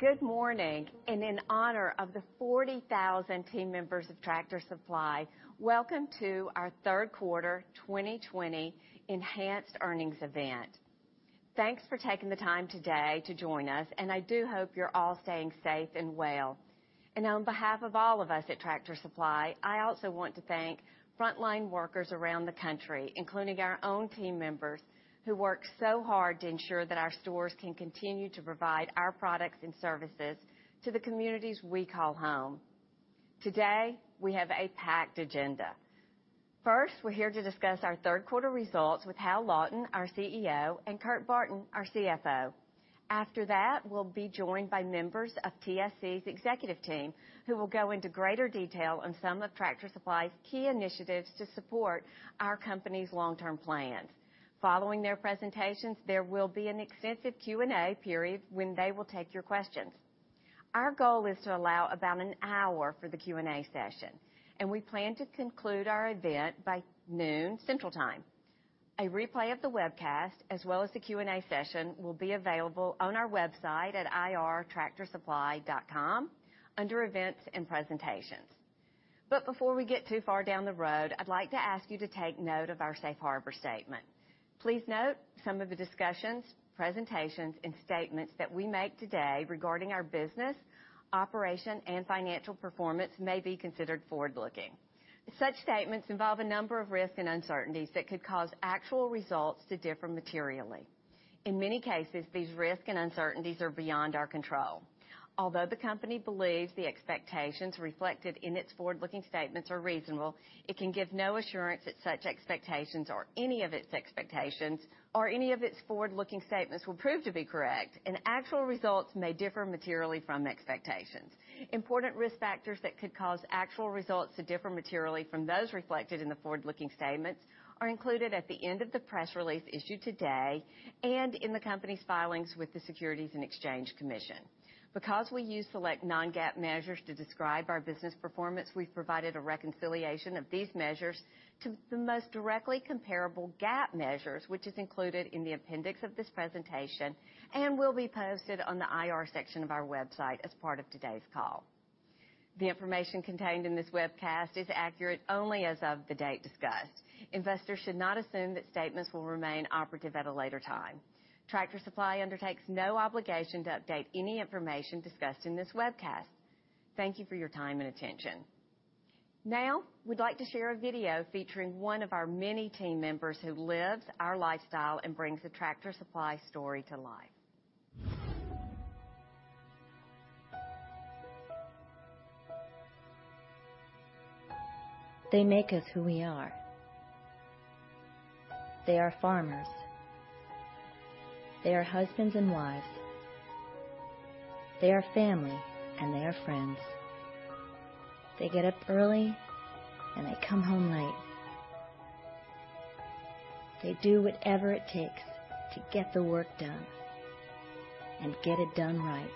Good morning, in honor of the 40,000 team members of Tractor Supply, welcome to our third quarter 2020 enhanced earnings event. Thanks for taking the time today to join us, and I do hope you're all staying safe and well. On behalf of all of us at Tractor Supply, I also want to thank frontline workers around the country, including our own team members who work so hard to ensure that our stores can continue to provide our products and services to the communities we call home. Today, we have a packed agenda. First, we're here to discuss our third quarter results with Hal Lawton, our CEO, and Kurt Barton, our CFO. After that, we'll be joined by members of TSC's executive team who will go into greater detail on some of Tractor Supply's key initiatives to support our company's long-term plans. Following their presentations, there will be an extensive Q&A period when they will take your questions. Our goal is to allow about an hour for the Q&A session, and we plan to conclude our event by noon, Central Time. A replay of the webcast, as well as the Q&A session, will be available on our website at irtractorsupply.com under Events and Presentations. Before we get too far down the road, I'd like to ask you to take note of our safe harbor statement. Please note some of the discussions, presentations, and statements that we make today regarding our business, operation, and financial performance may be considered forward-looking. Such statements involve a number of risks and uncertainties that could cause actual results to differ materially. In many cases, these risks and uncertainties are beyond our control. Although the company believes the expectations reflected in its forward-looking statements are reasonable, it can give no assurance that such expectations or any of its expectations or any of its forward-looking statements will prove to be correct, and actual results may differ materially from expectations. Important risk factors that could cause actual results to differ materially from those reflected in the forward-looking statements are included at the end of the press release issued today, and in the company's filings with the Securities and Exchange Commission. Because we use select non-GAAP measures to describe our business performance, we've provided a reconciliation of these measures to the most directly comparable GAAP measures, which is included in the appendix of this presentation and will be posted on the IR section of our website as part of today's call. The information contained in this webcast is accurate only as of the date discussed. Investors should not assume that statements will remain operative at a later time. Tractor Supply undertakes no obligation to update any information discussed in this webcast. Thank you for your time and attention. Now, we'd like to share a video featuring one of our many team members who lives our lifestyle and brings the Tractor Supply story to life. They make us who we are. They are farmers. They are husbands and wives. They are family, and they are friends. They get up early, and they come home late. They do whatever it takes to get the work done and get it done right.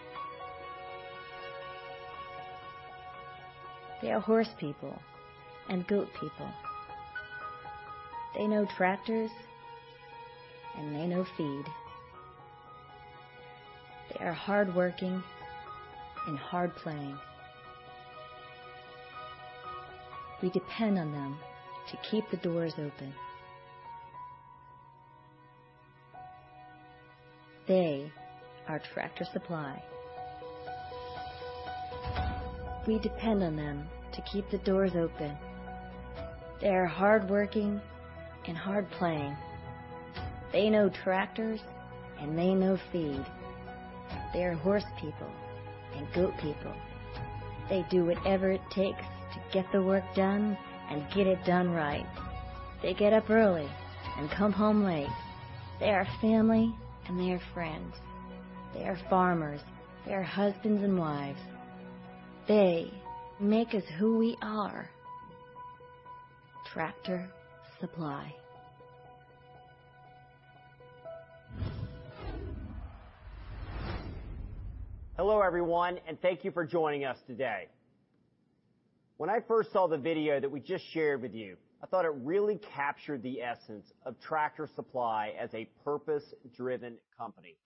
They are horse people and goat people. They know tractors, and they know feed. They are hardworking and hard playing. We depend on them to keep the doors open. They are Tractor Supply. We depend on them to keep the doors open. They are hardworking and hard playing. They know tractors, and they know feed. They are horse people and goat people. They do whatever it takes to get the work done and get it done right. They get up early and come home late. They are family, and they are friends. They are farmers. They are husbands and wives. They make us who we are. Tractor Supply. Hello, everyone, and thank you for joining us today. When I first saw the video that we just shared with you, I thought it really captured the essence of Tractor Supply as a purpose-driven company.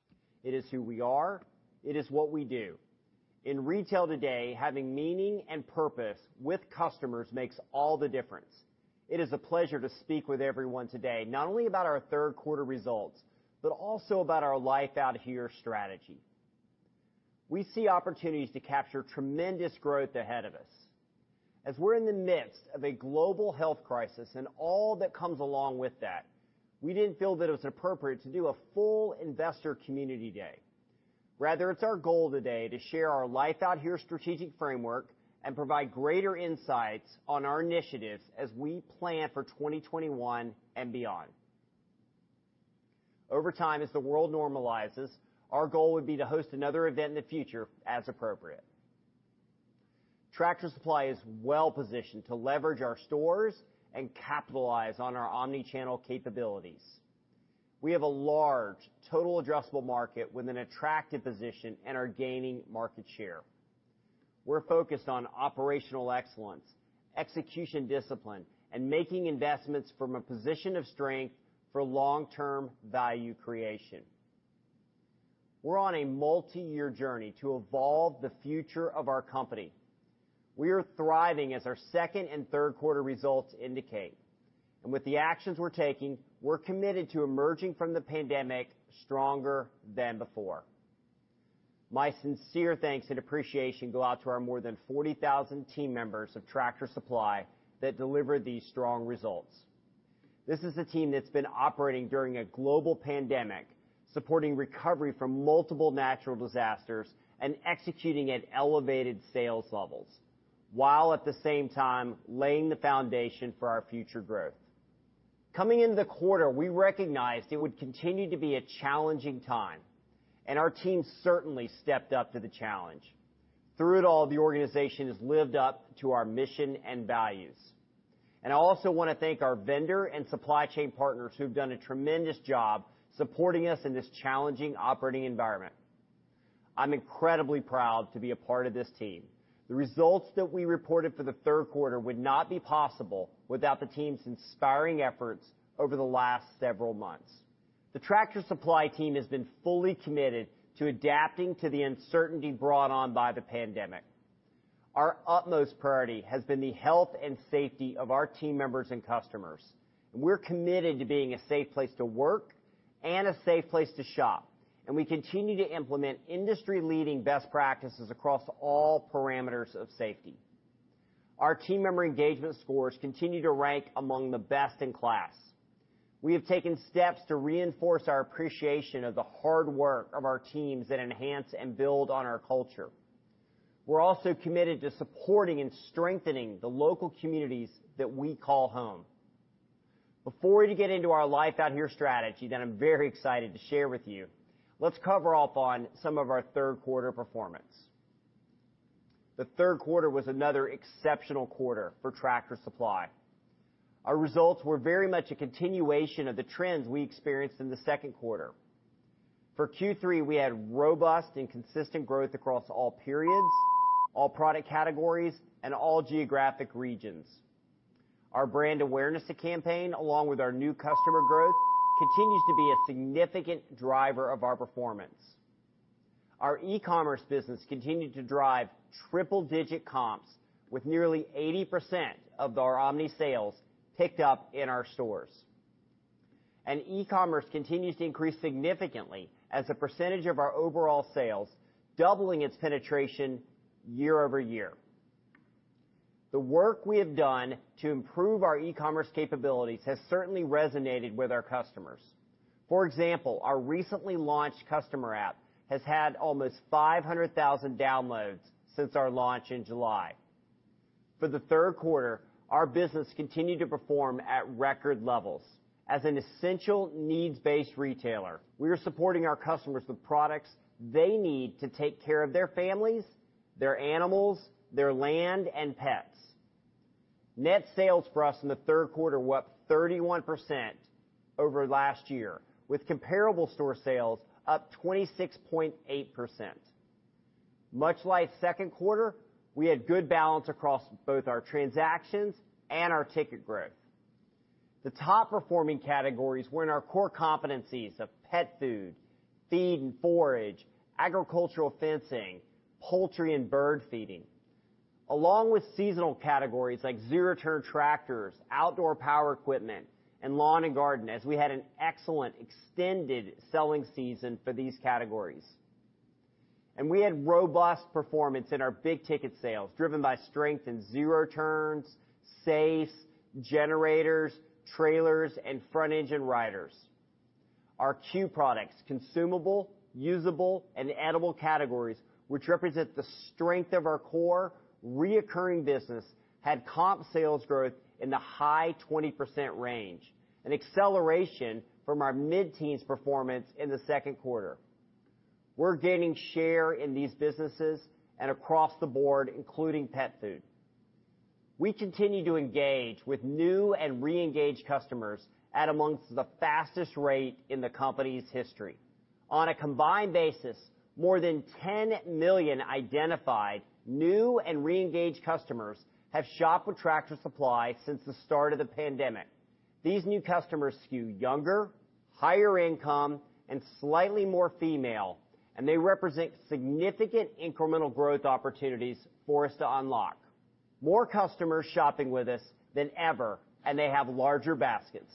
It is who we are. It is what we do. In retail today, having meaning and purpose with customers makes all the difference. It is a pleasure to speak with everyone today, not only about our third quarter results, but also about our Life Out Here strategy. We see opportunities to capture tremendous growth ahead of us. As we're in the midst of a global health crisis and all that comes along with that, we didn't feel that it was appropriate to do a full investor community day. Rather, it's our goal today to share our Life Out Here strategic framework and provide greater insights on our initiatives as we plan for 2021 and beyond. Over time, as the world normalizes, our goal would be to host another event in the future as appropriate. Tractor Supply is well-positioned to leverage our stores and capitalize on our omni-channel capabilities. We have a large total addressable market with an attractive position and are gaining market share. We're focused on operational excellence, execution discipline, and making investments from a position of strength for long-term value creation. We're on a multi-year journey to evolve the future of our company. We are thriving as our second and third quarter results indicate. With the actions we're taking, we're committed to emerging from the pandemic stronger than before. My sincere thanks and appreciation go out to our more than 40,000 team members of Tractor Supply that delivered these strong results. This is a team that's been operating during a global pandemic, supporting recovery from multiple natural disasters, and executing at elevated sales levels, while at the same time laying the foundation for our future growth. Coming into the quarter, we recognized it would continue to be a challenging time, and our team certainly stepped up to the challenge. Through it all, the organization has lived up to our mission and values. I also want to thank our vendor and supply chain partners who've done a tremendous job supporting us in this challenging operating environment. I'm incredibly proud to be a part of this team. The results that we reported for the third quarter would not be possible without the team's inspiring efforts over the last several months. The Tractor Supply team has been fully committed to adapting to the uncertainty brought on by the pandemic. Our utmost priority has been the health and safety of our team members and customers. We're committed to being a safe place to work and a safe place to shop, and we continue to implement industry-leading best practices across all parameters of safety. Our team member engagement scores continue to rank among the best in class. We have taken steps to reinforce our appreciation of the hard work of our teams that enhance and build on our culture. We're also committed to supporting and strengthening the local communities that we call home. Before we get into our Life Out Here strategy that I'm very excited to share with you, let's cover up on some of our third quarter performance. The third quarter was another exceptional quarter for Tractor Supply. Our results were very much a continuation of the trends we experienced in the second quarter. For Q3, we had robust and consistent growth across all periods, all product categories, and all geographic regions. Our brand awareness campaign, along with our new customer growth, continues to be a significant driver of our performance. Our e-commerce business continued to drive triple-digit comps with nearly 80% of our omni sales picked up in our stores. E-commerce continues to increase significantly as a percentage of our overall sales, doubling its penetration year-over-year. The work we have done to improve our e-commerce capabilities has certainly resonated with our customers. For example, our recently launched customer app has had almost 500,000 downloads since our launch in July. For the third quarter, our business continued to perform at record levels. As an essential needs-based retailer, we are supporting our customers with products they need to take care of their families, their animals, their land, and pets. Net sales for us in the third quarter were up 31% over last year, with comparable store sales up 26.8%. Much like second quarter, we had good balance across both our transactions and our ticket growth. The top-performing categories were in our core competencies of pet food, feed and forage, agricultural fencing, poultry and bird feeding. Along with seasonal categories like zero-turn tractors, outdoor power equipment, and lawn and garden, as we had an excellent extended selling season for these categories. We had robust performance in our big-ticket sales, driven by strength in zero turns, safes, generators, trailers, and front engine riders. Our C.U.E. products, consumable, usable, and edible categories, which represent the strength of our core reoccurring business, had comp sales growth in the high 20% range, an acceleration from our mid-teens performance in the second quarter. We're gaining share in these businesses and across the board, including pet food. We continue to engage with new and reengaged customers at amongst the fastest rate in the company's history. On a combined basis, more than 10 million identified new and reengaged customers have shopped with Tractor Supply since the start of the pandemic. These new customers skew younger, higher income, and slightly more female. They represent significant incremental growth opportunities for us to unlock. More customers shopping with us than ever. They have larger baskets.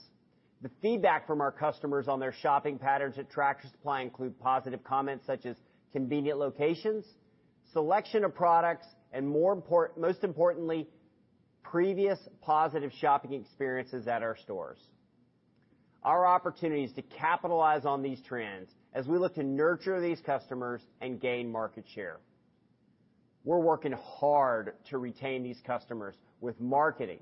The feedback from our customers on their shopping patterns at Tractor Supply include positive comments such as convenient locations, selection of products, and most importantly, previous positive shopping experiences at our stores. Our opportunity is to capitalize on these trends as we look to nurture these customers and gain market share. We're working hard to retain these customers with marketing,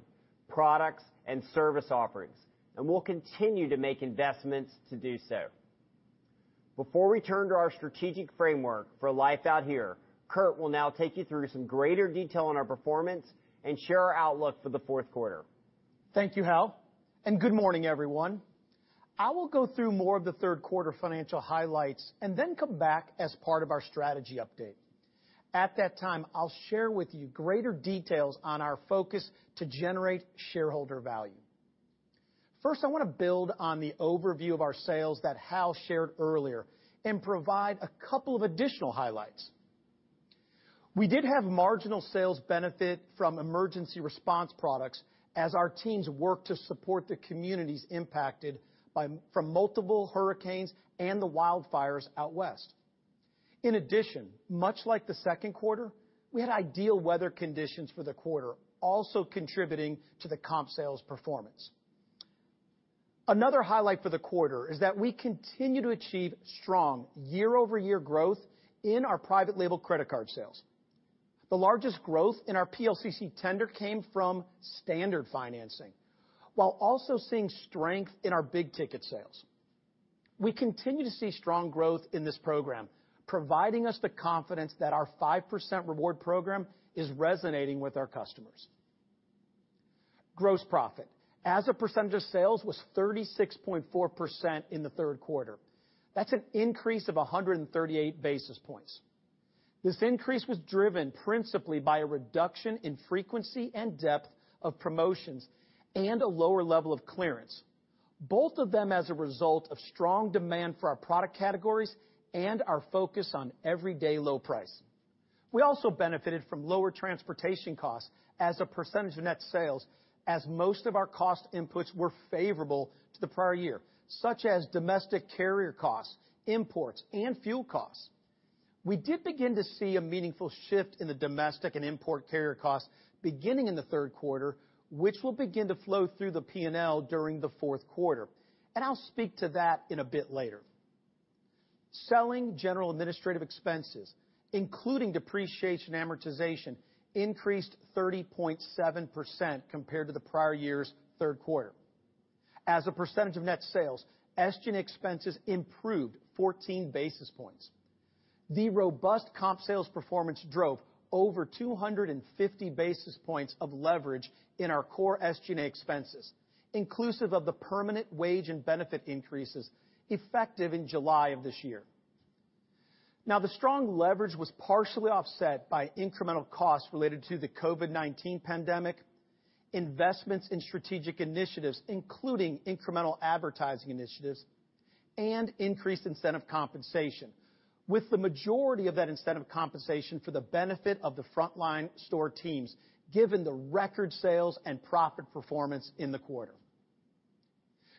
products, and service offerings. We'll continue to make investments to do so. Before we turn to our strategic framework for Life Out Here, Kurt will now take you through some greater detail on our performance and share our outlook for the fourth quarter. Thank you, Hal. Good morning, everyone. I will go through more of the third quarter financial highlights and then come back as part of our strategy update. At that time, I'll share with you greater details on our focus to generate shareholder value. First, I want to build on the overview of our sales that Hal shared earlier and provide a couple of additional highlights. We did have marginal sales benefit from emergency response products as our teams worked to support the communities impacted from multiple hurricanes and the wildfires out West. In addition, much like the second quarter, we had ideal weather conditions for the quarter, also contributing to the comp sales performance. Another highlight for the quarter is that we continue to achieve strong year-over-year growth in our private label credit card sales. The largest growth in our PLCC tender came from standard financing, while also seeing strength in our big-ticket sales. We continue to see strong growth in this program, providing us the confidence that our 5% reward program is resonating with our customers. Gross profit as a percentage of sales was 36.4% in the third quarter. That's an increase of 138 basis points. This increase was driven principally by a reduction in frequency and depth of promotions and a lower level of clearance, both of them as a result of strong demand for our product categories and our focus on everyday low price. We also benefited from lower transportation costs as a percentage of net sales, as most of our cost inputs were favorable to the prior year, such as domestic carrier costs, imports, and fuel costs. We did begin to see a meaningful shift in the domestic and import carrier costs beginning in the third quarter, which will begin to flow through the P&L during the fourth quarter, and I'll speak to that a bit later. Selling general administrative expenses, including depreciation amortization, increased 30.7% compared to the prior year's third quarter. As a percentage of net sales, SG&A expenses improved 14 basis points. The robust comp sales performance drove over 250 basis points of leverage in our core SG&A expenses, inclusive of the permanent wage and benefit increases effective in July of this year. The strong leverage was partially offset by incremental costs related to the COVID-19 pandemic, investments in strategic initiatives, including incremental advertising initiatives, and increased incentive compensation, with the majority of that incentive compensation for the benefit of the frontline store teams given the record sales and profit performance in the quarter.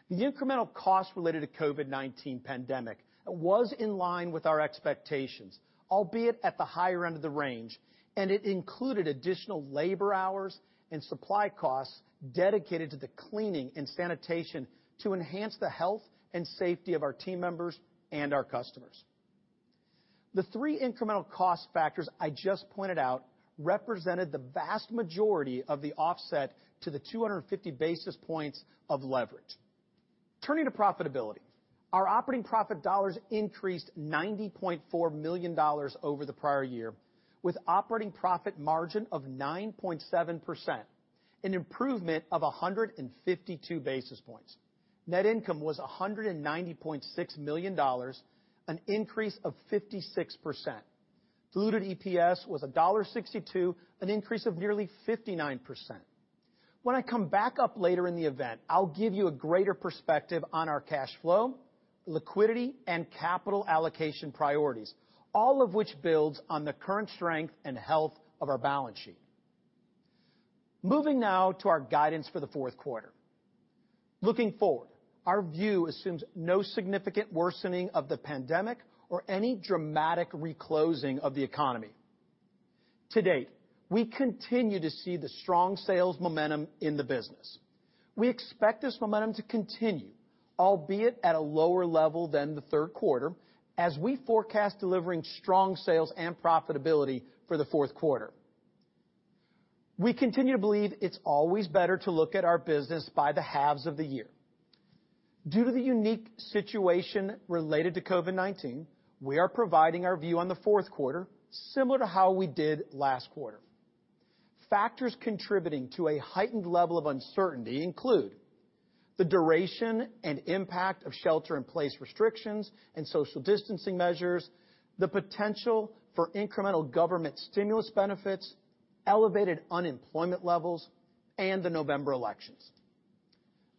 The incremental cost related to the COVID-19 pandemic was in line with our expectations, albeit at the higher end of the range. It included additional labor hours and supply costs dedicated to the cleaning and sanitation to enhance the health and safety of our team members and our customers. The three incremental cost factors I just pointed out represented the vast majority of the offset to the 250 basis points of leverage. Turning to profitability, our operating profit dollars increased $90.4 million over the prior year with operating profit margin of 9.7%, an improvement of 152 basis points. Net income was $190.6 million, an increase of 56%. Diluted EPS was $1.62, an increase of nearly 59%. When I come back up later in the event, I'll give you a greater perspective on our cash flow, liquidity, and capital allocation priorities, all of which builds on the current strength and health of our balance sheet. Moving now to our guidance for the fourth quarter. Looking forward, our view assumes no significant worsening of the pandemic or any dramatic re-closing of the economy. To date, we continue to see the strong sales momentum in the business. We expect this momentum to continue, albeit at a lower level than the third quarter, as we forecast delivering strong sales and profitability for the fourth quarter. We continue to believe it's always better to look at our business by the halves of the year. Due to the unique situation related to COVID-19, we are providing our view on the fourth quarter similar to how we did last quarter. Factors contributing to a heightened level of uncertainty include the duration and impact of shelter in place restrictions and social distancing measures, the potential for incremental government stimulus benefits, elevated unemployment levels, and the November elections.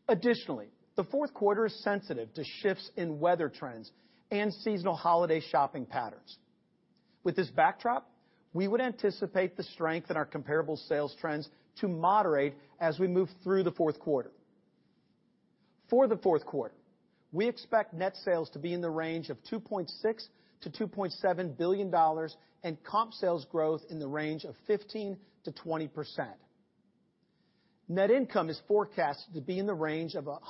Additionally, the fourth quarter is sensitive to shifts in weather trends and seasonal holiday shopping patterns. With this backdrop, we would anticipate the strength in our comparable sales trends to moderate as we move through the fourth quarter. For the fourth quarter, we expect net sales to be in the range of $2.6 billion-$2.7 billion and comp sales growth in the range of 15%-20%. Net income is forecasted to be in the range of $163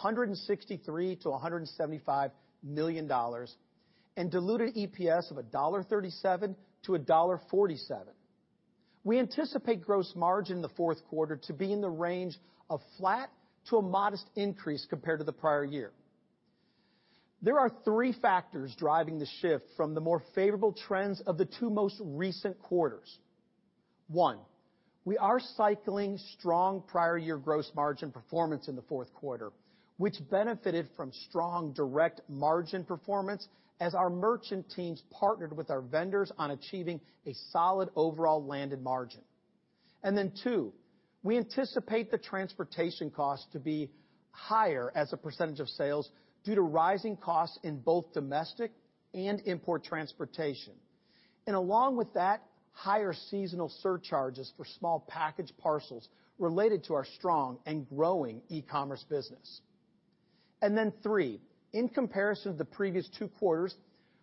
million-$175 million, and diluted EPS of $1.37-$1.47. We anticipate gross margin in the fourth quarter to be in the range of flat to a modest increase compared to the prior year. There are three factors driving the shift from the more favorable trends of the two most recent quarters. One, we are cycling strong prior year gross margin performance in the fourth quarter, which benefited from strong direct margin performance as our merchant teams partnered with our vendors on achieving a solid overall landed margin. Two, we anticipate the transportation cost to be higher as a percentage of sales due to rising costs in both domestic and import transportation. Along with that, higher seasonal surcharges for small package parcels related to our strong and growing e-commerce business. Three, in comparison to the previous two quarters,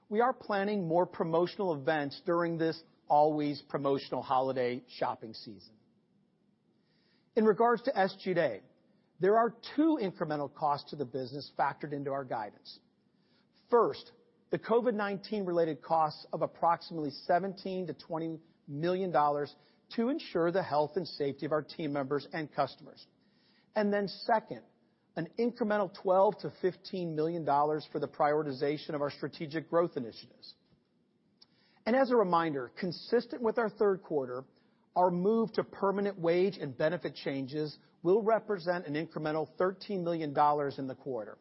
we are planning more promotional events during this always promotional holiday shopping season. In regards to SG&A, there are two incremental costs to the business factored into our guidance. First, the COVID-19 related costs of approximately $17 million-$20 million to ensure the health and safety of our team members and customers. Second, an incremental $12 million-$15 million for the prioritization of our strategic growth initiatives. As a reminder, consistent with our third quarter, our move to permanent wage and benefit changes will represent an incremental $13 million in the quarter.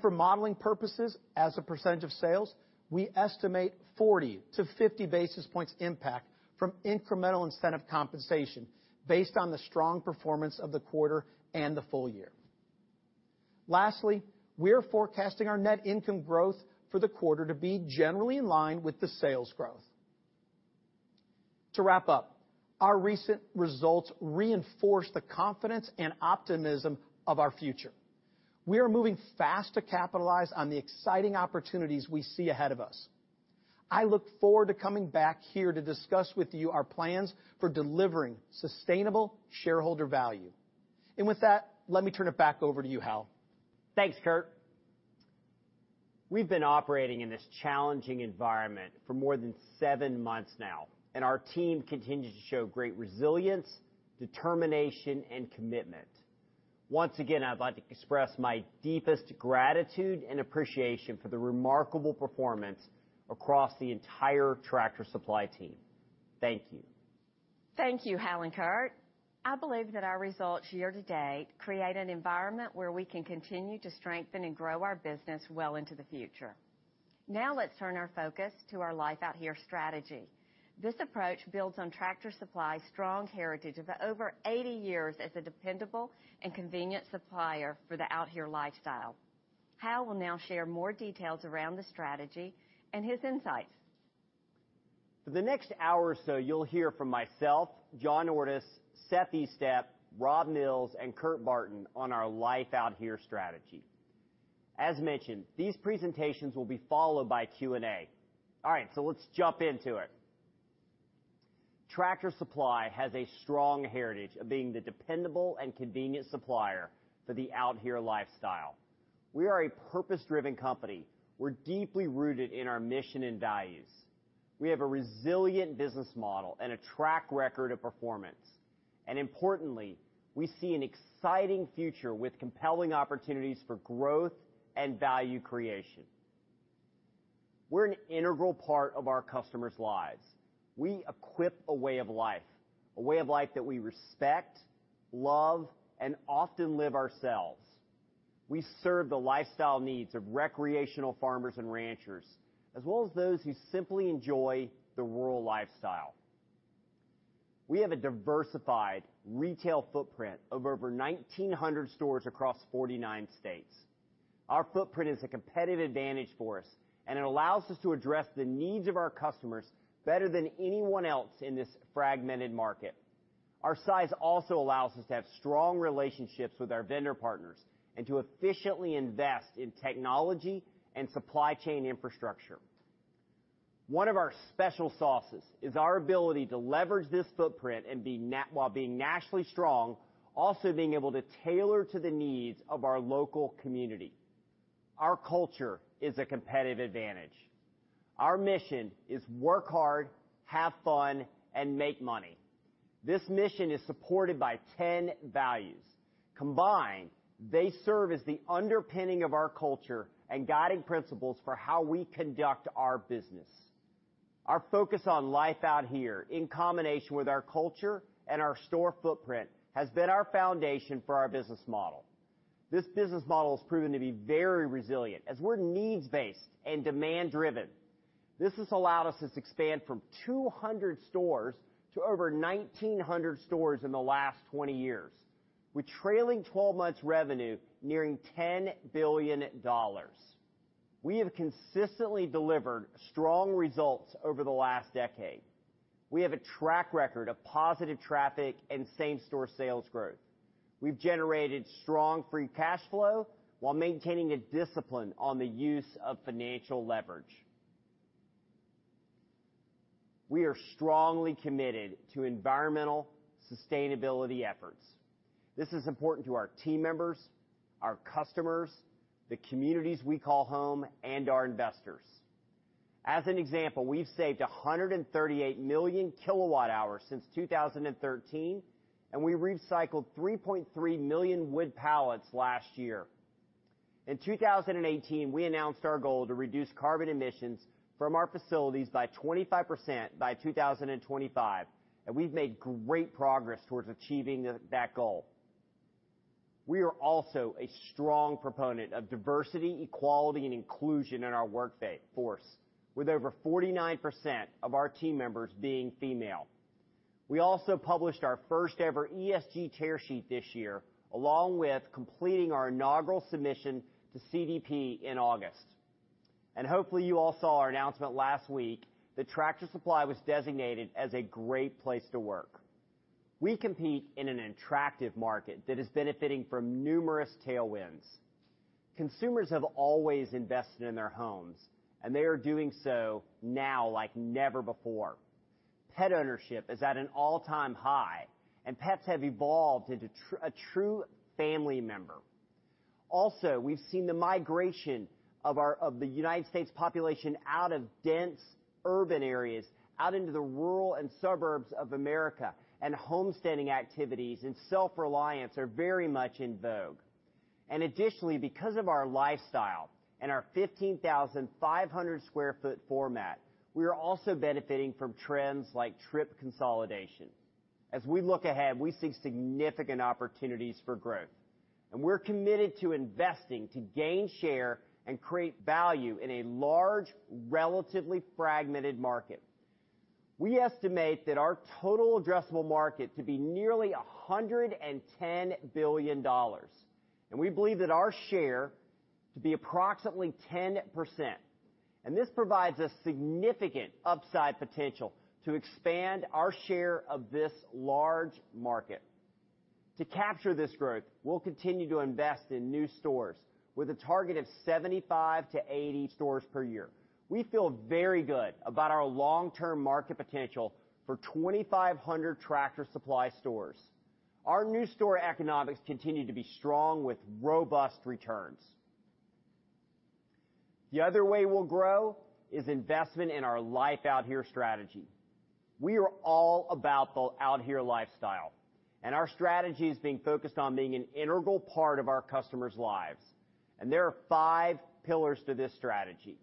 For modeling purposes, as a percentage of sales, we estimate 40-50 basis points impact from incremental incentive compensation based on the strong performance of the quarter and the full year. Lastly, we are forecasting our net income growth for the quarter to be generally in line with the sales growth. To wrap up, our recent results reinforce the confidence and optimism of our future. We are moving fast to capitalize on the exciting opportunities we see ahead of us. I look forward to coming back here to discuss with you our plans for delivering sustainable shareholder value. With that, let me turn it back over to you, Hal. Thanks, Kurt. We've been operating in this challenging environment for more than seven months now, and our team continues to show great resilience, determination, and commitment. Once again, I'd like to express my deepest gratitude and appreciation for the remarkable performance across the entire Tractor Supply team. Thank you. Thank you, Hal and Kurt. I believe that our results year-to-date create an environment where we can continue to strengthen and grow our business well into the future. Let's turn our focus to our Life Out Here strategy. This approach builds on Tractor Supply's strong heritage of over 80 years as a dependable and convenient supplier for the out here lifestyle. Hal will now share more details around the strategy and his insights. For the next hour or so, you'll hear from myself, John Ordus, Seth Estep, Rob Mills, and Kurt Barton on our Life Out Here strategy. As mentioned, these presentations will be followed by a Q&A. Let's jump into it. Tractor Supply has a strong heritage of being the dependable and convenient supplier for the out here lifestyle. We are a purpose-driven company. We're deeply rooted in our mission and values. We have a resilient business model and a track record of performance. Importantly, we see an exciting future with compelling opportunities for growth and value creation. We're an integral part of our customers' lives. We equip a way of life, a way of life that we respect, love, and often live ourselves. We serve the lifestyle needs of recreational farmers and ranchers, as well as those who simply enjoy the rural lifestyle. We have a diversified retail footprint of over 1,900 stores across 49 states. Our footprint is a competitive advantage for us, and it allows us to address the needs of our customers better than anyone else in this fragmented market. Our size also allows us to have strong relationships with our vendor partners and to efficiently invest in technology and supply chain infrastructure. One of our special sauces is our ability to leverage this footprint while being nationally strong, also being able to tailor to the needs of our local community. Our culture is a competitive advantage. Our mission is work hard, have fun, and make money. This mission is supported by 10 values. Combined, they serve as the underpinning of our culture and guiding principles for how we conduct our business. Our focus on Life Out Here, in combination with our culture and our store footprint, has been our foundation for our business model. This business model has proven to be very resilient, as we're needs-based and demand-driven. This has allowed us to expand from 200 stores to over 1,900 stores in the last 20 years. With trailing 12 months revenue nearing $10 billion. We have consistently delivered strong results over the last decade. We have a track record of positive traffic and same-store sales growth. We've generated strong free cash flow while maintaining a discipline on the use of financial leverage. We are strongly committed to environmental sustainability efforts. This is important to our team members, our customers, the communities we call home, and our investors. As an example, we've saved 138 million kWh since 2013, and we recycled 3.3 million wood pallets last year. In 2018, we announced our goal to reduce carbon emissions from our facilities by 25% by 2025, and we've made great progress towards achieving that goal. We are also a strong proponent of diversity, equality, and inclusion in our workforce, with over 49% of our team members being female. We also published our first ever ESG tearsheet this year, along with completing our inaugural submission to CDP in August. Hopefully you all saw our announcement last week that Tractor Supply was designated as a Great Place to Work. We compete in an attractive market that is benefiting from numerous tailwinds. Consumers have always invested in their homes, and they are doing so now like never before. Pet ownership is at an all-time high, and pets have evolved into a true family member. We've seen the migration of the U.S. population out of dense urban areas out into the rural and suburbs of America. Homesteading activities and self-reliance are very much in vogue. Additionally, because of our lifestyle and our 15,500 sq ft format, we are also benefiting from trends like trip consolidation. As we look ahead, we see significant opportunities for growth. We're committed to investing to gain share and create value in a large, relatively fragmented market. We estimate that our total addressable market to be nearly $110 billion. We believe that our share to be approximately 10%. This provides a significant upside potential to expand our share of this large market. To capture this growth, we'll continue to invest in new stores with a target of 75-80 stores per year. We feel very good about our long-term market potential for 2,500 Tractor Supply stores. Our new store economics continue to be strong with robust returns. The other way we'll grow is investment in our Life Out Here strategy. We are all about the Out Here lifestyle. Our strategy is being focused on being an integral part of our customers' lives. There are five pillars to this strategy.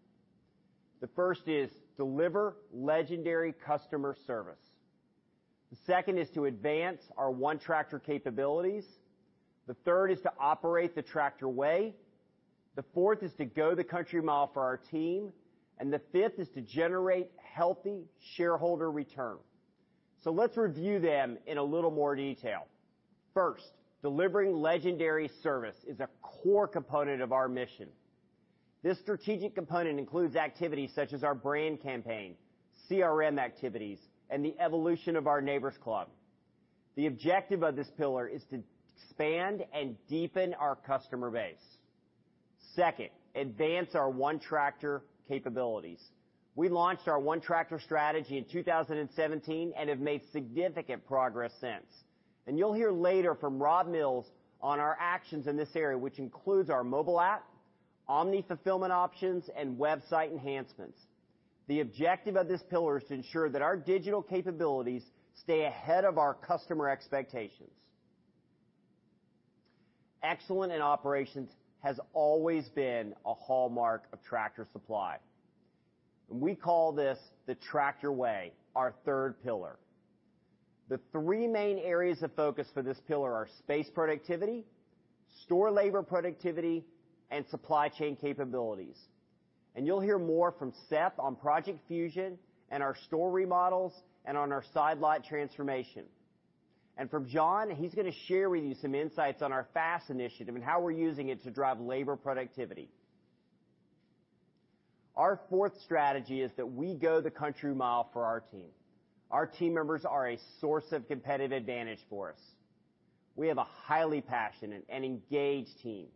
The first is deliver legendary customer service. The second is to advance our ONETractor capabilities. The third is to operate the Tractor Way. The fourth is to go the country mile for our team. The fifth is to generate healthy shareholder return. Let's review them in a little more detail. First, delivering legendary service is a core component of our mission. This strategic component includes activities such as our brand campaign, CRM activities, and the evolution of our Neighbor's Club. The objective of this pillar is to expand and deepen our customer base. Advance our ONETractor capabilities. We launched our ONETractor strategy in 2017 and have made significant progress since. You'll hear later from Rob Mills on our actions in this area, which includes our mobile app, omni-fulfillment options, and website enhancements. The objective of this pillar is to ensure that our digital capabilities stay ahead of our customer expectations. Excellent in operations has always been a hallmark of Tractor Supply. We call this the Tractor Way, our third pillar. The three main areas of focus for this pillar are space productivity, store labor productivity, and supply chain capabilities. You'll hear more from Seth on Project Fusion and our store remodels and on our side lot transformation. From John, he's going to share with you some insights on our FAST initiative and how we're using it to drive labor productivity. Our fourth strategy is that we go the country mile for our team. Our team members are a source of competitive advantage for us. We have a highly passionate and engaged team.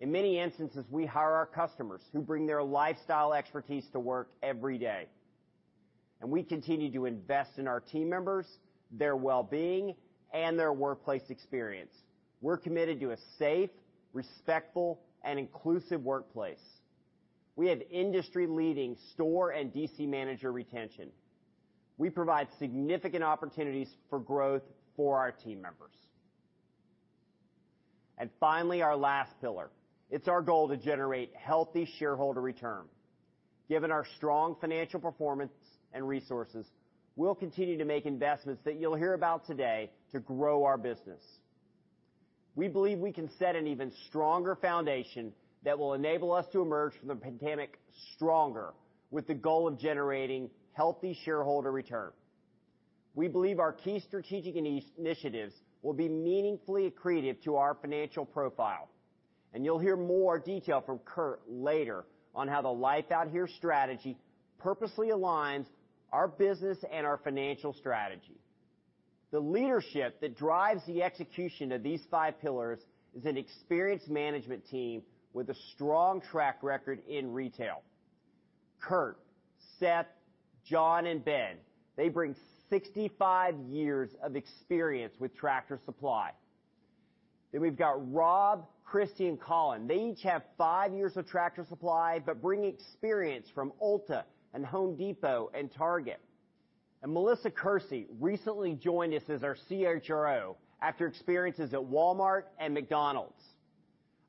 In many instances, we hire our customers who bring their lifestyle expertise to work every day, and we continue to invest in our team members, their wellbeing, and their workplace experience. We're committed to a safe, respectful, and inclusive workplace. We have industry-leading store and DC manager retention. We provide significant opportunities for growth for our team members. Finally, our last pillar, it's our goal to generate healthy shareholder return. Given our strong financial performance and resources, we'll continue to make investments that you'll hear about today to grow our business. We believe we can set an even stronger foundation that will enable us to emerge from the pandemic stronger with the goal of generating healthy shareholder return. We believe our key strategic initiatives will be meaningfully accretive to our financial profile, and you'll hear more detail from Kurt later on how the Life Out Here strategy purposely aligns our business and our financial strategy. The leadership that drives the execution of these five pillars is an experienced management team with a strong track record in retail. Kurt, Seth, John, and Ben, they bring 65 years of experience with Tractor Supply. We've got Rob, Christi, and Colin. They each have five years with Tractor Supply, but bring experience from Ulta and Home Depot and Target. Melissa Kersey recently joined us as our CHRO after experiences at Walmart and McDonald's.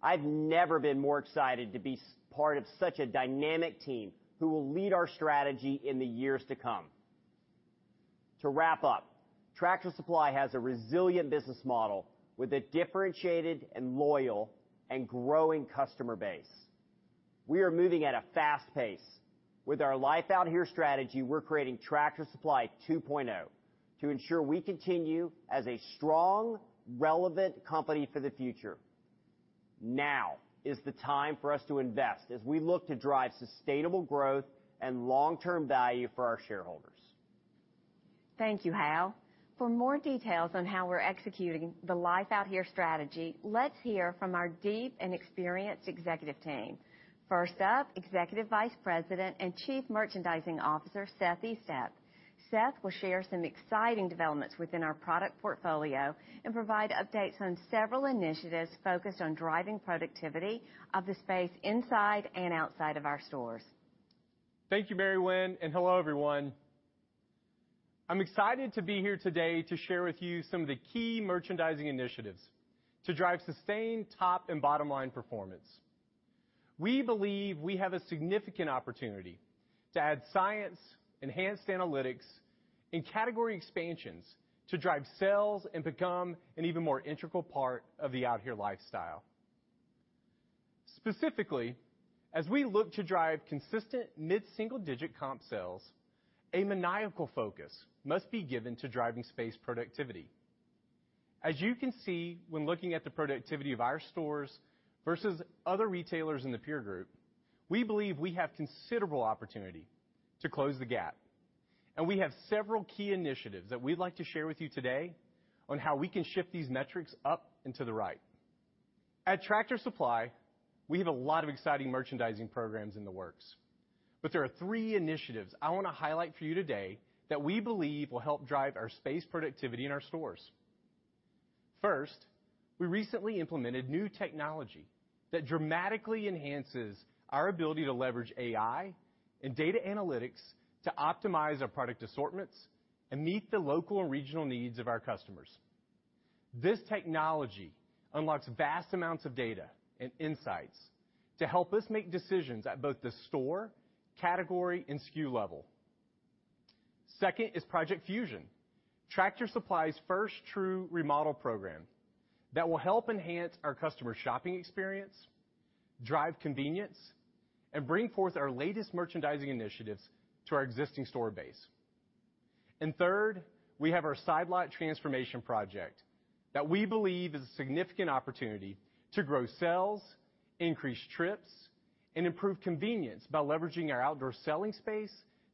I've never been more excited to be part of such a dynamic team who will lead our strategy in the years to come. To wrap up, Tractor Supply has a resilient business model with a differentiated and loyal and growing customer base. We are moving at a fast pace. With our Life Out Here strategy, we're creating Tractor Supply 2.0 to ensure we continue as a strong, relevant company for the future. Now is the time for us to invest as we look to drive sustainable growth and long-term value for our shareholders. Thank you, Hal. For more details on how we're executing the Life Out Here strategy, let's hear from our deep and experienced executive team. First up, Executive Vice President and Chief Merchandising Officer, Seth Estep. Seth will share some exciting developments within our product portfolio and provide updates on several initiatives focused on driving productivity of the space inside and outside of our stores. Thank you, Mary Winn. Hello, everyone. I'm excited to be here today to share with you some of the key merchandising initiatives to drive sustained top and bottom-line performance. We believe we have a significant opportunity to add science, enhanced analytics, and category expansions to drive sales and become an even more integral part of the Out Here lifestyle. Specifically, as we look to drive consistent mid-single-digit comp sales, a maniacal focus must be given to driving space productivity. As you can see when looking at the productivity of our stores versus other retailers in the peer group, we believe we have considerable opportunity to close the gap. We have several key initiatives that we'd like to share with you today on how we can shift these metrics up and to the right. At Tractor Supply, we have a lot of exciting merchandising programs in the works, there are three initiatives I want to highlight for you today that we believe will help drive our space productivity in our stores. First, we recently implemented new technology that dramatically enhances our ability to leverage AI and data analytics to optimize our product assortments and meet the local and regional needs of our customers. This technology unlocks vast amounts of data and insights to help us make decisions at both the store, category, and SKU level. Second is Project Fusion, Tractor Supply's first true remodel program that will help enhance our customer shopping experience, drive convenience, and bring forth our latest merchandising initiatives to our existing store base. Third, we have our side lot transformation project that we believe is a significant opportunity to grow sales, increase trips, and improve convenience by leveraging our outdoor selling space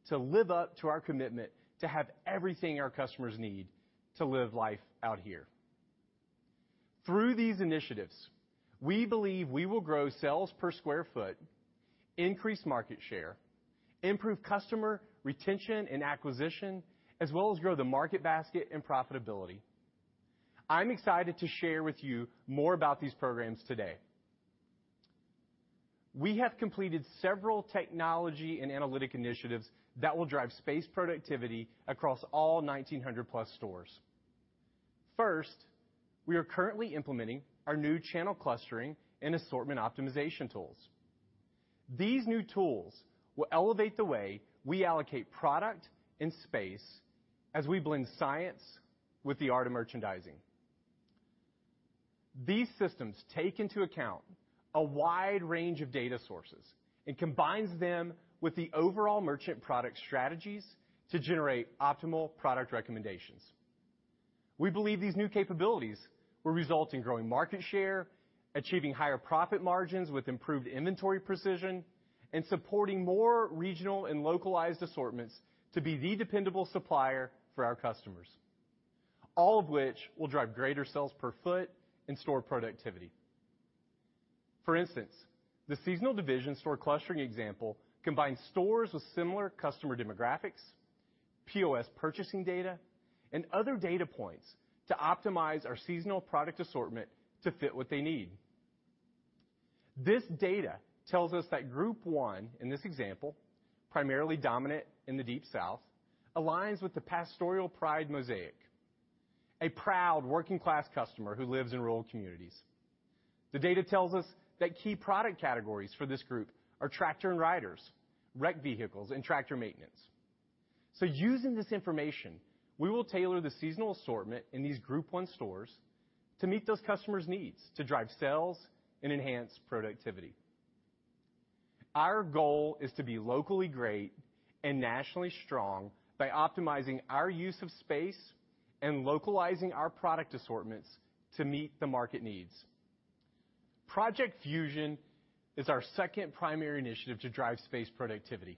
to live up to our commitment to have everything our customers need to live Life Out Here. Through these initiatives, we believe we will grow sales per square foot, increase market share, improve customer retention and acquisition, as well as grow the market basket and profitability. I'm excited to share with you more about these programs today. We have completed several technology and analytic initiatives that will drive space productivity across all 1,900-plus stores. First, we are currently implementing our new Channel Clustering and Assortment Optimization Tools. These new tools will elevate the way we allocate product and space as we blend science with the art of merchandising. These systems take into account a wide range of data sources and combines them with the overall merchant product strategies to generate optimal product recommendations. We believe these new capabilities will result in growing market share, achieving higher profit margins with improved inventory precision, and supporting more regional and localized assortments to be the dependable supplier for our customers. All of which will drive greater sales per foot and store productivity. For instance, the seasonal division store clustering example combines stores with similar customer demographics, POS purchasing data, and other data points to optimize our seasonal product assortment to fit what they need. This data tells us that group 1, in this example, primarily dominant in the Deep South, aligns with the Pastoral Pride Mosaic, a proud working-class customer who lives in rural communities. The data tells us that key product categories for this group are tractor and riders, rec vehicles, and tractor maintenance. Using this information, we will tailor the seasonal assortment in these group one stores to meet those customers' needs to drive sales and enhance productivity. Our goal is to be locally great and nationally strong by optimizing our use of space and localizing our product assortments to meet the market needs. Project Fusion is our second primary initiative to drive space productivity.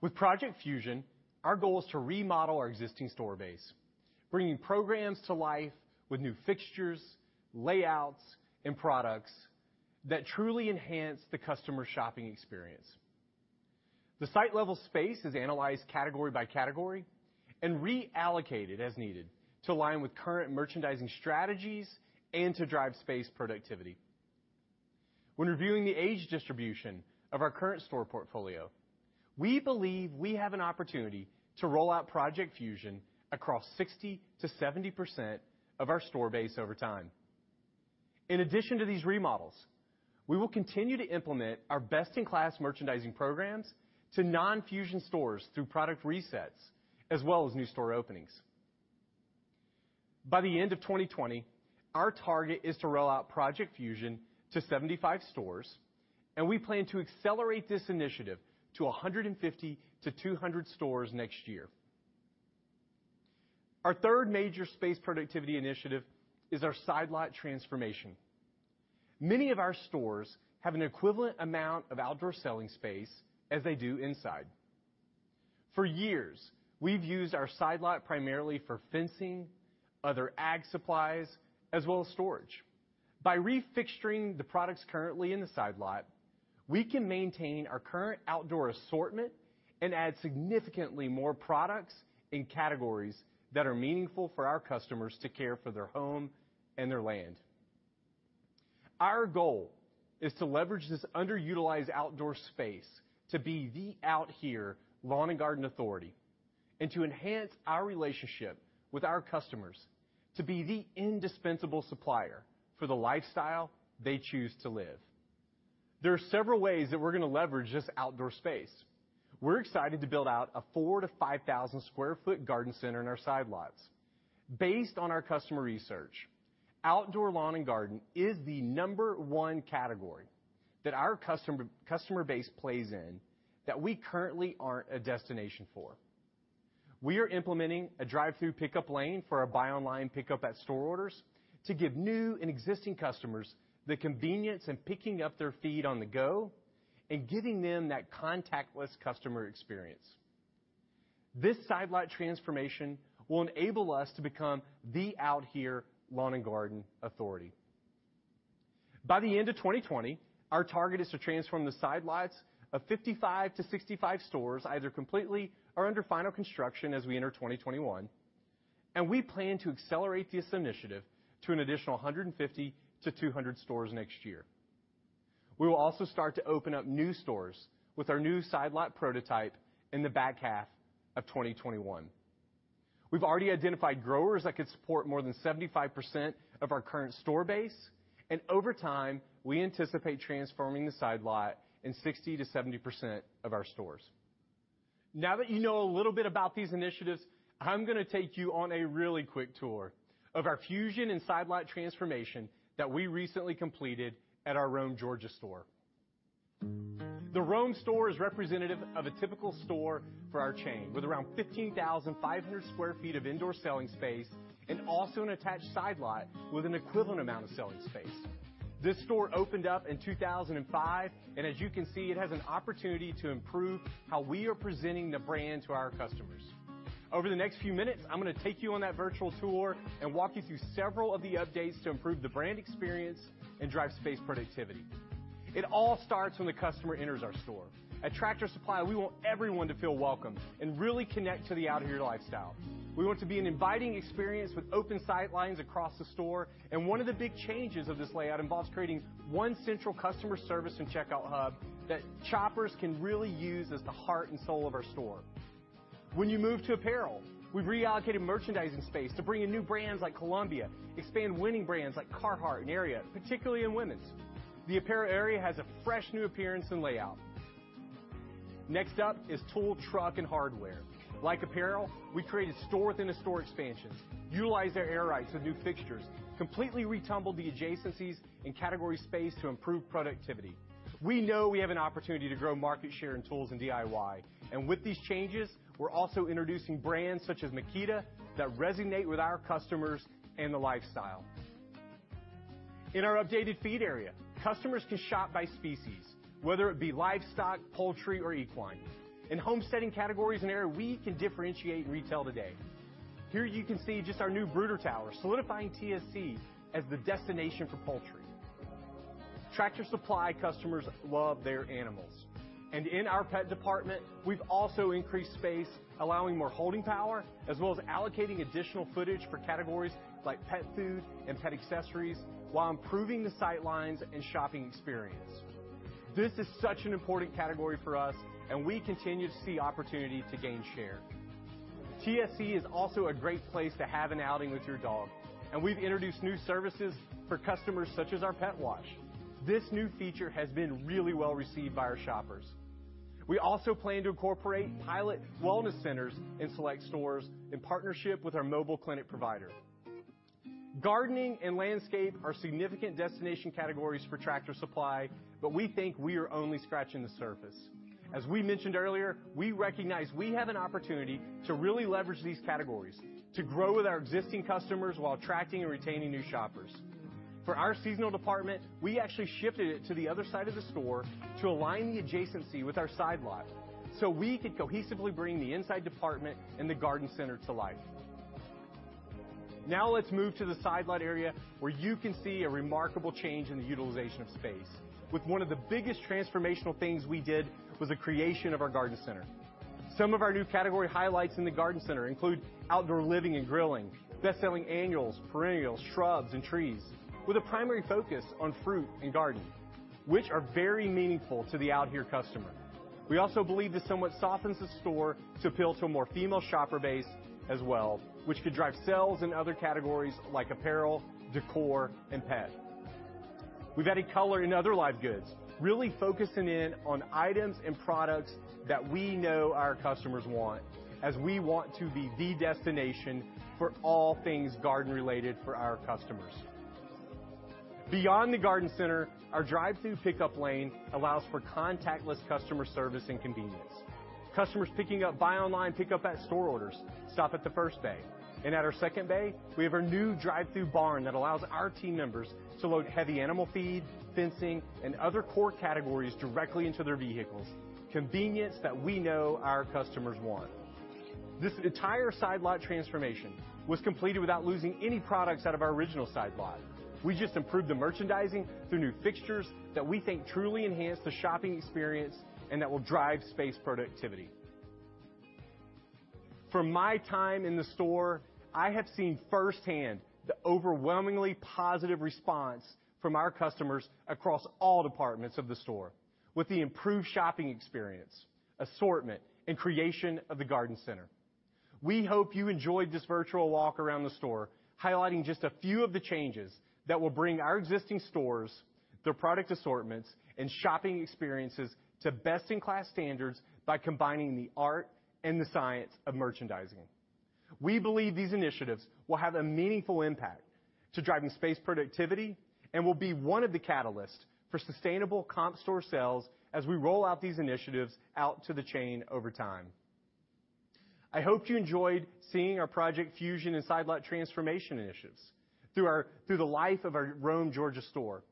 With Project Fusion, our goal is to remodel our existing store base, bringing programs to life with new fixtures, layouts, and products that truly enhance the customer shopping experience. The site-level space is analyzed category by category and reallocated as needed to align with current merchandising strategies and to drive space productivity. When reviewing the age distribution of our current store portfolio, we believe we have an opportunity to roll out Project Fusion across 60%-70% of our store base over time. In addition to these remodels, we will continue to implement our best-in-class merchandising programs to non-Fusion stores through product resets, as well as new store openings. By the end of 2020, our target is to roll out Project Fusion to 75 stores, and we plan to accelerate this initiative to 150-200 stores next year. Our third major space productivity initiative is our Side Lot Transformation. Many of our stores have an equivalent amount of outdoor selling space as they do inside. For years, we've used our side lot primarily for fencing, other ag supplies, as well as storage. By refixturing the products currently in the side lot, we can maintain our current outdoor assortment and add significantly more products and categories that are meaningful for our customers to care for their home and their land. Our goal is to leverage this underutilized outdoor space to be the out here lawn and garden authority, and to enhance our relationship with our customers to be the indispensable supplier for the lifestyle they choose to live. There are several ways that we're going to leverage this outdoor space. We're excited to build out a 4,000-5,000 sq ft garden center in our side lots. Based on our customer research, outdoor lawn and garden is the number 1 category that our customer base plays in that we currently aren't a destination for. We are implementing a drive-thru pickup lane for our buy online, pickup at store orders to give new and existing customers the convenience in picking up their feed on the go and giving them that contactless customer experience. This Side Lot Transformation will enable us to become the out here lawn and garden authority. By the end of 2020, our target is to transform the side lots of 55-65 stores, either completely or under final construction as we enter 2021, and we plan to accelerate this initiative to an additional 150-200 stores next year. We will also start to open up new stores with our new side lot prototype in the back half of 2021. We've already identified growers that could support more than 75% of our current store base, and over time, we anticipate transforming the side lot in 60%-70% of our stores. Now that you know a little bit about these initiatives, I'm going to take you on a really quick tour of our Fusion and Side Lot Transformation that we recently completed at our Rome, Georgia store. The Rome store is representative of a typical store for our chain, with around 15,500 sq ft of indoor selling space and also an attached side lot with an equivalent amount of selling space. This store opened up in 2005, and as you can see, it has an opportunity to improve how we are presenting the brand to our customers. Over the next few minutes, I'm going to take you on that virtual tour and walk you through several of the updates to improve the brand experience and drive space productivity. It all starts when the customer enters our store. At Tractor Supply, we want everyone to feel welcome and really connect to the out here lifestyle. We want it to be an inviting experience with open sight lines across the store. One of the big changes of this layout involves creating one central customer service and checkout hub that shoppers can really use as the heart and soul of our store. When you move to apparel, we've reallocated merchandising space to bring in new brands like Columbia, expand winning brands like Carhartt and Ariat, particularly in women's. The apparel area has a fresh new appearance and layout. Next up is tool, truck, and hardware. Like apparel, we created store-within-a-store expansions, utilized their air rights with new fixtures, completely retumbled the adjacencies and category space to improve productivity. We know we have an opportunity to grow market share in tools and DIY. With these changes, we're also introducing brands such as Makita that resonate with our customers and the lifestyle. In our updated feed area, customers can shop by species, whether it be livestock, poultry, or equine. In homesteading categories and area, we can differentiate retail today. Here you can see just our new brooder tower, solidifying TSC as the destination for poultry. Tractor Supply customers love their animals. In our pet department, we've also increased space, allowing more holding power, as well as allocating additional footage for categories like pet food and pet accessories while improving the sight lines and shopping experience. This is such an important category for us. We continue to see opportunity to gain share. TSC is also a great place to have an outing with your dog, and we've introduced new services for customers such as our pet wash. This new feature has been really well received by our shoppers. We also plan to incorporate pilot wellness centers in select stores in partnership with our mobile clinic provider. Gardening and landscape are significant destination categories for Tractor Supply, but we think we are only scratching the surface. As we mentioned earlier, we recognize we have an opportunity to really leverage these categories to grow with our existing customers while attracting and retaining new shoppers. For our seasonal department, we actually shifted it to the other side of the store to align the adjacency with our side lot, so we could cohesively bring the inside department and the garden center to life. Now let's move to the side lot area, where you can see a remarkable change in the utilization of space. With one of the biggest transformational things we did was the creation of our garden center. Some of our new category highlights in the garden center include outdoor living and grilling, bestselling annuals, perennials, shrubs, and trees with a primary focus on fruit and garden, which are very meaningful to the Out Here customer. We also believe this somewhat softens the store to appeal to a more female shopper base as well, which could drive sales in other categories like apparel, decor, and pet. We've added color in other live goods, really focusing in on items and products that we know our customers want, as we want to be the destination for all things garden-related for our customers. Beyond the garden center, our drive-thru pickup lane allows for contactless customer service and convenience. Customers picking up buy online, pickup at store orders stop at the first bay. At our second bay, we have our new drive-thru barn that allows our team members to load heavy animal feed, fencing, and other core categories directly into their vehicles, convenience that we know our customers want. This entire side lot transformation was completed without losing any products out of our original side lot. We just improved the merchandising through new fixtures that we think truly enhance the shopping experience and that will drive space productivity. From my time in the store, I have seen firsthand the overwhelmingly positive response from our customers across all departments of the store with the improved shopping experience, assortment, and creation of the garden center. We hope you enjoyed this virtual walk around the store, highlighting just a few of the changes that will bring our existing stores, their product assortments, and shopping experiences to best-in-class standards by combining the art and the science of merchandising. We believe these initiatives will have a meaningful impact to driving space productivity and will be one of the catalysts for sustainable comp store sales as we roll out these initiatives out to the chain over time. I hope you enjoyed seeing our Project Fusion and side lot transformation initiatives through the life of our Rome, Georgia store.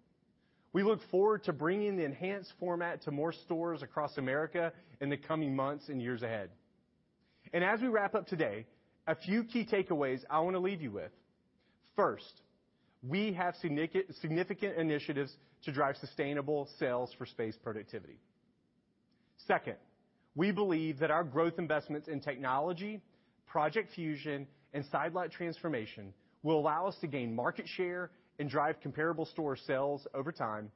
We look forward to bringing the enhanced format to more stores across America in the coming months and years ahead. As we wrap up today, a few key takeaways I want to leave you with. First, we have significant initiatives to drive sustainable sales for space productivity. We believe that our growth investments in technology, Project Fusion, and side lot transformation will allow us to gain market share and drive comparable store sales over time.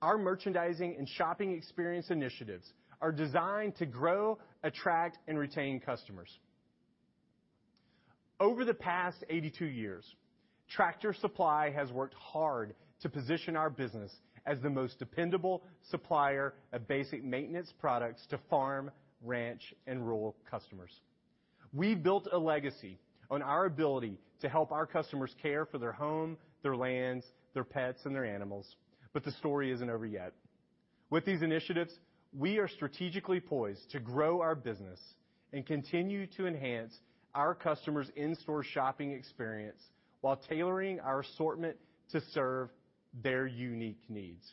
Our merchandising and shopping experience initiatives are designed to grow, attract, and retain customers. Over the past 82 years, Tractor Supply has worked hard to position our business as the most dependable supplier of basic maintenance products to farm, ranch, and rural customers. We built a legacy on our ability to help our customers care for their home, their lands, their pets, and their animals. The story isn't over yet. With these initiatives, we are strategically poised to grow our business and continue to enhance our customers' in-store shopping experience while tailoring our assortment to serve their unique needs.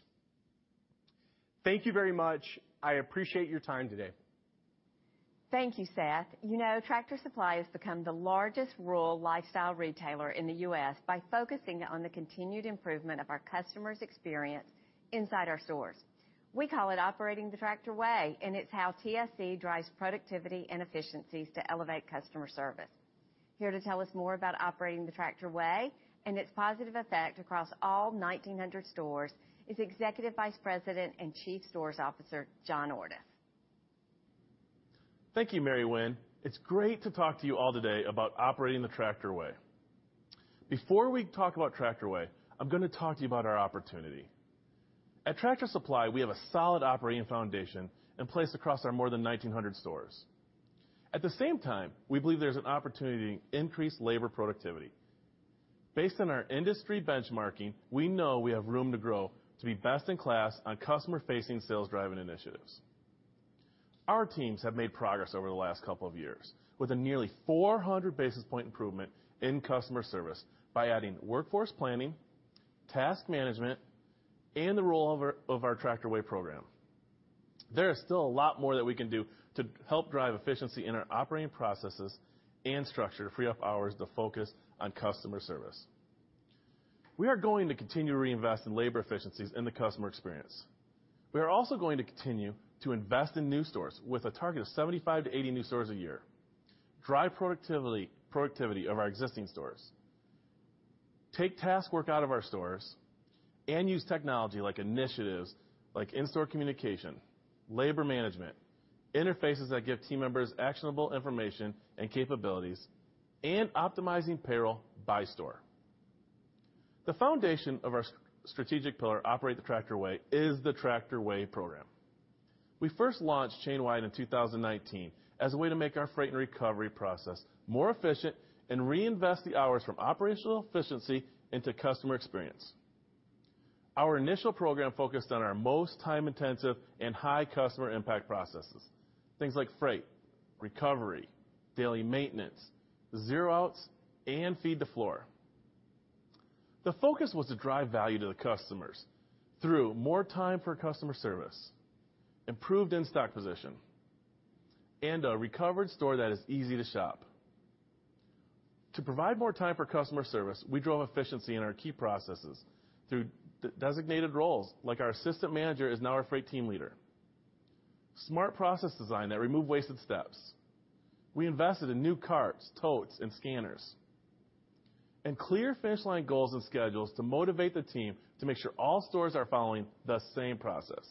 Thank you very much. I appreciate your time today. Thank you, Seth. Tractor Supply has become the largest rural lifestyle retailer in the U.S. by focusing on the continued improvement of our customer's experience inside our stores. We call it Operating the Tractor Way, and it's how TSC drives productivity and efficiencies to elevate customer service. Here to tell us more about Operating the Tractor Way and its positive effect across all 1,900 stores is Executive Vice President and Chief Stores Officer, John Ordus. Thank you, Mary Winn. It's great to talk to you all today about Operating the Tractor Way. Before we talk about Tractor Way, I'm going to talk to you about our opportunity. At Tractor Supply, we have a solid operating foundation in place across our more than 1,900 stores. At the same time, we believe there's an opportunity to increase labor productivity. Based on our industry benchmarking, we know we have room to grow to be best in class on customer-facing sales-driving initiatives. Our teams have made progress over the last couple of years with a nearly 400 basis point improvement in customer service by adding workforce planning, task management, and the role of our Tractor Way program. There is still a lot more that we can do to help drive efficiency in our operating processes and structure to free up hours to focus on customer service. We are going to continue to reinvest in labor efficiencies in the customer experience. We are also going to continue to invest in new stores with a target of 75-80 new stores a year, drive productivity of our existing stores, take task work out of our stores, and use technology like initiatives, like in-store communication, labor management, interfaces that give team members actionable information and capabilities, and optimizing payroll by store. The foundation of our strategic pillar, Operate the Tractor Way, is the Tractor Way program. We first launched chain-wide in 2019 as a way to make our freight and recovery process more efficient and reinvest the hours from operational efficiency into customer experience. Our initial program focused on our most time-intensive and high customer impact processes. Things like freight, recovery, daily maintenance, zero outs, and feed the floor. The focus was to drive value to the customers through more time for customer service, improved in-stock position, and a recovered store that is easy to shop. To provide more time for customer service, we drove efficiency in our key processes through designated roles, like our assistant manager is now our freight team leader. Smart process design that removed wasted steps. We invested in new carts, totes, and scanners. Clear finish line goals and schedules to motivate the team to make sure all stores are following the same process.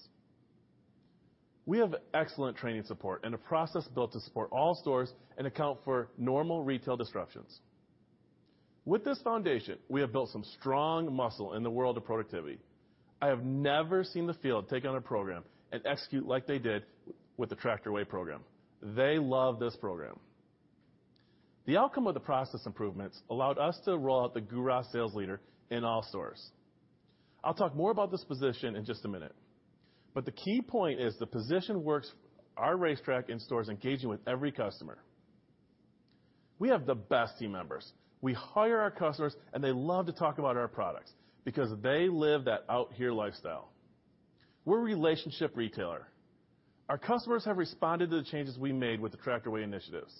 We have excellent training support and a process built to support all stores and account for normal retail disruptions. With this foundation, we have built some strong muscle in the world of productivity. I have never seen the field take on a program and execute like they did with the Tractor Way program. They love this program. The outcome of the process improvements allowed us to roll out the GURA sales leader in all stores. I'll talk more about this position in just a minute, but the key point is the position works our racetrack in stores engaging with every customer. We have the best team members. We hire our customers, and they love to talk about our products because they live the Life Out Here lifestyle. We're a relationship retailer. Our customers have responded to the changes we made with the Tractor Way initiatives.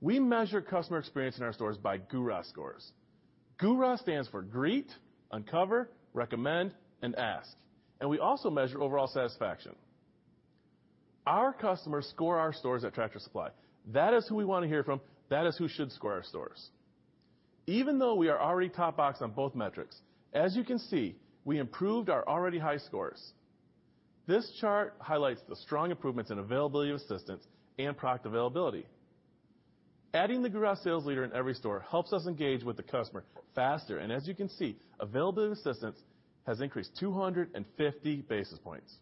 We measure customer experience in our stores by GURA scores. GURA stands for Greet, Uncover, Recommend, and Ask, and we also measure overall satisfaction. Our customers score our stores at Tractor Supply. That is who we want to hear from. That is who should score our stores. Even though we are already top box on both metrics, as you can see, we improved our already high scores. This chart highlights the strong improvements in availability of assistance and product availability. Adding the GURA sales leader in every store helps us engage with the customer faster, and as you can see, availability of assistance has increased 250 basis points.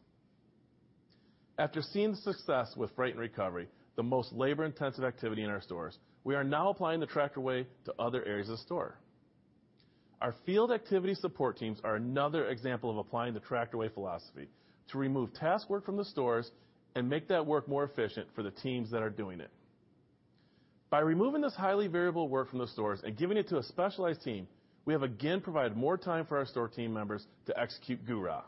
After seeing the success with freight and recovery, the most labor-intensive activity in our stores, we are now applying the Tractor Way to other areas of the store. Our field activity support teams are another example of applying the Tractor Way philosophy to remove task work from the stores and make that work more efficient for the teams that are doing it. By removing this highly variable work from the stores and giving it to a specialized team, we have again provided more time for our store team members to execute GURA.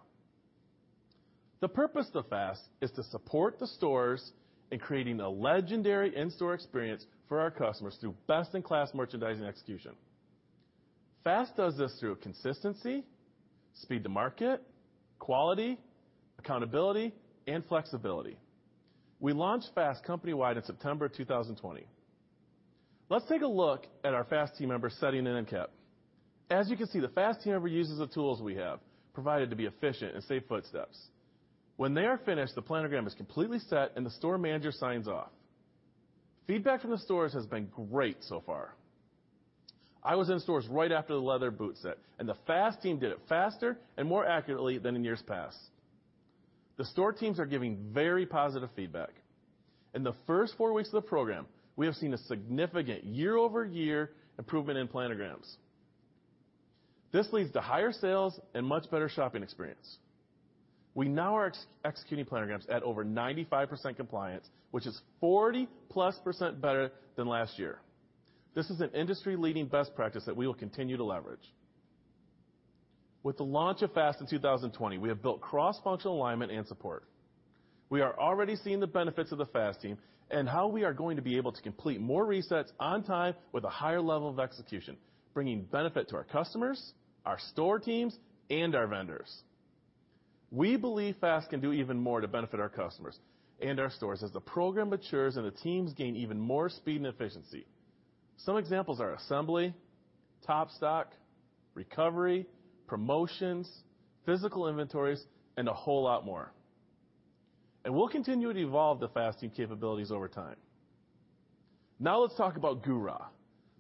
The purpose of FAST is to support the stores in creating a legendary in-store experience for our customers through best-in-class merchandising execution. FAST does this through consistency, speed to market, quality, accountability, and flexibility. We launched FAST company-wide in September 2020. Let's take a look at our FAST team member setting in end cap. As you can see, the FAST team member uses the tools we have provided to be efficient and save footsteps. When they are finished, the planogram is completely set, and the store manager signs off. Feedback from the stores has been great so far. I was in stores right after the leather boot set. The FAST team did it faster and more accurately than in years past. The store teams are giving very positive feedback. In the first four weeks of the program, we have seen a significant year-over-year improvement in planograms. This leads to higher sales and much better shopping experience. We now are executing planograms at over 95% compliance, which is +40% better than last year. This is an industry-leading best practice that we will continue to leverage. With the launch of FAST in 2020, we have built cross-functional alignment and support. We are already seeing the benefits of the FAST team and how we are going to be able to complete more resets on time with a higher level of execution, bringing benefit to our customers, our store teams, and our vendors. We believe FAST can do even more to benefit our customers and our stores as the program matures and the teams gain even more speed and efficiency. Some examples are assembly, top stock, recovery, promotions, physical inventories, and a whole lot more. We'll continue to evolve the FAST team capabilities over time. Now let's talk about GURA.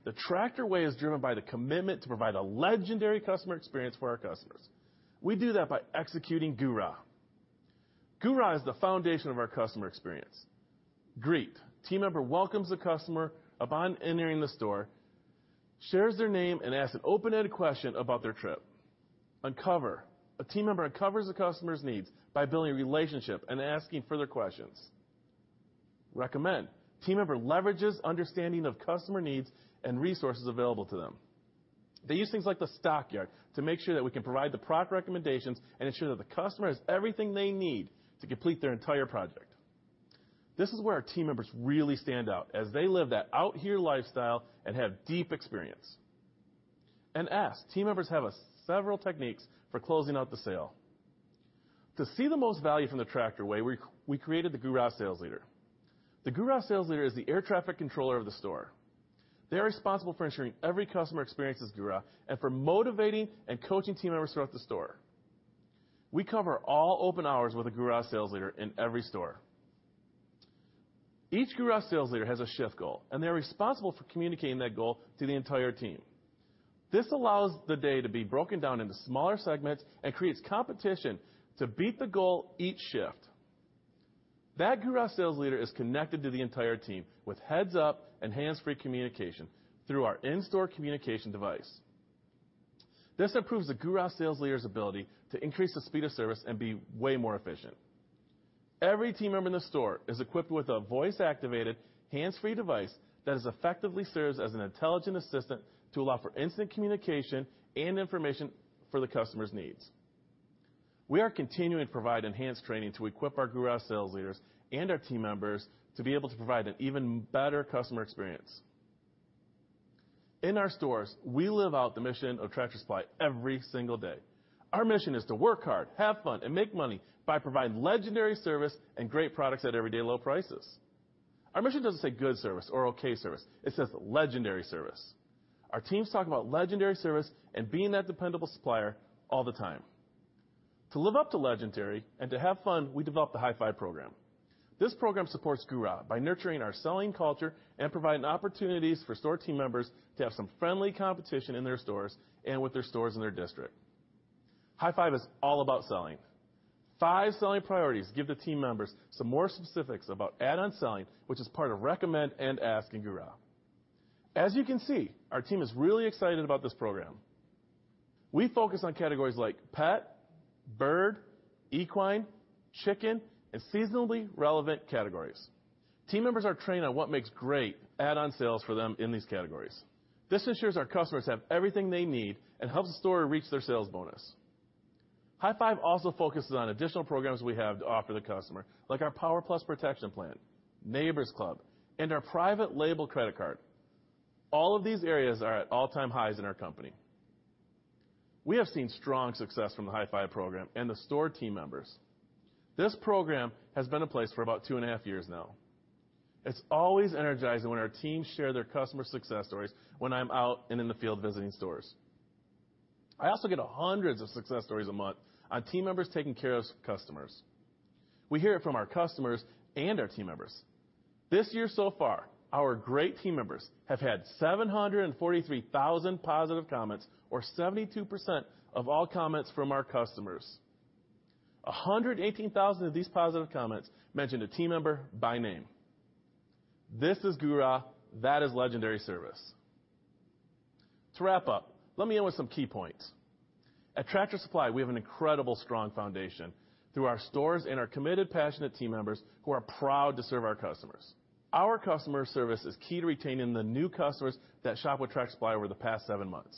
The Tractor Way is driven by the commitment to provide a legendary customer experience for our customers. We do that by executing GURA. GURA is the foundation of our customer experience. Greet: team member welcomes the customer upon entering the store, shares their name, and asks an open-ended question about their trip. Uncover: a team member uncovers the customer's needs by building a relationship and asking further questions. Recommend: team member leverages understanding of customer needs and resources available to them. They use things like the Stockyard to make sure that we can provide the product recommendations and ensure that the customer has everything they need to complete their entire project. This is where our team members really stand out as they live that out here lifestyle and have deep experience. Ask. Team members have several techniques for closing out the sale. To see the most value from the Tractor Way, we created the GURA sales leader. The GURA sales leader is the air traffic controller of the store. They're responsible for ensuring every customer experiences GURA and for motivating and coaching team members throughout the store. We cover all open hours with a GURA sales leader in every store. Each GURA sales leader has a shift goal, and they're responsible for communicating that goal to the entire team. This allows the day to be broken down into smaller segments and creates competition to beat the goal each shift. That GURA sales leader is connected to the entire team with heads-up and hands-free communication through our in-store communication device. This improves the GURA sales leader's ability to increase the speed of service and be way more efficient. Every team member in the store is equipped with a voice-activated, hands-free device that effectively serves as an intelligent assistant to allow for instant communication and information for the customer's needs. We are continuing to provide enhanced training to equip our GURA sales leaders and our team members to be able to provide an even better customer experience. In our stores, we live out the mission of Tractor Supply every single day. Our mission is to work hard, have fun, and make money by providing legendary service and great products at everyday low prices. Our mission doesn't say good service or okay service, it says legendary service. Our teams talk about legendary service and being that dependable supplier all the time. To live up to legendary and to have fun, we developed the High Five program. This program supports GURA by nurturing our selling culture and providing opportunities for store team members to have some friendly competition in their stores and with their stores in their district. High Five is all about selling. Five selling priorities give the team members some more specifics about add-on selling, which is part of recommend and ask in GURA. As you can see, our team is really excited about this program. We focus on categories like pet, bird, equine, chicken, and seasonally relevant categories. Team members are trained on what makes great add-on sales for them in these categories. This ensures our customers have everything they need and helps the store reach their sales bonus. High Five also focuses on additional programs we have to offer the customer, like our Power Plus protection plan, Neighbor's Club, and our private label credit card. All of these areas are at all-time highs in our company. We have seen strong success from the High Five program and the store team members. This program has been in place for about two and a half years now. It's always energizing when our teams share their customer success stories when I'm out and in the field visiting stores. I also get hundreds of success stories a month on team members taking care of customers. We hear it from our customers and our team members. This year so far, our great team members have had 743,000 positive comments, or 72% of all comments from our customers. 118,000 of these positive comments mentioned a team member by name. This is GURA. That is legendary service. To wrap up, let me end with some key points. At Tractor Supply, we have an incredible strong foundation through our stores and our committed, passionate team members who are proud to serve our customers. Our customer service is key to retaining the new customers that shopped with Tractor Supply over the past seven months.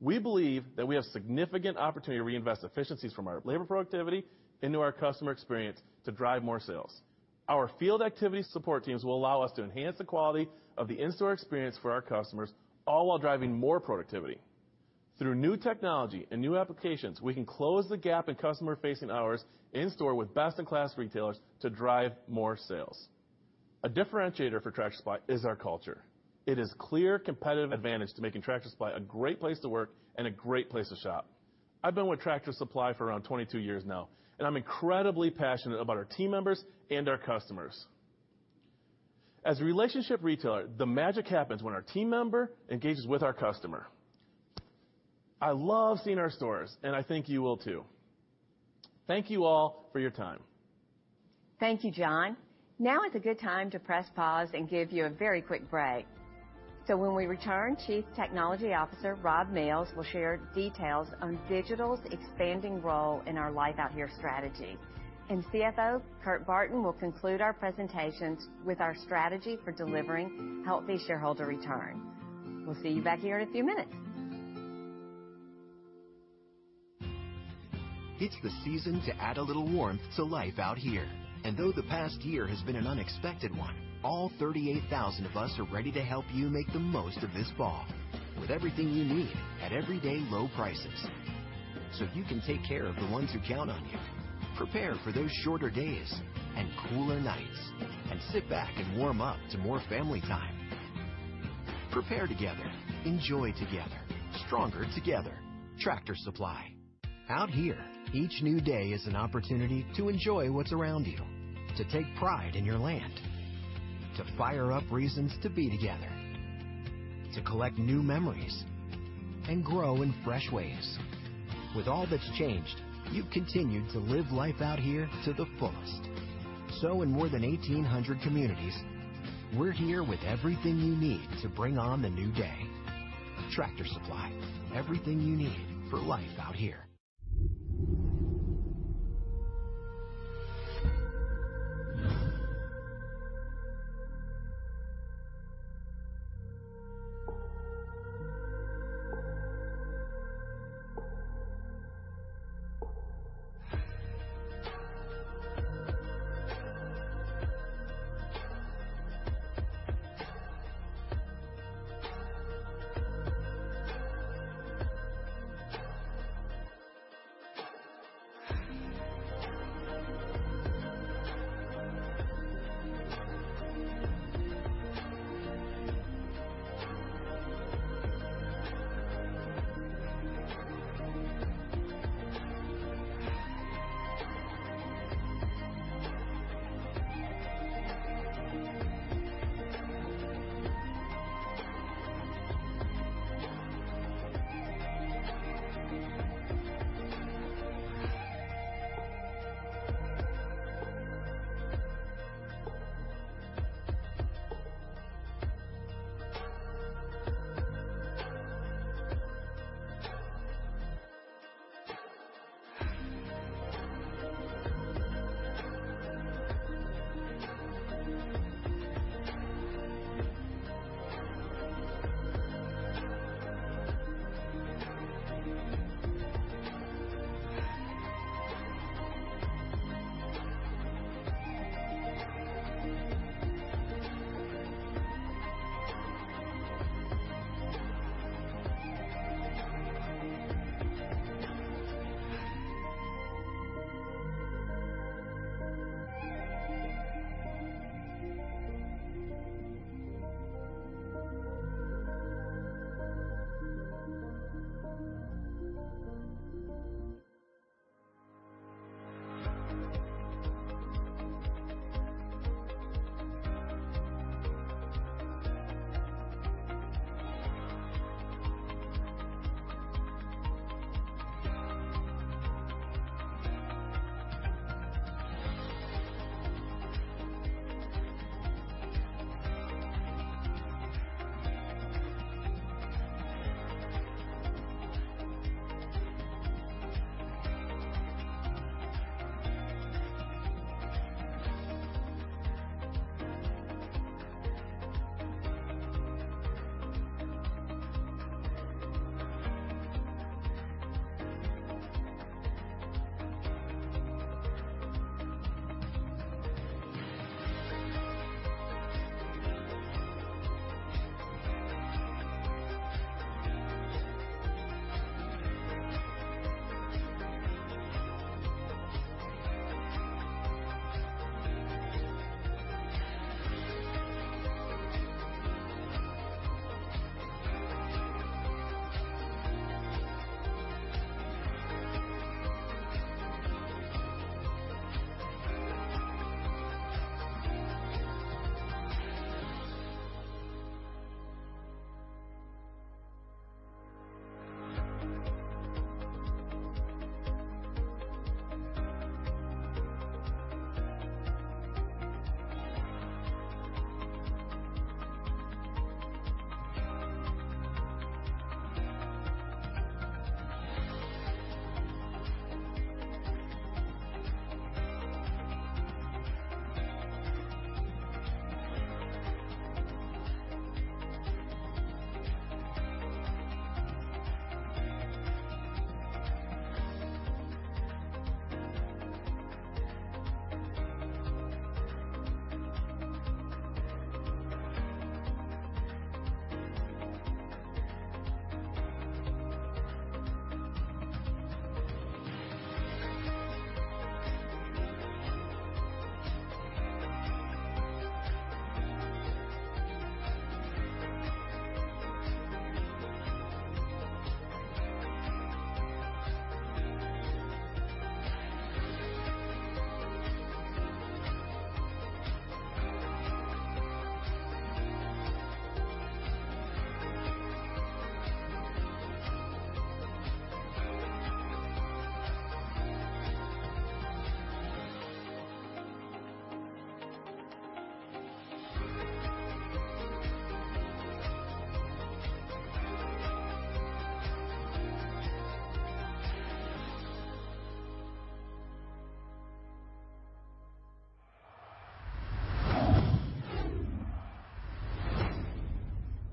We believe that we have significant opportunity to reinvest efficiencies from our labor productivity into our customer experience to drive more sales. Our field activity support teams will allow us to enhance the quality of the in-store experience for our customers, all while driving more productivity. Through new technology and new applications, we can close the gap in customer-facing hours in store with best-in-class retailers to drive more sales. A differentiator for Tractor Supply is our culture. It is clear competitive advantage to making Tractor Supply a great place to work and a great place to shop. I've been with Tractor Supply for around 22 years now, and I'm incredibly passionate about our team members and our customers. As a relationship retailer, the magic happens when our team member engages with our customer. I love seeing our stores, and I think you will, too. Thank you all for your time. Thank you, John. Now is a good time to press pause and give you a very quick break. When we return, Chief Technology Officer Rob Mills will share details on digital's expanding role in our Life Out Here strategy, and CFO Kurt Barton will conclude our presentations with our strategy for delivering healthy shareholder return. We'll see you back here in a few minutes. It's the season to add a little warmth to Life Out Here. Though the past year has been an unexpected one, all 38,000 of us are ready to help you make the most of this fall with everything you need at everyday low prices so you can take care of the ones who count on you. Prepare for those shorter days and cooler nights, sit back and warm up to more family time. Prepare together, enjoy together, stronger together. Tractor Supply. Out here, each new day is an opportunity to enjoy what's around you, to take pride in your land, to fire up reasons to be together, to collect new memories, and grow in fresh ways. With all that's changed, you've continued to live life out here to the fullest. In more than 1,800 communities, we're here with everything you need to bring on the new day. Tractor Supply. Everything you need for Life Out Here.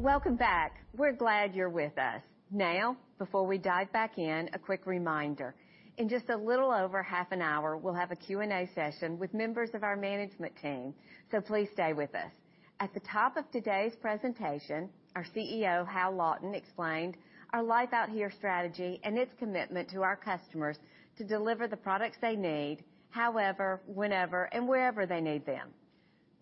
Welcome back. We're glad you're with us. Before we dive back in, a quick reminder. In just a little over half an hour, we'll have a Q&A session with members of our management team, please stay with us. At the top of today's presentation, our CEO, Hal Lawton, explained our Life Out Here strategy and its commitment to our customers to deliver the products they need, however, whenever, and wherever they need them.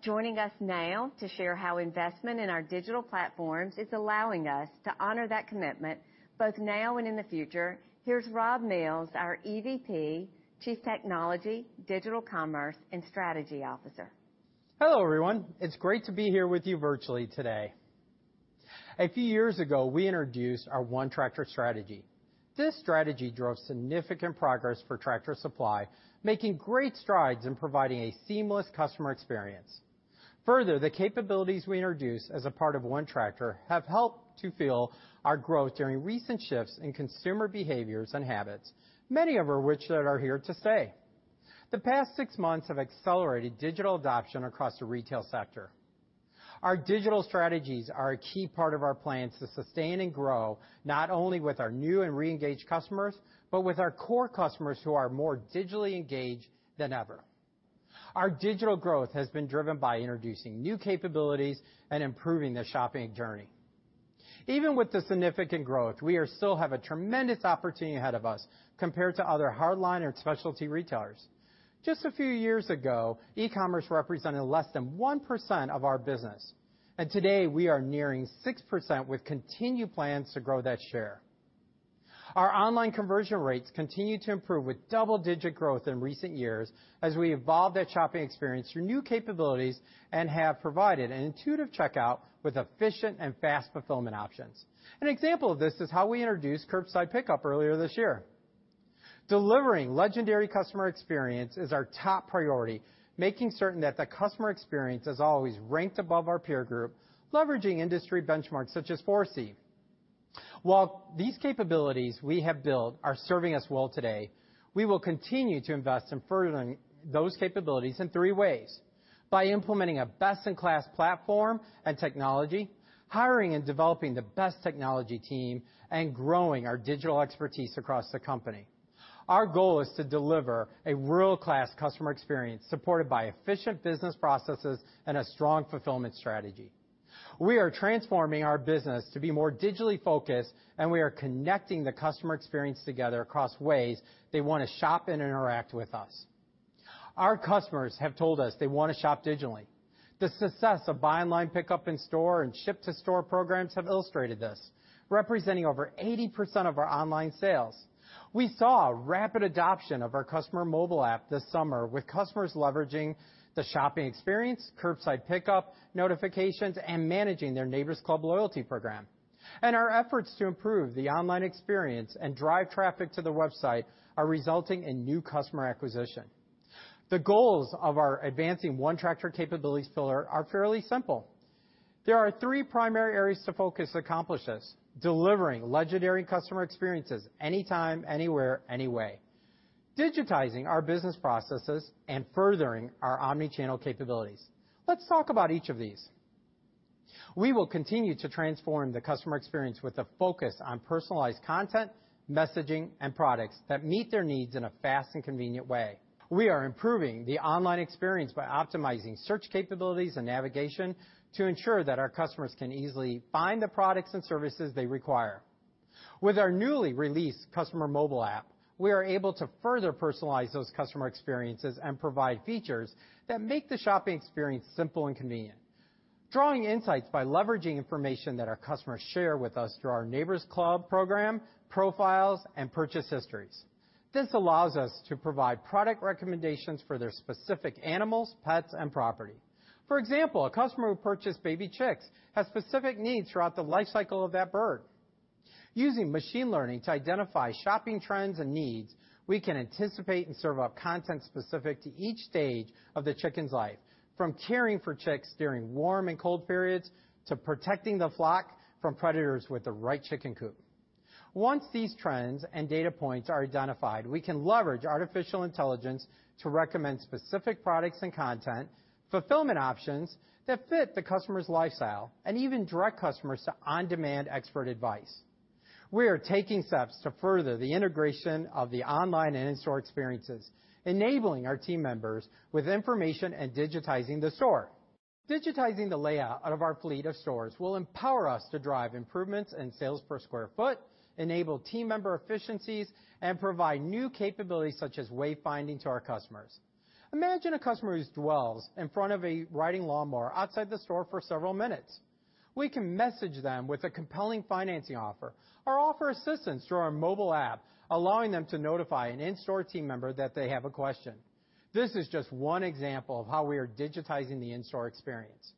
Joining us now to share how investment in our digital platforms is allowing us to honor that commitment, both now and in the future, here's Rob Mills, our EVP, Chief Technology, Digital Commerce, and Strategy Officer. Hello, everyone. It's great to be here with you virtually today. A few years ago, we introduced our ONETractor strategy. This strategy drove significant progress for Tractor Supply, making great strides in providing a seamless customer experience. Further, the capabilities we introduced as a part of ONETractor have helped to fuel our growth during recent shifts in consumer behaviors and habits, many of which that are here to stay. The past six months have accelerated digital adoption across the retail sector. Our digital strategies are a key part of our plans to sustain and grow, not only with our new and reengaged customers, but with our core customers who are more digitally engaged than ever. Our digital growth has been driven by introducing new capabilities and improving the shopping journey. Even with the significant growth, we still have a tremendous opportunity ahead of us compared to other hardline or specialty retailers. Just a few years ago, e-commerce represented less than 1% of our business. Today we are nearing 6% with continued plans to grow that share. Our online conversion rates continue to improve with double-digit growth in recent years as we evolve that shopping experience through new capabilities and have provided an intuitive checkout with efficient and fast fulfillment options. An example of this is how we introduced curbside pickup earlier this year. Delivering legendary customer experience is our top priority, making certain that the customer experience is always ranked above our peer group, leveraging industry benchmarks such as ForeSee. While these capabilities we have built are serving us well today, we will continue to invest in furthering those capabilities in three ways: by implementing a best-in-class platform and technology, hiring and developing the best technology team, and growing our digital expertise across the company. Our goal is to deliver a world-class customer experience supported by efficient business processes and a strong fulfillment strategy. We are transforming our business to be more digitally focused, and we are connecting the customer experience together across ways they want to shop and interact with us. Our customers have told us they want to shop digitally. The success of buy online pick up in store and ship to store programs have illustrated this, representing over 80% of our online sales. We saw rapid adoption of our customer mobile app this summer, with customers leveraging the shopping experience, curbside pickup, notifications, and managing their Neighbor's Club loyalty program. Our efforts to improve the online experience and drive traffic to the website are resulting in new customer acquisition. The goals of our advancing ONETractor capabilities pillar are fairly simple. There are three primary areas to focus to accomplish this: delivering legendary customer experiences anytime, anywhere, any way, digitizing our business processes, and furthering our omni-channel capabilities. Let's talk about each of these. We will continue to transform the customer experience with a focus on personalized content, messaging, and products that meet their needs in a fast and convenient way. We are improving the online experience by optimizing search capabilities and navigation to ensure that our customers can easily find the products and services they require. With our newly released customer mobile app, we are able to further personalize those customer experiences and provide features that make the shopping experience simple and convenient. Drawing insights by leveraging information that our customers share with us through their Neighbor's Club program, profiles, and purchase histories. This allows us to provide product recommendations for their specific animals, pets, and property. For example, a customer who purchased baby chicks has specific needs throughout the life cycle of that bird. Using machine learning to identify shopping trends and needs, we can anticipate and serve up content specific to each stage of the chicken's life, from caring for chicks during warm and cold periods, to protecting the flock from predators with the right chicken coop. Once these trends and data points are identified, we can leverage artificial intelligence to recommend specific products and content, fulfillment options that fit the customer's lifestyle, and even direct customers to on-demand expert advice. We are taking steps to further the integration of the online and in-store experiences, enabling our team members with information and digitizing the store. Digitizing the layout of our fleet of stores will empower us to drive improvements in sales per square foot, enable team member efficiencies, and provide new capabilities such as way finding to our customers. Imagine a customer who dwells in front of a riding lawnmower outside the store for several minutes. We can message them with a compelling financing offer or offer assistance through our mobile app, allowing them to notify an in-store team member that they have a question. This is just one example of how we are digitizing the in-store experience.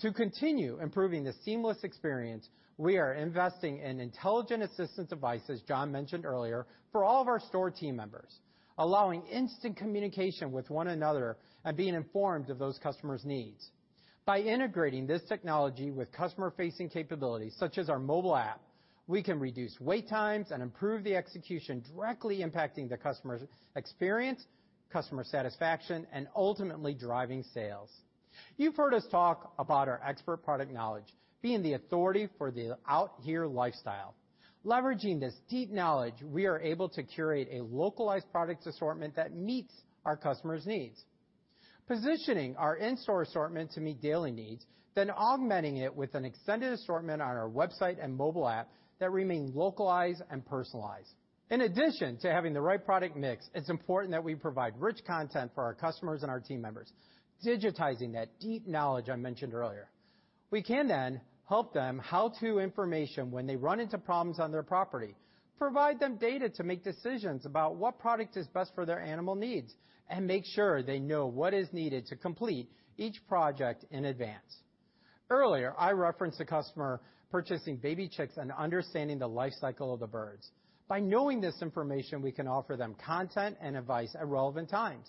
To continue improving this seamless experience, we are investing in intelligent assistant devices John mentioned earlier for all of our store team members, allowing instant communication with one another and being informed of those customers' needs. By integrating this technology with customer-facing capabilities such as our mobile app, we can reduce wait times and improve the execution directly impacting the customer's experience, customer satisfaction, and ultimately driving sales. You've heard us talk about our expert product knowledge being the authority for the Life Out Here lifestyle. Leveraging this deep knowledge, we are able to curate a localized product assortment that meets our customers' needs. Positioning our in-store assortment to meet daily needs, augmenting it with an extended assortment on our website and mobile app that remain localized and personalized. In addition to having the right product mix, it's important that we provide rich content for our customers and our team members, digitizing that deep knowledge I mentioned earlier. We can then help them how to information when they run into problems on their property, provide them data to make decisions about what product is best for their animal needs, and make sure they know what is needed to complete each project in advance. Earlier, I referenced a customer purchasing baby chicks and understanding the life cycle of the birds. By knowing this information, we can offer them content and advice at relevant times,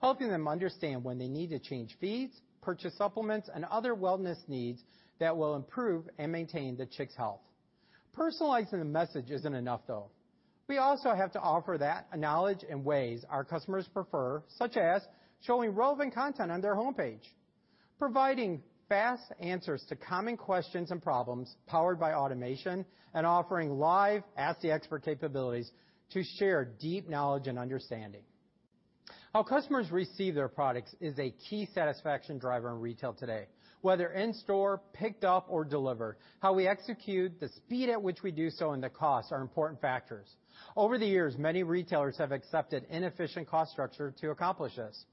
helping them understand when they need to change feeds, purchase supplements, and other wellness needs that will improve and maintain the chicks' health. Personalizing the message isn't enough, though. We also have to offer that knowledge in ways our customers prefer, such as showing relevant content on their homepage, providing fast answers to common questions and problems powered by automation, and offering live ask the expert capabilities to share deep knowledge and understanding. How customers receive their products is a key satisfaction driver in retail today. Whether in-store, picked up, or delivered, how we execute, the speed at which we do so, and the cost are important factors. Over the years, many retailers have accepted inefficient cost structure to accomplish this.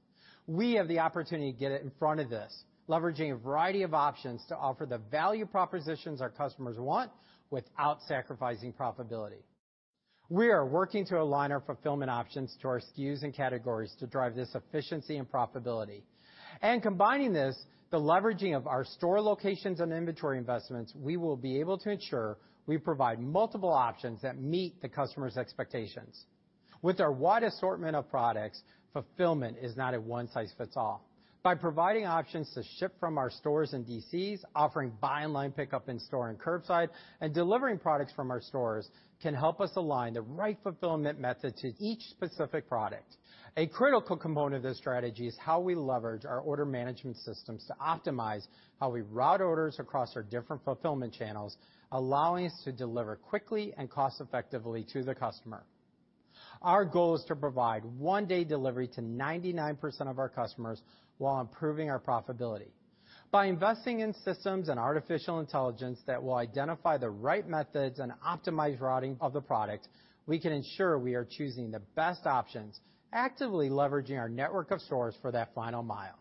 We have the opportunity to get in front of this, leveraging a variety of options to offer the value propositions our customers want without sacrificing profitability. We are working to align our fulfillment options to our SKUs and categories to drive this efficiency and profitability. Combining this, the leveraging of our store locations and inventory investments, we will be able to ensure we provide multiple options that meet the customer's expectations. With our wide assortment of products, fulfillment is not a one-size-fits-all. By providing options to ship from our stores and DCs, offering buy online pickup in store and curbside, and delivering products from our stores can help us align the right fulfillment method to each specific product. A critical component of this strategy is how we leverage our order management systems to optimize how we route orders across our different fulfillment channels, allowing us to deliver quickly and cost effectively to the customer. Our goal is to provide one-day delivery to 99% of our customers while improving our profitability. By investing in systems and artificial intelligence that will identify the right methods and optimize routing of the product, we can ensure we are choosing the best options, actively leveraging our network of stores for that final mile.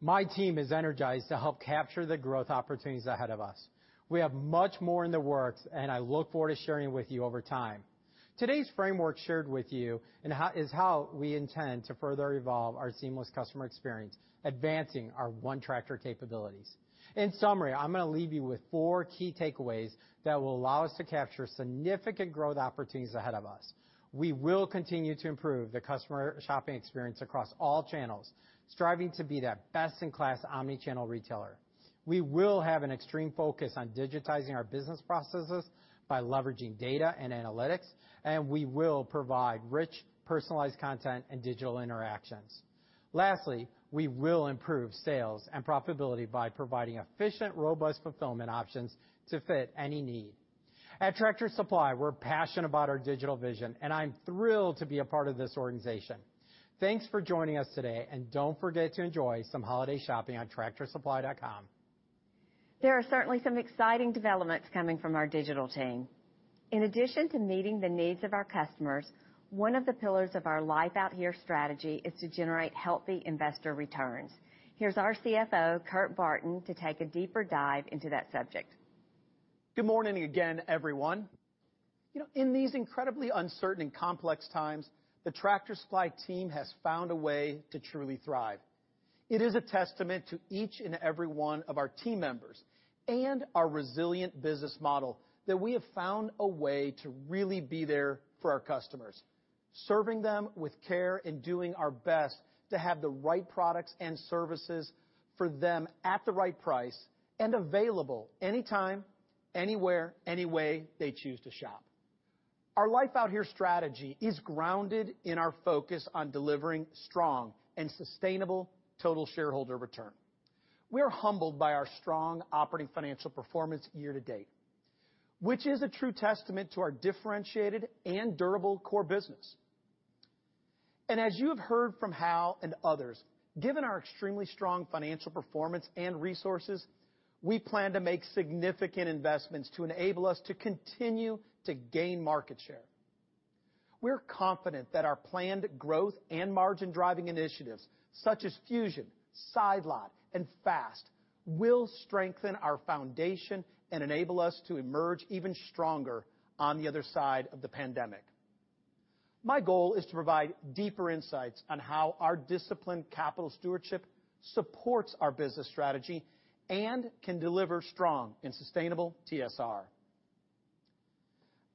My team is energized to help capture the growth opportunities ahead of us. We have much more in the works. I look forward to sharing with you over time. Today's framework shared with you is how we intend to further evolve our seamless customer experience, advancing our ONETractor capabilities. In summary, I'm going to leave you with four key takeaways that will allow us to capture significant growth opportunities ahead of us. We will continue to improve the customer shopping experience across all channels, striving to be that best-in-class omni-channel retailer. We will have an extreme focus on digitizing our business processes by leveraging data and analytics, and we will provide rich personalized content and digital interactions. Lastly, we will improve sales and profitability by providing efficient, robust fulfillment options to fit any need. At Tractor Supply, we're passionate about our digital vision, and I'm thrilled to be a part of this organization. Thanks for joining us today, and don't forget to enjoy some holiday shopping on tractorsupply.com. There are certainly some exciting developments coming from our digital team. In addition to meeting the needs of our customers, one of the pillars of our Life Out Here strategy is to generate healthy investor returns. Here's our CFO, Kurt Barton, to take a deeper dive into that subject. Good morning again, everyone. In these incredibly uncertain and complex times, the Tractor Supply team has found a way to truly thrive. It is a testament to each and every one of our team members and our resilient business model that we have found a way to really be there for our customers, serving them with care and doing our best to have the right products and services for them at the right price and available anytime, anywhere, any way they choose to shop. Our Life Out Here strategy is grounded in our focus on delivering strong and sustainable total shareholder return. We are humbled by our strong operating financial performance year-to-date, which is a true testament to our differentiated and durable core business. As you have heard from Hal and others, given our extremely strong financial performance and resources, we plan to make significant investments to enable us to continue to gain market share. We're confident that our planned growth and margin-driving initiatives such as Fusion, Side Lot, and FAST will strengthen our foundation and enable us to emerge even stronger on the other side of the pandemic. My goal is to provide deeper insights on how our disciplined capital stewardship supports our business strategy and can deliver strong and sustainable TSR.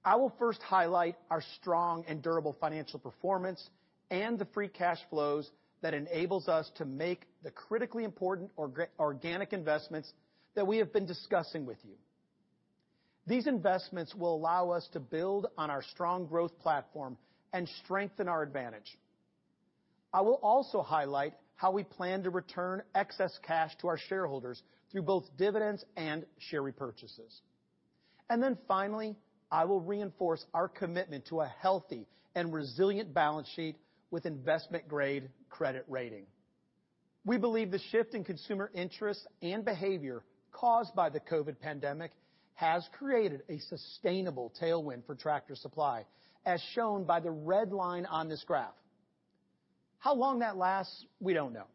I will first highlight our strong and durable financial performance and the free cash flows that enables us to make the critically important organic investments that we have been discussing with you. These investments will allow us to build on our strong growth platform and strengthen our advantage. I will also highlight how we plan to return excess cash to our shareholders through both dividends and share repurchases. Finally, I will reinforce our commitment to a healthy and resilient balance sheet with investment-grade credit rating. We believe the shift in consumer interest and behavior caused by the COVID pandemic has created a sustainable tailwind for Tractor Supply, as shown by the red line on this graph. How long that lasts, we don't know.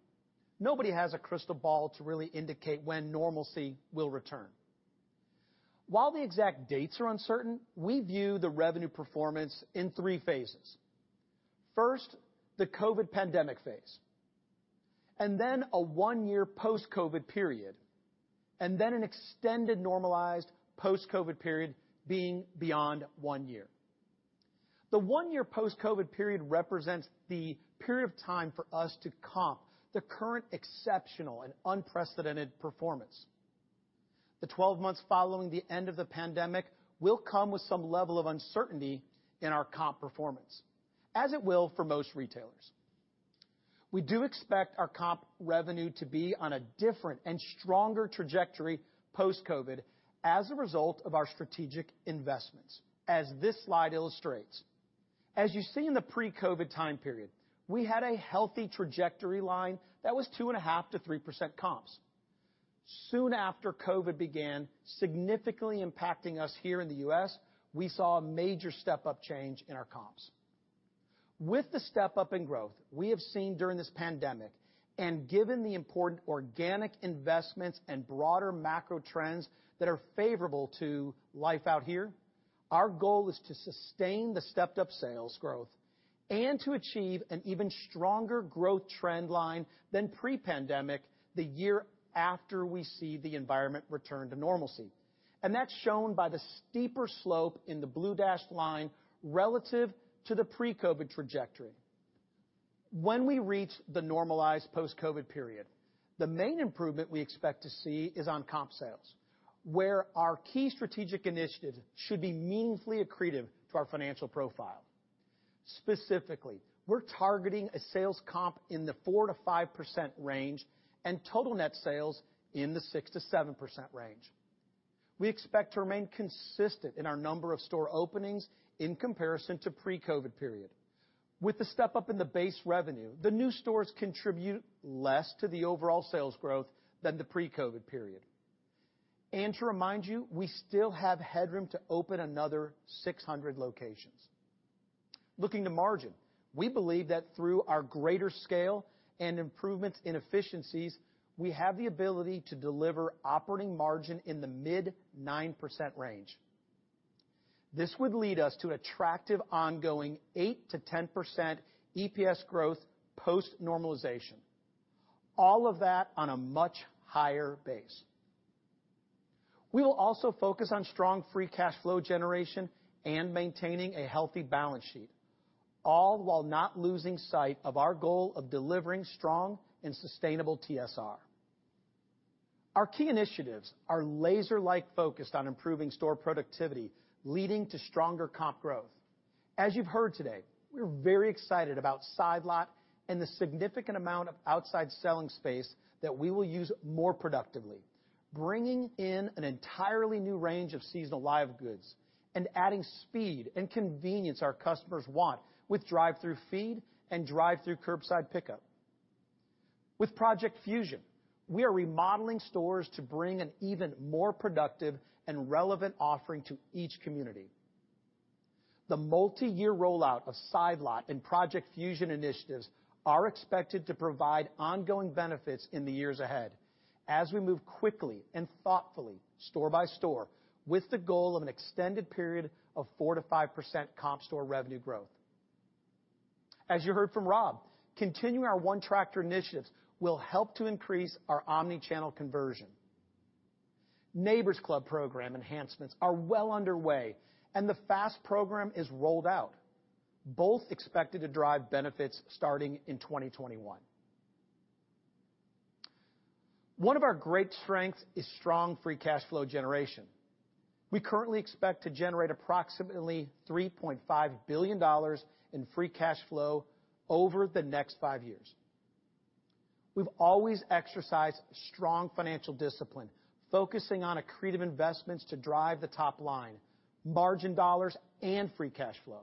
Nobody has a crystal ball to really indicate when normalcy will return. While the exact dates are uncertain, we view the revenue performance in three phases. First, the COVID pandemic phase, and then a one-year post-COVID period, and then an extended normalized post-COVID period being beyond one year. The one-year post-COVID period represents the period of time for us to comp the current exceptional and unprecedented performance. The 12 months following the end of the pandemic will come with some level of uncertainty in our comp performance, as it will for most retailers. We do expect our comp revenue to be on a different and stronger trajectory post-COVID as a result of our strategic investments, as this slide illustrates. As you see in the pre-COVID time period, we had a healthy trajectory line that was 2.5%-3% comps. Soon after COVID began significantly impacting us here in the U.S., we saw a major step-up change in our comps. With the step-up in growth we have seen during this pandemic, and given the important organic investments and broader macro trends that are favorable to Life Out Here, our goal is to sustain the stepped-up sales growth and to achieve an even stronger growth trend line than pre-pandemic the year after we see the environment return to normalcy. That's shown by the steeper slope in the blue dashed line relative to the pre-COVID trajectory. When we reach the normalized post-COVID period, the main improvement we expect to see is on comp sales, where our key strategic initiatives should be meaningfully accretive to our financial profile. Specifically, we're targeting a sales comp in the 4%-5% range and total net sales in the 6%-7% range. We expect to remain consistent in our number of store openings in comparison to pre-COVID period. With the step-up in the base revenue, the new stores contribute less to the overall sales growth than the pre-COVID period. To remind you, we still have headroom to open another 600 locations. Looking to margin, we believe that through our greater scale and improvements in efficiencies, we have the ability to deliver operating margin in the mid 9% range. This would lead us to attractive ongoing 8%-10% EPS growth post-normalization, all of that on a much higher base. We will also focus on strong free cash flow generation and maintaining a healthy balance sheet, all while not losing sight of our goal of delivering strong and sustainable TSR. Our key initiatives are laser-like focused on improving store productivity, leading to stronger comp growth. As you've heard today, we're very excited about Side Lot and the significant amount of outside selling space that we will use more productively, bringing in an entirely new range of seasonal live goods and adding speed and convenience our customers want with drive-through feed and drive-through curbside pickup. With Project Fusion, we are remodeling stores to bring an even more productive and relevant offering to each community. The multi-year rollout of side lot and Project Fusion initiatives are expected to provide ongoing benefits in the years ahead as we move quickly and thoughtfully store by store with the goal of an extended period of 4%-5% comp store revenue growth. As you heard from Rob, continuing our ONETractor initiatives will help to increase our omni-channel conversion. Neighbor's Club program enhancements are well underway, and the FAST program is rolled out, both expected to drive benefits starting in 2021. One of our great strengths is strong free cash flow generation. We currently expect to generate approximately $3.5 billion in free cash flow over the next five years. We've always exercised strong financial discipline, focusing on accretive investments to drive the top line, margin dollars, and free cash flow.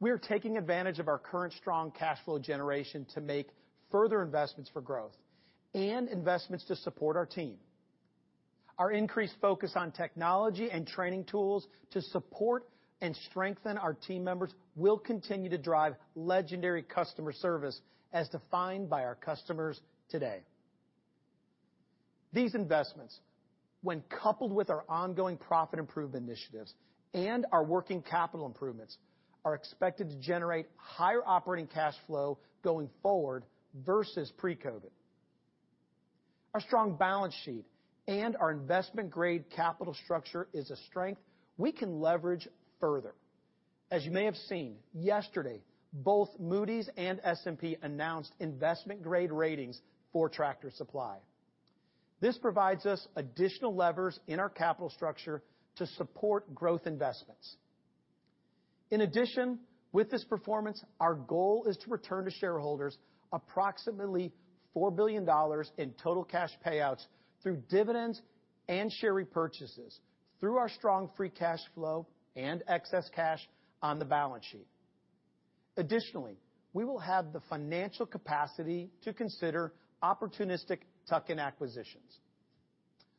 We are taking advantage of our current strong cash flow generation to make further investments for growth and investments to support our team. Our increased focus on technology and training tools to support and strengthen our team members will continue to drive legendary customer service as defined by our customers today. These investments, when coupled with our ongoing profit improvement initiatives and our working capital improvements, are expected to generate higher operating cash flow going forward versus pre-COVID. Our strong balance sheet and our investment-grade capital structure is a strength we can leverage further. As you may have seen, yesterday, both Moody's and S&P announced investment-grade ratings for Tractor Supply. This provides us additional levers in our capital structure to support growth investments. In addition, with this performance, our goal is to return to shareholders approximately $4 billion in total cash payouts through dividends and share repurchases through our strong free cash flow and excess cash on the balance sheet. Additionally, we will have the financial capacity to consider opportunistic tuck-in acquisitions.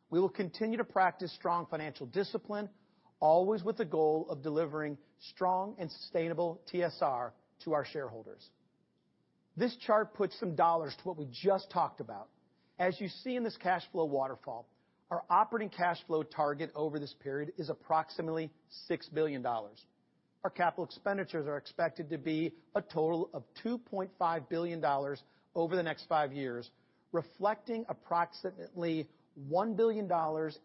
We will continue to practice strong financial discipline, always with the goal of delivering strong and sustainable TSR to our shareholders. This chart puts some dollars to what we just talked about. As you see in this cash flow waterfall, our operating cash flow target over this period is approximately $6 billion. Our capital expenditures are expected to be a total of $2.5 billion over the next five years, reflecting approximately $1 billion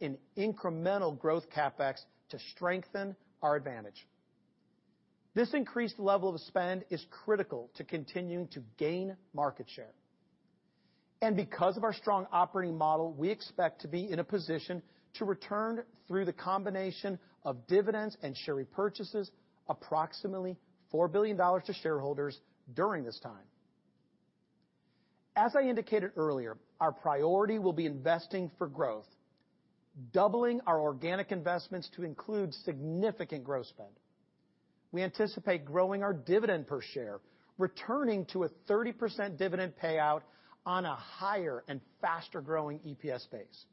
in incremental growth CapEx to strengthen our advantage. This increased level of spend is critical to continuing to gain market share. Because of our strong operating model, we expect to be in a position to return through the combination of dividends and share repurchases approximately $4 billion to shareholders during this time. As I indicated earlier, our priority will be investing for growth, doubling our organic investments to include significant growth spend. We anticipate growing our dividend per share, returning to a 30% dividend payout on a higher and faster-growing EPS base.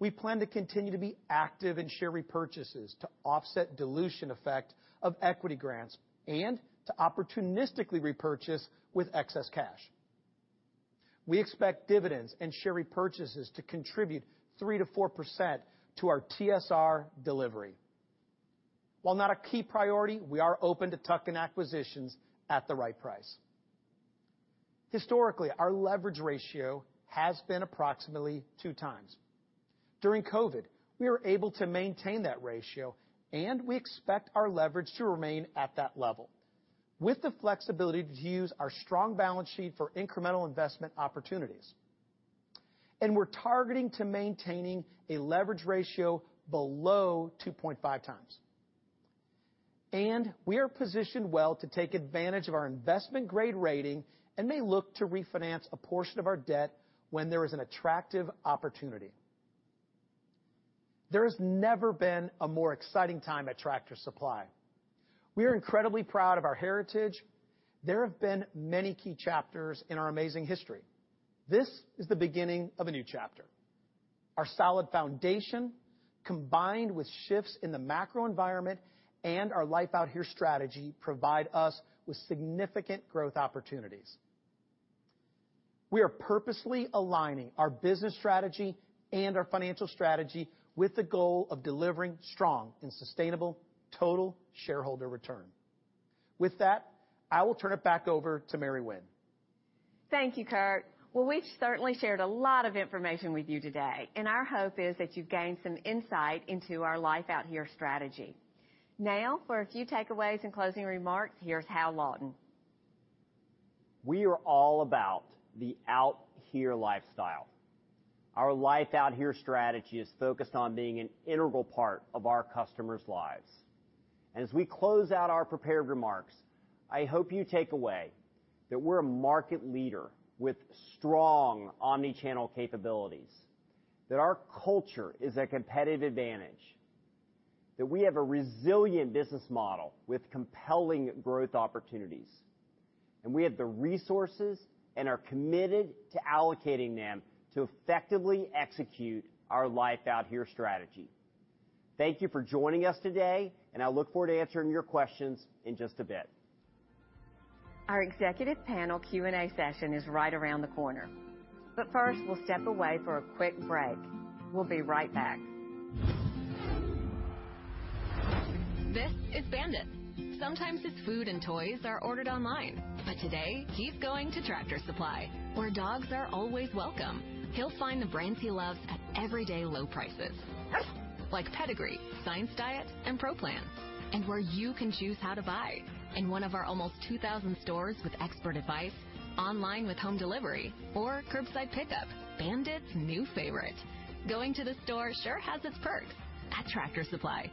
We plan to continue to be active in share repurchases to offset dilution effect of equity grants and to opportunistically repurchase with excess cash. We expect dividends and share repurchases to contribute 3%-4% to our TSR delivery. While not a key priority, we are open to tuck-in acquisitions at the right price. Historically, our leverage ratio has been approximately two times. During COVID, we were able to maintain that ratio. We expect our leverage to remain at that level, with the flexibility to use our strong balance sheet for incremental investment opportunities. We're targeting to maintaining a leverage ratio below 2.5x. We are positioned well to take advantage of our investment-grade rating and may look to refinance a portion of our debt when there is an attractive opportunity. There has never been a more exciting time at Tractor Supply. We are incredibly proud of our heritage. There have been many key chapters in our amazing history. This is the beginning of a new chapter. Our solid foundation, combined with shifts in the macro environment and our Life Out Here strategy, provide us with significant growth opportunities. We are purposely aligning our business strategy and our financial strategy with the goal of delivering strong and sustainable total shareholder return. With that, I will turn it back over to Mary Winn. Thank you, Kurt. Well, we've certainly shared a lot of information with you today, and our hope is that you've gained some insight into our Life Out Here strategy. Now, for a few takeaways and closing remarks, here's Hal Lawton. We are all about the Out Here lifestyle. Our Life Out Here Strategy is focused on being an integral part of our customers' lives. As we close out our prepared remarks, I hope you take away that we're a market leader with strong omni-channel capabilities, that our culture is a competitive advantage, that we have a resilient business model with compelling growth opportunities, and we have the resources and are committed to allocating them to effectively execute our Life Out Here Strategy. Thank you for joining us today, and I look forward to answering your questions in just a bit. Our executive panel Q&A session is right around the corner. First, we'll step away for a quick break. We'll be right back. This is Bandit. Sometimes his food and toys are ordered online. Today, he's going to Tractor Supply, where dogs are always welcome. He'll find the brands he loves at everyday low prices like Pedigree, Science Diet, and Pro Plan, and where you can choose how to buy. In one of our almost 2,000 stores with expert advice, online with home delivery, or curbside pickup, Bandit's new favorite. Going to the store sure has its perks at Tractor Supply.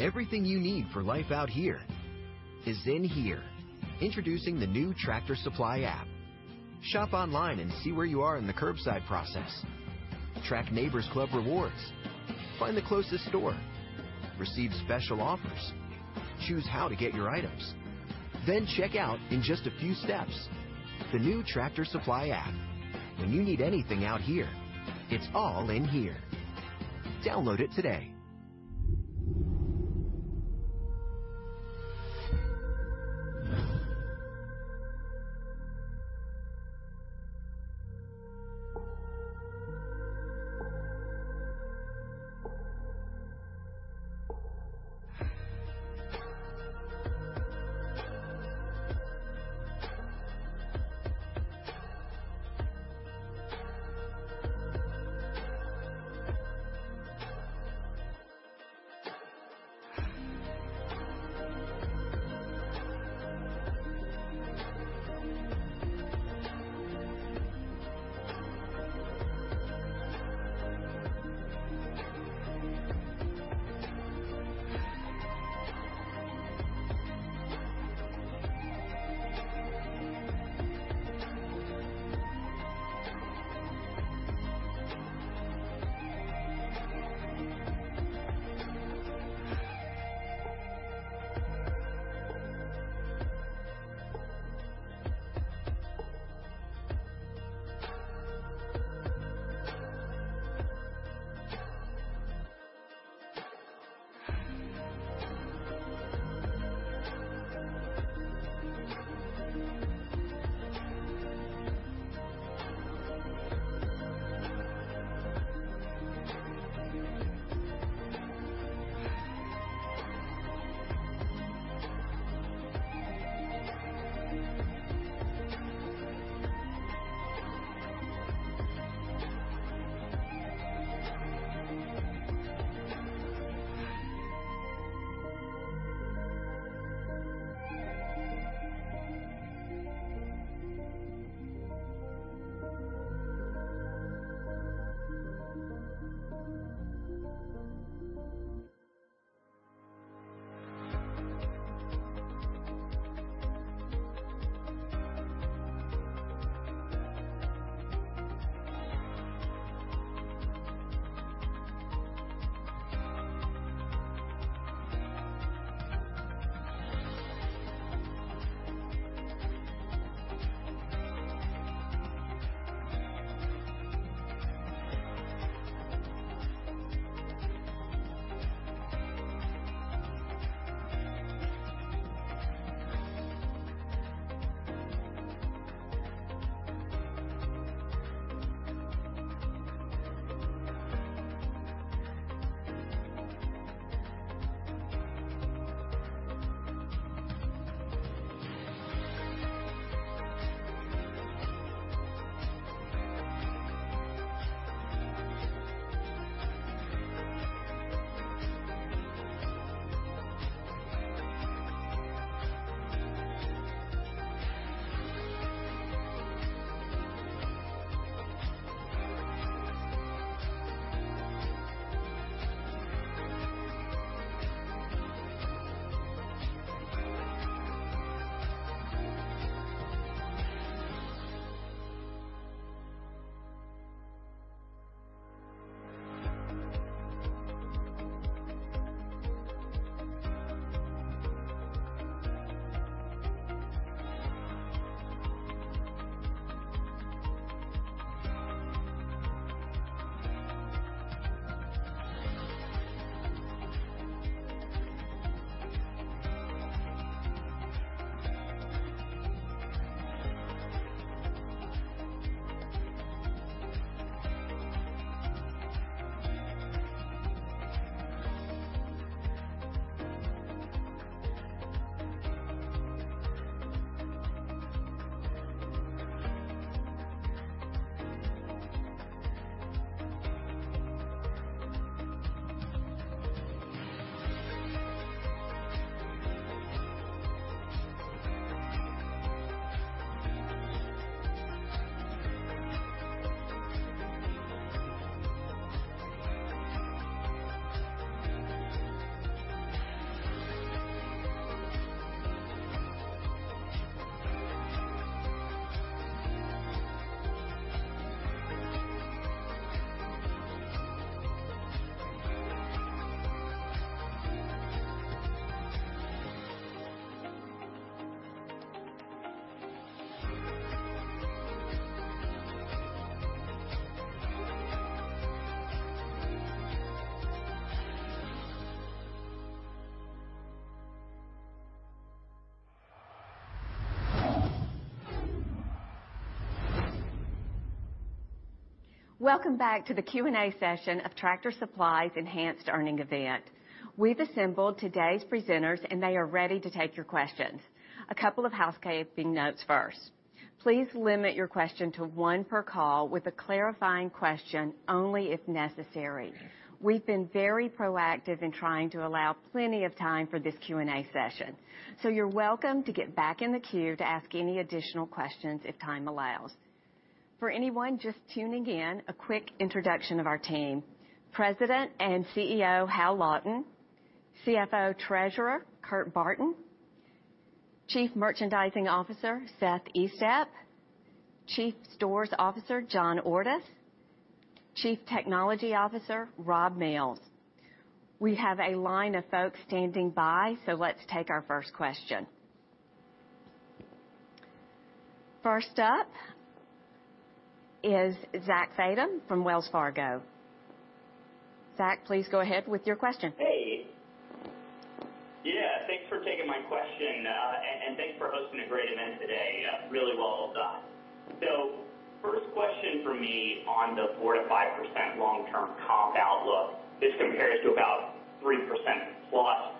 Everything you need for Life Out Here is in here. Introducing the new Tractor Supply app. Shop online and see where you are in the curbside process. Track Neighbor's Club rewards. Find the closest store. Receive special offers. Choose how to get your items. Check out in just a few steps. The new Tractor Supply app. When you need anything out here, it's all in here. Download it today. Welcome back to the Q&A session of Tractor Supply's enhanced earning event. We've assembled today's presenters and they are ready to take your questions. A couple of housekeeping notes first. Please limit your question to one per call with a clarifying question only if necessary. We've been very proactive in trying to allow plenty of time for this Q&A session. You're welcome to get back in the queue to ask any additional questions if time allows. For anyone just tuning in, a quick introduction of our team. President and CEO, Hal Lawton. CFO Treasurer, Kurt Barton. Chief Merchandising Officer, Seth Estep. Chief Stores Officer, John Ordus. Chief Technology Officer, Rob Mills. We have a line of folks standing by, let's take our first question. First up is Zach Fadem from Wells Fargo. Zach, please go ahead with your question. Hey. Yeah, thanks for taking my question, thanks for hosting a great event today. Really well done. First question for me on the 4%-5% long-term comp outlook, this compares to about 3%+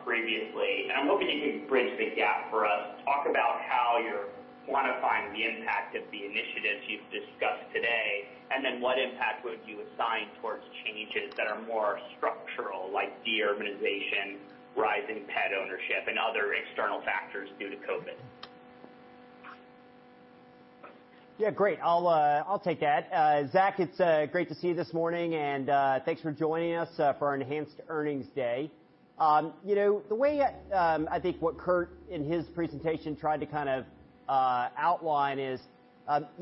previously, I'm hoping you can bridge the gap for us. Talk about how you're quantifying the impact of the initiatives you've discussed today, then what impact would you assign towards changes that are more structural, like de-urbanization, rising pet ownership, and other external factors due to COVID? Yeah, great. I'll take that. Zach, it's great to see you this morning, and thanks for joining us for our enhanced earnings day. The way I think what Kurt, in his presentation, tried to kind of outline is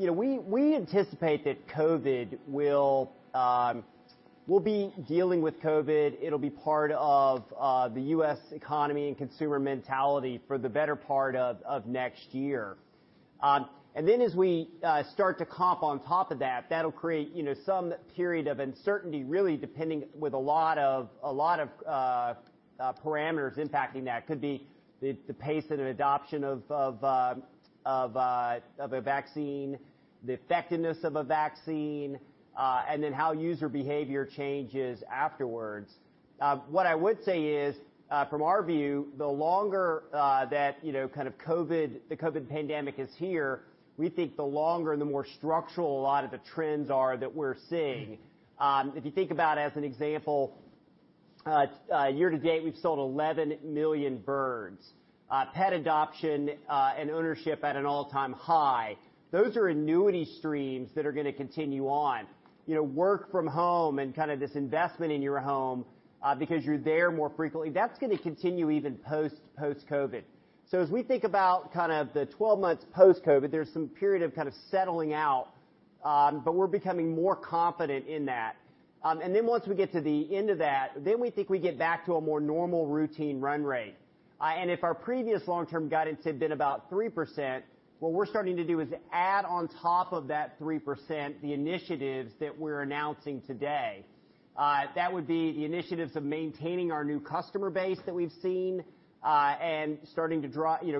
we anticipate that we'll be dealing with COVID, it'll be part of the U.S. economy and consumer mentality for the better part of next year. As we start to comp on top of that'll create some period of uncertainty, really depending with a lot of parameters impacting that. Could be the pace and adoption of a vaccine, the effectiveness of a vaccine, and then how user behavior changes afterwards. What I would say is, from our view, the longer that the COVID pandemic is here, we think the longer and the more structural a lot of the trends are that we're seeing. If you think about, as an example, year to date, we've sold 11 million birds. Pet adoption and ownership at an all-time high. Those are annuity streams that are gonna continue on. Work from home and this investment in your home, because you're there more frequently, that's gonna continue even post-COVID. As we think about the 12 months post-COVID, there's some period of kind of settling out, but we're becoming more confident in that. Then once we get to the end of that, then we think we get back to a more normal routine run rate. If our previous long-term guidance had been about 3%, what we're starting to do is add-on top of that 3%, the initiatives that we're announcing today. That would be the initiatives of maintaining our new customer base that we've seen,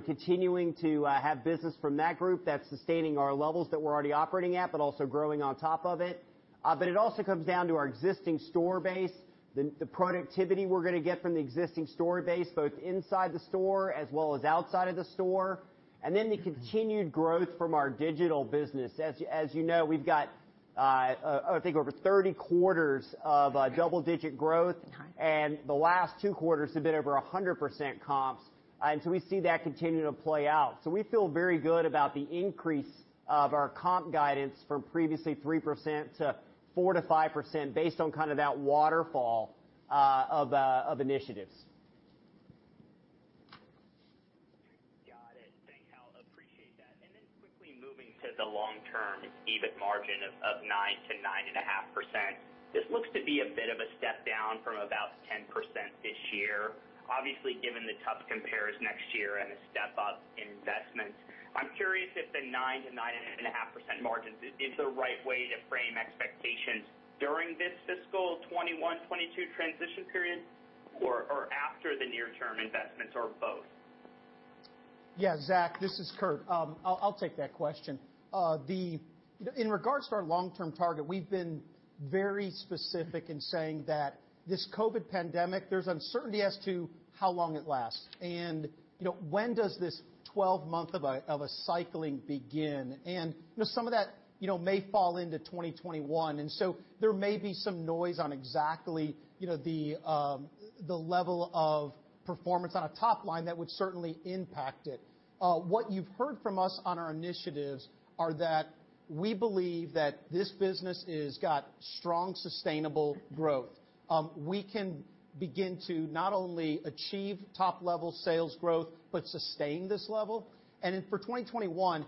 continuing to have business from that group, that's sustaining our levels that we're already operating at, also growing on top of it. It also comes down to our existing store base, the productivity we're going to get from the existing store base, both inside the store as well as outside of the store, the continued growth from our digital business. As you know, we've got, I think, over 30 quarters of double-digit growth. Right. The last two quarters have been over 100% comps. We see that continuing to play out. We feel very good about the increase of our comp guidance from previously 3%-4%-5% based on kind of that waterfall of initiatives. Got it. Thanks, Hal. Appreciate that. Quickly moving to the long-term EBIT margin of 9%-9.5%. This looks to be a bit of a step down from about 10% this year. Obviously, given the tough compares next year and a step-up in investments. I'm curious if the 9%-9.5% margins is the right way to frame expectations during this fiscal 2021, 2022 transition period, or after the near-term investments, or both? Yeah, Zach, this is Kurt. I'll take that question. In regards to our long-term target, we've been very specific in saying that this COVID pandemic, there's uncertainty as to how long it lasts and when does this 12 month of a cycling begin. Some of that may fall into 2021, so there may be some noise on exactly the level of performance on a top line that would certainly impact it. What you've heard from us on our initiatives are that we believe that this business has got strong, sustainable growth. We can begin to not only achieve top-level sales growth, but sustain this level. For 2021,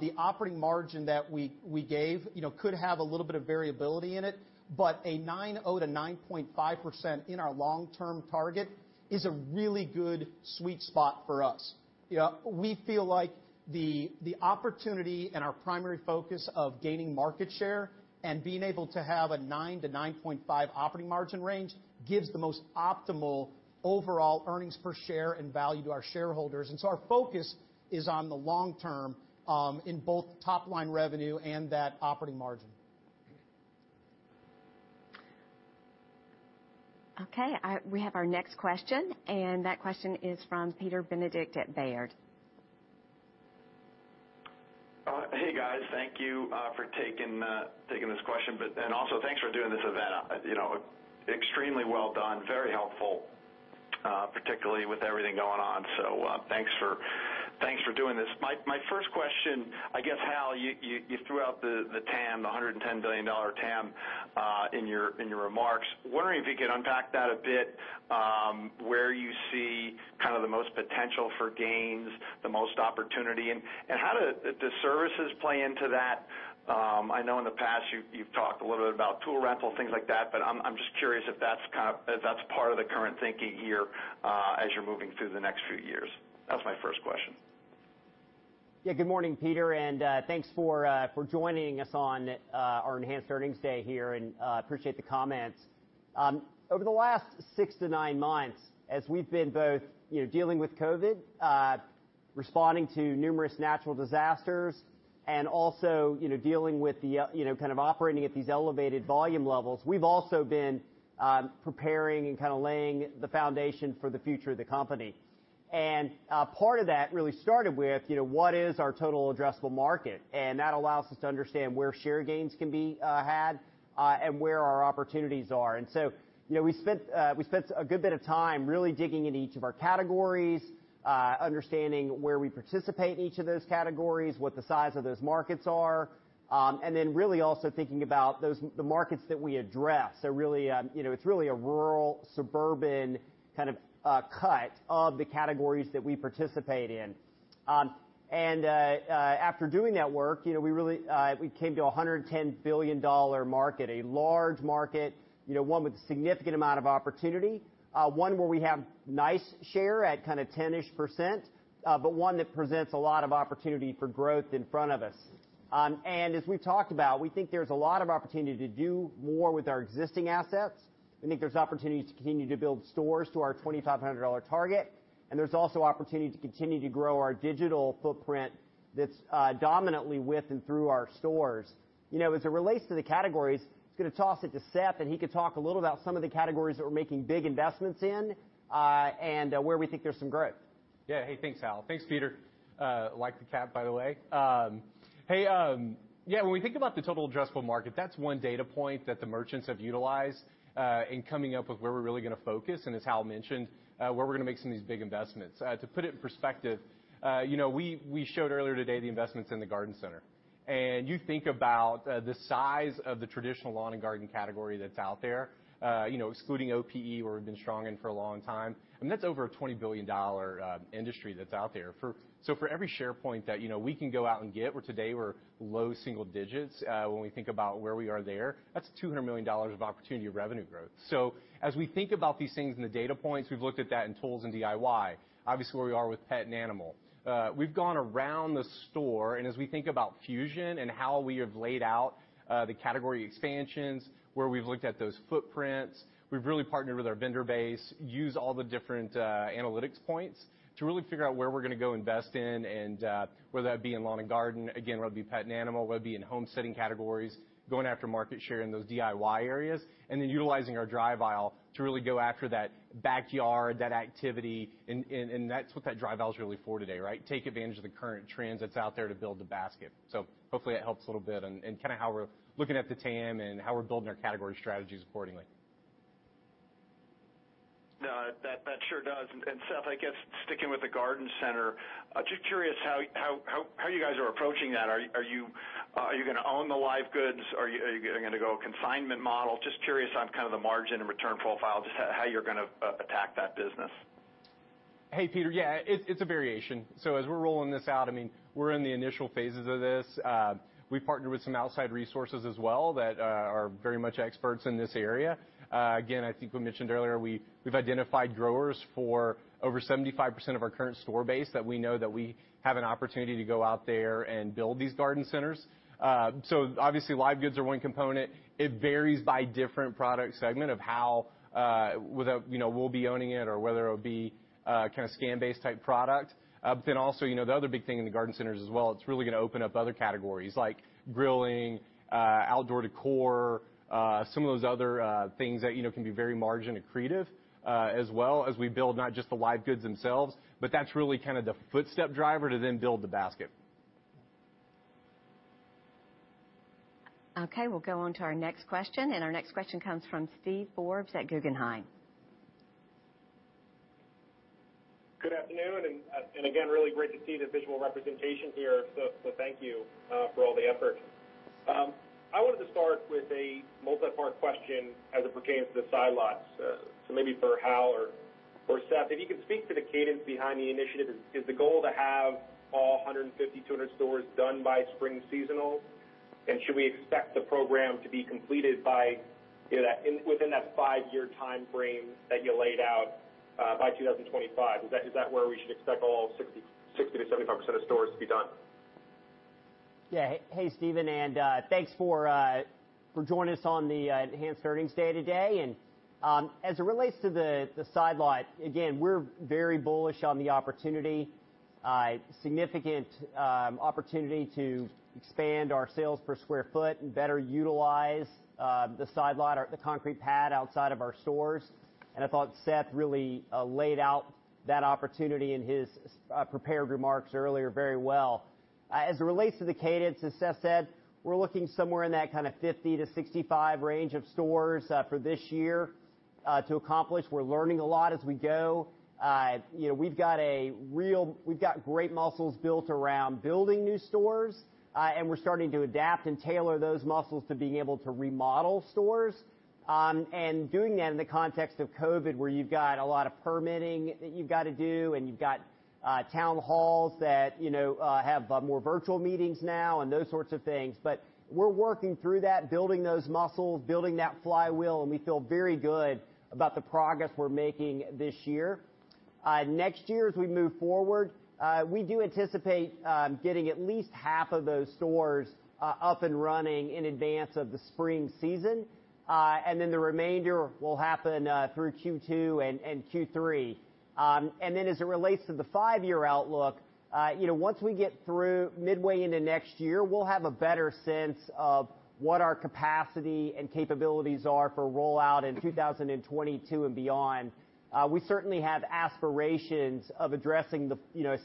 the operating margin that we gave could have a little bit of variability in it, but a 9.0%-9.5% in our long-term target is a really good sweet spot for us. We feel like the opportunity and our primary focus of gaining market share and being able to have a 9%-9.5% operating margin range gives the most optimal overall earnings per share and value to our shareholders. Our focus is on the long term, in both top-line revenue and that operating margin. Okay. Okay, we have our next question, and that question is from Peter Benedict at Baird. Hey, guys. Thank you for taking this question, and also thanks for doing this event. Extremely well done, very helpful, particularly with everything going on, so thanks for doing this. My first question, I guess, Hal, you threw out the TAM, the $110 billion TAM, in your remarks. Wondering if you could unpack that a bit, where you see kind of the most potential for gains, the most opportunity, and how do the services play into that? I know in the past you've talked a little bit about tool rental, things like that, but I'm just curious if that's part of the current thinking here as you're moving through the next few years. That's my first question. Good morning, Peter, thanks for joining us on our enhanced earnings day here and appreciate the comments. Over the last 6-9 months, as we've been both dealing with COVID, responding to numerous natural disasters, and also operating at these elevated volume levels, we've also been preparing and kind of laying the foundation for the future of the company. Part of that really started with, what is our total addressable market? That allows us to understand where share gains can be had, and where our opportunities are. We spent a good bit of time really digging into each of our categories, understanding where we participate in each of those categories, what the size of those markets are, and then really also thinking about the markets that we address. It's really a rural, suburban kind of cut of the categories that we participate in. After doing that work, we came to a $110 billion market, a large market, one with a significant amount of opportunity. One where we have nice share at kind of 10%, but one that presents a lot of opportunity for growth in front of us. As we've talked about, we think there's a lot of opportunity to do more with our existing assets. We think there's opportunities to continue to build stores to our 2,500 target. There's also opportunity to continue to grow our digital footprint that's dominantly with and through our stores. As it relates to the categories, just going to toss it to Seth, and he could talk a little about some of the categories that we're making big investments in, and where we think there's some growth. Hey, thanks, Hal. Thanks, Peter. Like the cap, by the way. When we think about the total addressable market, that's one data point that the merchants have utilized in coming up with where we're really going to focus, and as Hal mentioned, where we're going to make some of these big investments. To put it in perspective, we showed earlier today the investments in the garden center. You think about the size of the traditional lawn and garden category that's out there, excluding OPE, where we've been strong in for a long time, and that's over a $20 billion industry that's out there. For every share point that we can go out and get, where today we're low single digits, when we think about where we are there, that's a $200 million of opportunity of revenue growth. As we think about these things and the data points, we've looked at that in tools and DIY, obviously, where we are with pet and animal. We've gone around the store, and as we think about Fusion and how we have laid out the category expansions, where we've looked at those footprints, we've really partnered with our vendor base, used all the different analytics points to really figure out where we're going to go invest in, and whether that be in lawn and garden, again, whether it be pet and animal, whether it be in home setting categories, going after market share in those DIY areas, and then utilizing our drive aisle to really go after that backyard, that activity. That's what that drive aisle is really for today, right? Take advantage of the current trends that's out there to build the basket. Hopefully that helps a little bit in how we're looking at the TAM and how we're building our category strategies accordingly. No, that sure does. Seth, I guess sticking with the garden center, just curious how you guys are approaching that. Are you going to own the live goods? Are you going to go consignment model? Just curious on kind of the margin and return profile, just how you're going to attack that business. Hey, Peter. Yeah, it's a variation. As we're rolling this out, we're in the initial phases of this. We've partnered with some outside resources as well that are very much experts in this area. Again, I think we mentioned earlier, we've identified growers for over 75% of our current store base that we know that we have an opportunity to go out there and build these garden centers. Obviously, live goods are one component. It varies by different product segment of how, whether we'll be owning it or whether it'll be a kind of scan-based type product. The other big thing in the garden centers as well, it's really going to open up other categories like grilling, outdoor decor, some of those other things that can be very margin accretive, as well as we build not just the live goods themselves, but that's really kind of the footstep driver to then build the basket. Okay, we'll go on to our next question. Our next question comes from Steve Forbes at Guggenheim. Good afternoon, really great to see the visual representation here. Thank you for all the effort. I wanted to start with a multi-part question as it pertains to the side lots. Maybe for Hal or Seth, if you could speak to the cadence behind the initiative. Is the goal to have all 150, 200 stores done by spring seasonal? Should we expect the program to be completed within that five year timeframe that you laid out by 2025? Is that where we should expect all 60%-75% of stores to be done? Yeah. Hey, Steve, thanks for joining us on the enhanced earnings day today. As it relates to the side lot, again, we're very bullish on the opportunity. Significant opportunity to expand our sales per square foot and better utilize the side lot or the concrete pad outside of our stores. I thought Seth really laid out that opportunity in his prepared remarks earlier very well. As it relates to the cadence, as Seth said, we're looking somewhere in that kind of 50-65 range of stores for this year to accomplish. We're learning a lot as we go. We've got great muscles built around building new stores, and we're starting to adapt and tailor those muscles to being able to remodel stores. Doing that in the context of COVID, where you've got a lot of permitting that you've got to do, and you've got town halls that have more virtual meetings now and those sorts of things. We're working through that, building those muscles, building that flywheel, and we feel very good about the progress we're making this year. Next year, as we move forward, we do anticipate getting at least half of those stores up and running in advance of the spring season. The remainder will happen through Q2 and Q3. As it relates to the five year outlook, once we get through midway into next year, we'll have a better sense of what our capacity and capabilities are for rollout in 2022 and beyond. We certainly have aspirations of addressing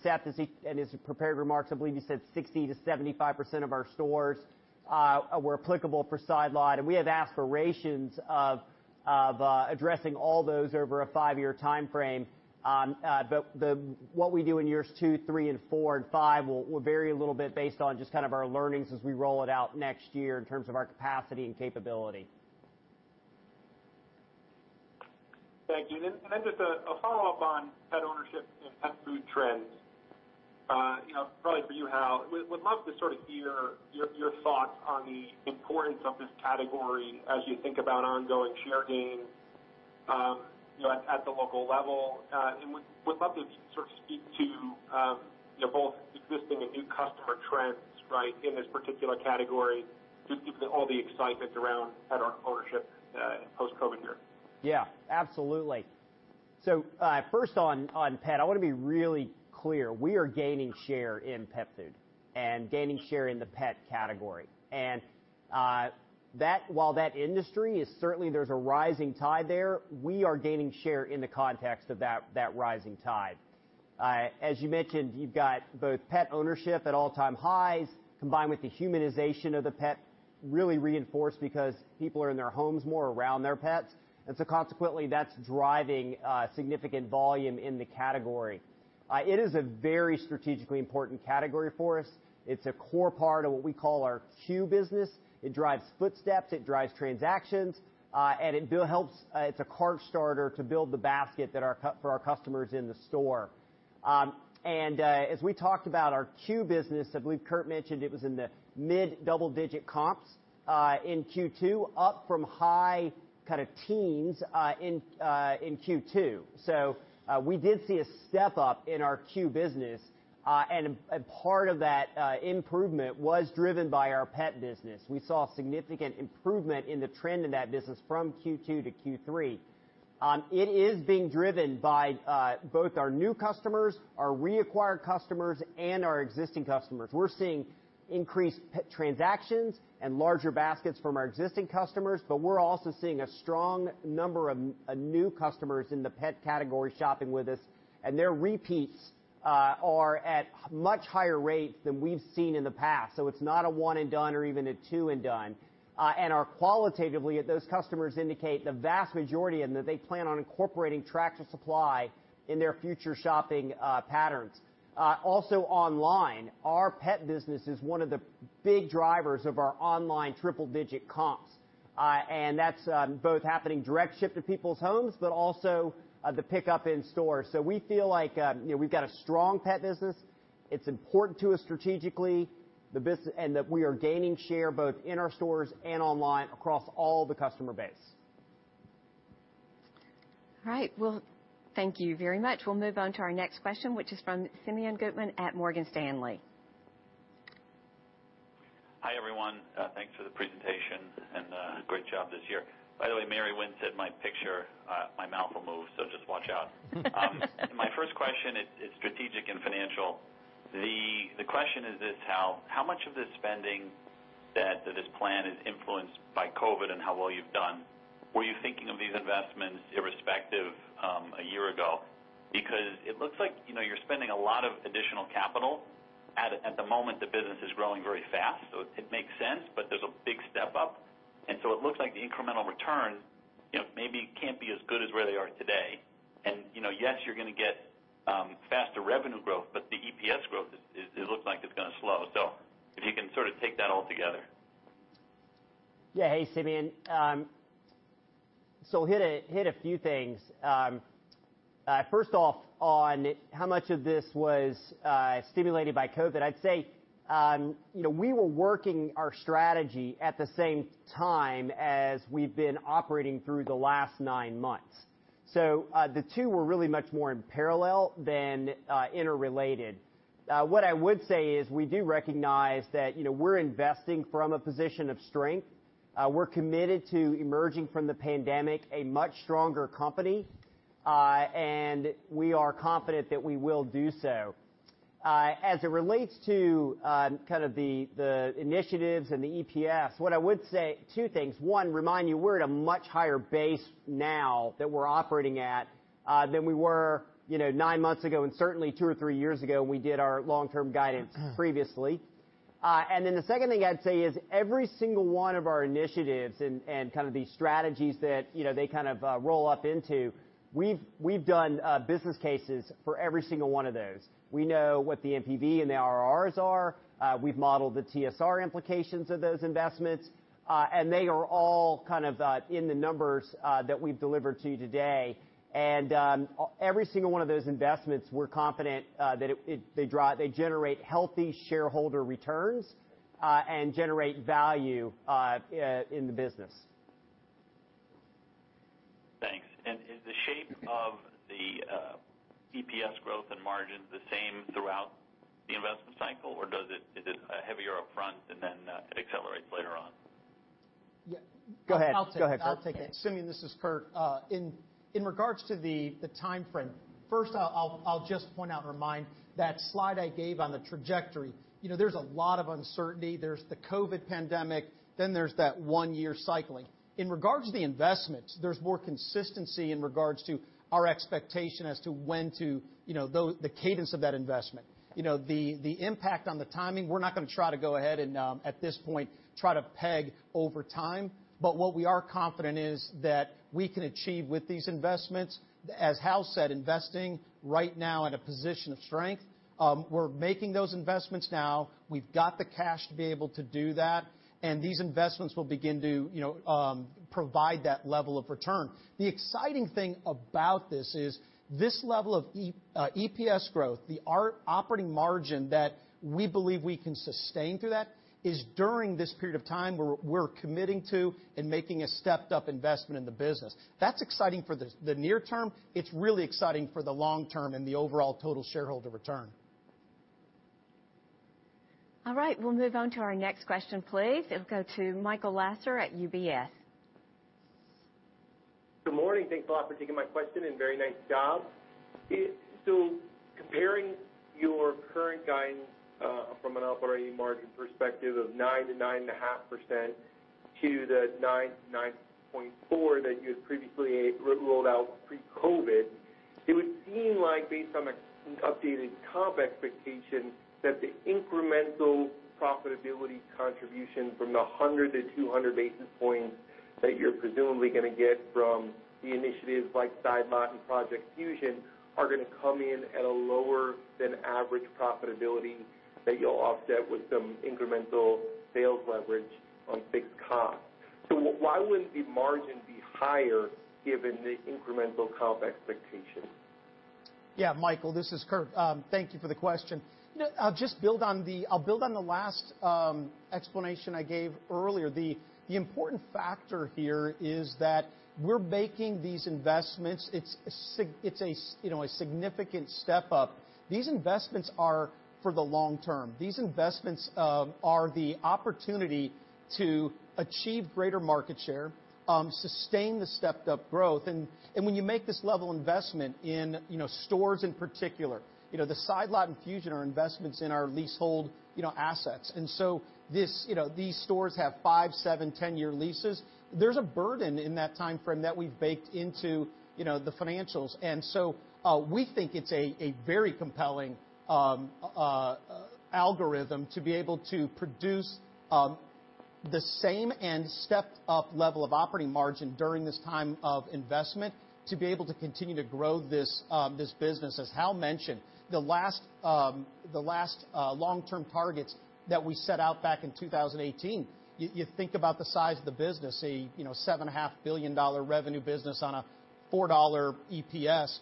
Seth, in his prepared remarks, I believe you said 60%-75% of our stores were applicable for side lot. We have aspirations of addressing all those over a five year timeframe. What we do in years two, three, and four, and five will vary a little bit based on just kind of our learnings as we roll it out next year in terms of our capacity and capability. Thank you. Just a follow-up on pet ownership and pet food trends. Probably for you, Hal. Would love to sort of hear your thoughts on the importance of this category as you think about ongoing share gains at the local level. Would love to sort of speak to both existing and new customer trends, in this particular category, given all the excitement around pet ownership post-COVID here. Yeah, absolutely. First on pet, I want to be really clear. We are gaining share in pet food and gaining share in the pet category. While that industry is certainly there's a rising tide there, we are gaining share in the context of that rising tide. As you mentioned, you've got both pet ownership at all-time highs, combined with the humanization of the pet, really reinforced because people are in their homes more around their pets. Consequently, that's driving significant volume in the category. It is a very strategically important category for us. It's a core part of what we call our C.U.E. business. It drives footsteps, it drives transactions, and it's a cart starter to build the basket for our customers in the store. As we talked about our C.U.E. business, I believe Kurt mentioned it was in the mid-double-digit comps in Q2, up from high teens in Q2. We did see a step up in our C.U.E. business. Part of that improvement was driven by our pet business. We saw significant improvement in the trend in that business from Q2-Q3. It is being driven by both our new customers, our reacquired customers, and our existing customers. We're seeing increased pet transactions and larger baskets from our existing customers, but we're also seeing a strong number of new customers in the pet category shopping with us, and their repeats are at much higher rates than we've seen in the past. It's not a one and done or even a two and done. Qualitatively, those customers indicate the vast majority, and that they plan on incorporating Tractor Supply in their future shopping patterns. Also online, our pet business is one of the big drivers of our online triple-digit comps. That's both happening direct ship to people's homes, but also the pickup in store. We feel like we've got a strong pet business. It's important to us strategically, and that we are gaining share both in our stores and online across all the customer base. All right. Well, thank you very much. We'll move on to our next question, which is from Simeon Gutman at Morgan Stanley. Hi, everyone. Thanks for the presentation and great job this year. By the way, Mary Winn said my picture, my mouth will move, so just watch out. My first question is strategic and financial. The question is this, Hal: how much of this spending that this plan is influenced by COVID and how well you've done, were you thinking of these investments irrespective a year ago? It looks like you're spending a lot of additional capital. At the moment, the business is growing very fast, so it makes sense, but there's a big step up. It looks like the incremental return maybe can't be as good as where they are today. Yes, you're going to get faster revenue growth, but the EPS growth, it looks like it's going to slow. If you can sort of take that all together. Yeah. Hey, Simeon. Hit a few things. First off on how much of this was stimulated by COVID, I'd say, we were working our strategy at the same time as we've been operating through the last nine months. The two were really much more in parallel than interrelated. What I would say is we do recognize that we're investing from a position of strength. We're committed to emerging from the pandemic a much stronger company. We are confident that we will do so. As it relates to kind of the initiatives and the EPS, what I would say, two things. One, remind you, we're at a much higher base now that we're operating at than we were nine months ago, and certainly two or three years ago when we did our long-term guidance previously. The second thing I'd say is every single one of our initiatives and kind of the strategies that they kind of roll up into, we've done business cases for every single one of those. We know what the NPV and the IRRs are. We've modeled the TSR implications of those investments. They are all kind of in the numbers that we've delivered to you today. Every single one of those investments, we're confident that they generate healthy shareholder returns and generate value in the business. Thanks. Is the shape of the EPS growth and margins the same throughout the investment cycle, or is it heavier up front and then it accelerates later on? Yeah. Go ahead. I'll take it. Go ahead, Kurt. I'll take it. Simeon, this is Kurt. In regards to the timeframe, first, I'll just point out and remind that slide I gave on the trajectory. There's a lot of uncertainty. There's the COVID pandemic. There's that one-year cycling. In regards to the investments, there's more consistency in regards to our expectation as to when to the cadence of that investment. The impact on the timing, we're not going to try to go ahead and, at this point, try to peg over time. What we are confident is that we can achieve with these investments, as Hal said, investing right now in a position of strength. We're making those investments now. We've got the cash to be able to do that. These investments will begin to provide that level of return. The exciting thing about this is this level of EPS growth, the operating margin that we believe we can sustain through that is during this period of time where we're committing to and making a stepped-up investment in the business. That's exciting for the near term. It's really exciting for the long term and the overall total shareholder return. All right. We'll move on to our next question, please. It'll go to Michael Lasser at UBS. Good morning. Thanks a lot for taking my question, and very nice job. Comparing your current guidance from an operating margin perspective of 9%-9.5% to the 9%-9.4% that you had previously rolled out pre-COVID. It would seem like based on an updated comp expectation, that the incremental profitability contribution from the 100-200 basis points that you're presumably going to get from the initiatives like Side Lot and Project Fusion are going to come in at a lower than average profitability that you'll offset with some incremental sales leverage on fixed cost. Why wouldn't the margin be higher given the incremental comp expectation? Michael, this is Kurt. Thank you for the question. I'll build on the last explanation I gave earlier. The important factor here is that we're making these investments. It's a significant step up. These investments are for the long term. These investments are the opportunity to achieve greater market share, sustain the stepped-up growth. When you make this level of investment in stores in particular, the Side Lot and Fusion are investments in our leasehold assets. These stores have five, seven, 10 years leases. There's a burden in that timeframe that we've baked into the financials. We think it's a very compelling algorithm to be able to produce the same and stepped-up level of operating margin during this time of investment to be able to continue to grow this business. As Hal mentioned, the last long-term targets that we set out back in 2018, you think about the size of the business, a $7.5 billion revenue business on a $4 EPS.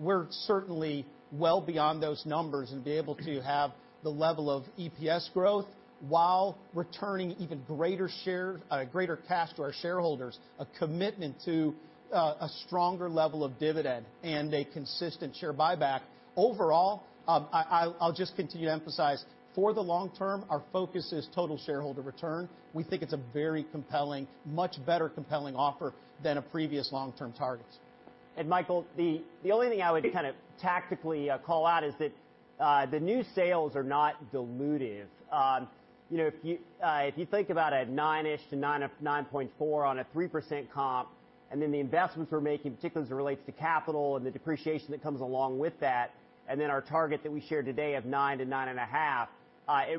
We're certainly well beyond those numbers and be able to have the level of EPS growth while returning even greater cash to our shareholders, a commitment to a stronger level of dividend, and a consistent share buyback. Overall, I'll just continue to emphasize, for the long term, our focus is total shareholder return. We think it's a very compelling, much better compelling offer than a previous long-term targets. Michael, the only thing I would kind of tactically call out is that the new sales are not dilutive. If you think about a nine-ish to 9.4 on a 3% comp, and then the investments we're making, particularly as it relates to capital and the depreciation that comes along with that, and then our target that we shared today of nine to nine and a half,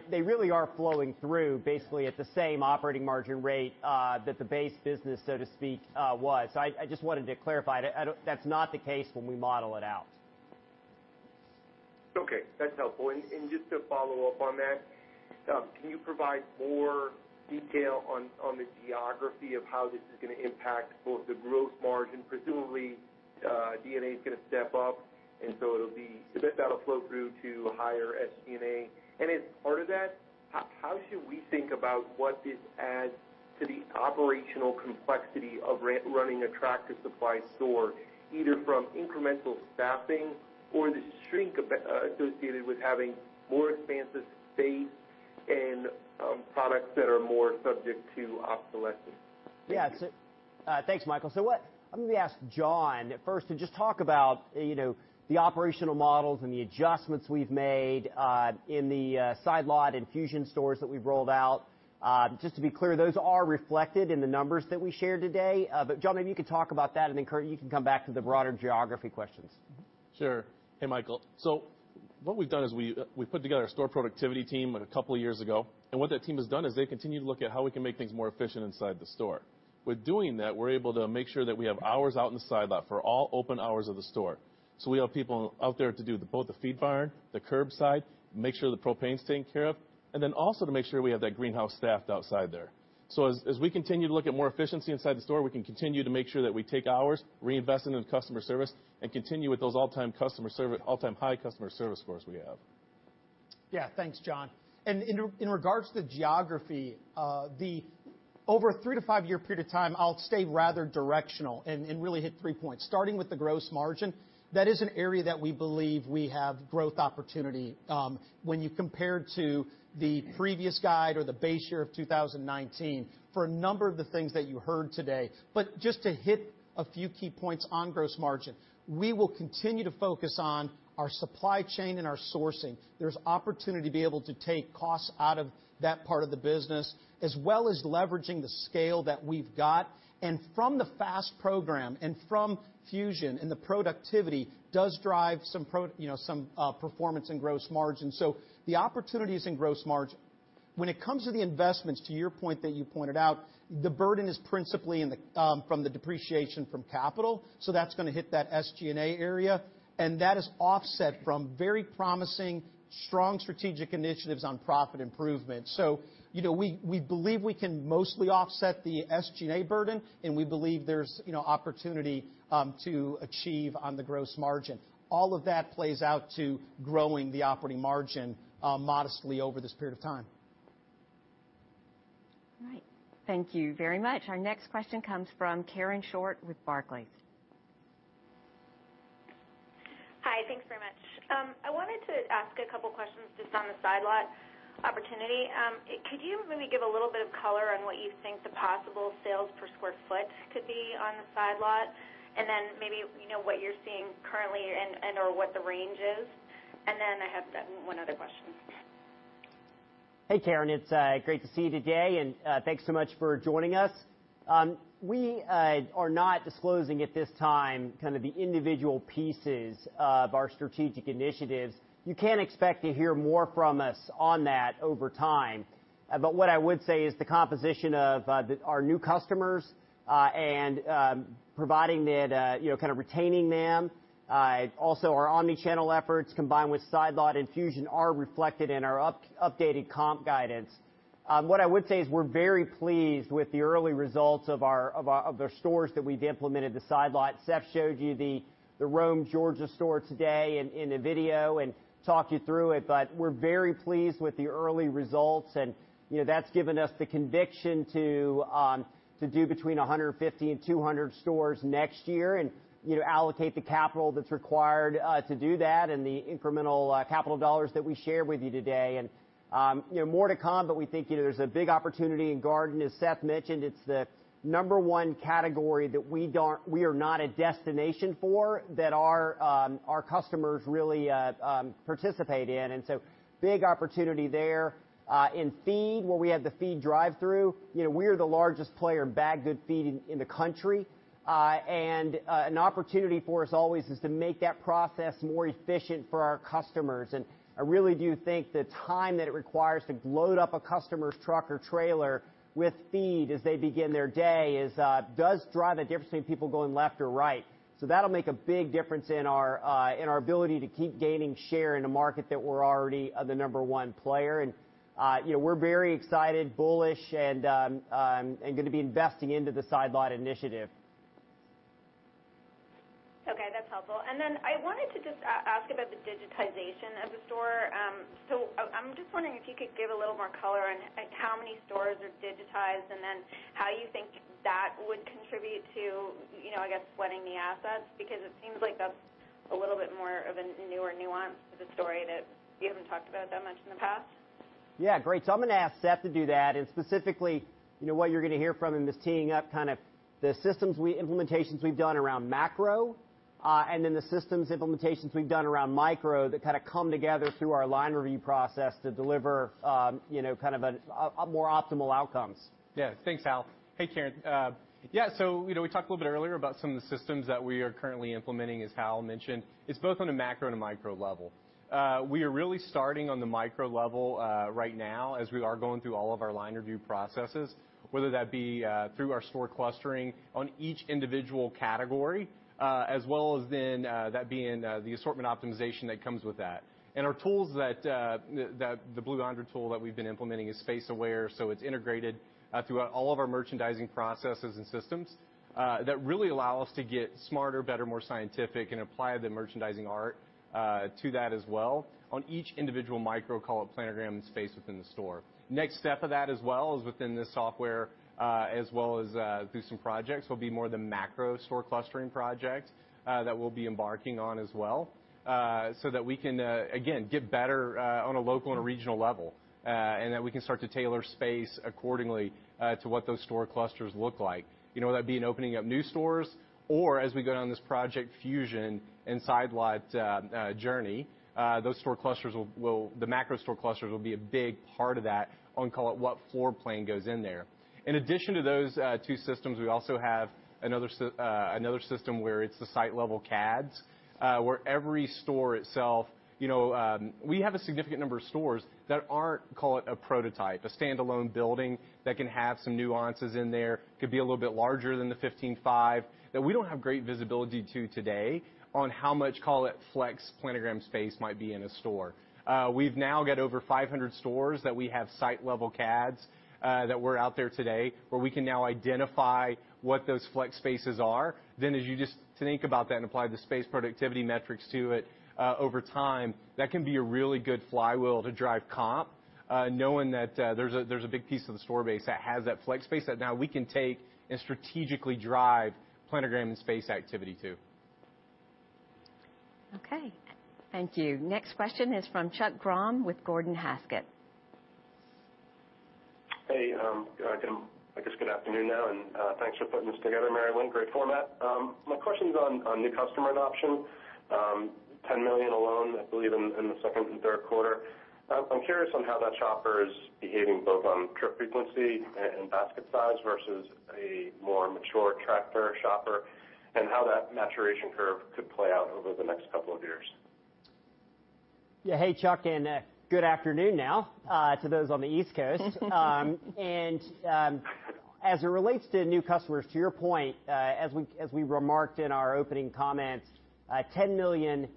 they really are flowing through basically at the same operating margin rate that the base business, so to speak, was. I just wanted to clarify, that's not the case when we model it out. Okay, that's helpful. Just to follow up on that, can you provide more detail on the geography of how this is going to impact both the gross margin, presumably D&A is going to step up, and so that'll flow through to higher SG&A. As part of that, how should we think about what this adds to the operational complexity of running a Tractor Supply store, either from incremental staffing or the shrink associated with having more expansive space and products that are more subject to obsolescence? Thank you. Yeah. Thanks, Michael. I'm going to ask John at first to just talk about the operational models and the adjustments we've made in the Side Lot and Fusion stores that we've rolled out. Just to be clear, those are reflected in the numbers that we shared today. John, maybe you could talk about that, and then Kurt, you can come back to the broader geography questions. Sure. Hey, Michael. What we've done is we put together a store productivity team a couple of years ago. What that team has done is they continue to look at how we can make things more efficient inside the store. With doing that, we're able to make sure that we have hours out in the side lot for all open hours of the store. We have people out there to do both the feed barn, the curbside, make sure the propane's taken care of, and then also to make sure we have that greenhouse staffed outside there. As we continue to look at more efficiency inside the store, we can continue to make sure that we take hours, reinvest them in customer service, and continue with those all-time high customer service scores we have. Yeah, thanks, John. In regards to geography, over a 3-5 year period of time, I'll stay rather directional and really hit three points. Starting with the gross margin, that is an area that we believe we have growth opportunity when you compare to the previous guide or the base year of 2019 for a number of the things that you heard today. Just to hit a few key points on gross margin, we will continue to focus on our supply chain and our sourcing. There's opportunity to be able to take costs out of that part of the business, as well as leveraging the scale that we've got. From the FAST program and from Fusion and the productivity does drive some performance in gross margin. The opportunity is in gross margin. When it comes to the investments, to your point that you pointed out, the burden is principally from the depreciation from capital. That's going to hit that SG&A area, and that is offset from very promising, strong strategic initiatives on profit improvement. We believe we can mostly offset the SG&A burden, and we believe there's opportunity to achieve on the gross margin. All of that plays out to growing the operating margin modestly over this period of time. All right. Thank you very much. Our next question comes from Karen Short with Barclays. Hi. Thanks very much. I wanted to ask a couple questions just on the Side Lot opportunity. Could you maybe give a little bit of color on what you think the possible sales per sq ft could be on the Side Lot? Then maybe what you're seeing currently and or what the range is. Then I have one other question. Hey, Karen. It's great to see you today. Thanks so much for joining us. We are not disclosing at this time the individual pieces of our strategic initiatives. You can expect to hear more from us on that over time. What I would say is the composition of our new customers and providing that, kind of retaining them, also our omnichannel efforts combined with side lot infusion are reflected in our updated comp guidance. What I would say is we're very pleased with the early results of the stores that we've implemented the side lot. Seth showed you the Rome, Georgia store today in a video and talked you through it. We're very pleased with the early results, and that's given us the conviction to do between 150 and 200 stores next year and allocate the capital that's required to do that, and the incremental capital dollars that we shared with you today. More to come, but we think there's a big opportunity in garden. As Seth mentioned, it's the number one category that we are not a destination for, that our customers really participate in. Big opportunity there. In feed, where we have the feed drive-through, we are the largest player in bag good feed in the country. An opportunity for us always is to make that process more efficient for our customers. I really do think the time that it requires to load up a customer's truck or trailer with feed as they begin their day does drive a difference between people going left or right. That'll make a big difference in our ability to keep gaining share in a market that we're already the number one player. We're very excited, bullish, and going to be investing into the side lot initiative. Okay, that's helpful. I wanted to just ask about the digitization of the store. I'm just wondering if you could give a little more color on how many stores are digitized, and then how you think that would contribute to, I guess, sweating the assets, because it seems like that's a little bit more of a newer nuance to the story that you haven't talked about that much in the past. Yeah, great. I'm going to ask Seth to do that, and specifically, what you're going to hear from him is teeing up kind of the systems implementations we've done around macro, and then the systems implementations we've done around micro that kind of come together through our line review process to deliver more optimal outcomes. Yeah. Thanks, Hal. Hey, Karen. Yeah, we talked a little bit earlier about some of the systems that we are currently implementing, as Hal mentioned. It's both on a macro and a micro level. We are really starting on the micro level right now as we are going through all of our line review processes, whether that be through our store clustering on each individual category, as well as then that being the assortment optimization that comes with that. Our tools, the Blue Yonder tool that we've been implementing is space aware, so it's integrated throughout all of our merchandising processes and systems that really allow us to get smarter, better, more scientific and apply the merchandising art to that as well on each individual micro planogram space within the store. Next step of that as well is within the software, as well as through some projects, will be more the macro store clustering project that we'll be embarking on as well, so that we can, again, get better on a local and regional level. That we can start to tailor space accordingly to what those store clusters look like. Whether that be in opening up new stores, or as we go down this Project Fusion and side lot journey, the macro store clusters will be a big part of that on what floor plan goes in there. In addition to those two systems, we also have another system where it's the site-level CADs. We have a significant number of stores that aren't a prototype, a standalone building that can have some nuances in there. Could be a little bit larger than the 15 five that we don't have great visibility to today on how much flex planogram space might be in a store. We've now got over 500 stores that we have site level CADs that were out there today, where we can now identify what those flex spaces are. As you just think about that and apply the space productivity metrics to it, over time, that can be a really good flywheel to drive comp, knowing that there's a big piece of the store base that has that flex space that now we can take and strategically drive planogram and space activity to. Okay. Thank you. Next question is from Chuck Grom with Gordon Haskett. Hey, I guess good afternoon now. Thanks for putting this together, Mary Winn. Great format. My question's on new customer adoption. $10 million alone, I believe in the second and third quarter. I'm curious on how that shopper is behaving both on trip frequency and basket size versus a more mature Tractor shopper, and how that maturation curve could play out over the next couple of years. Yeah. Hey, Chuck, good afternoon now to those on the East Coast. As it relates to new customers, to your point, as we remarked in our opening comments, 10 million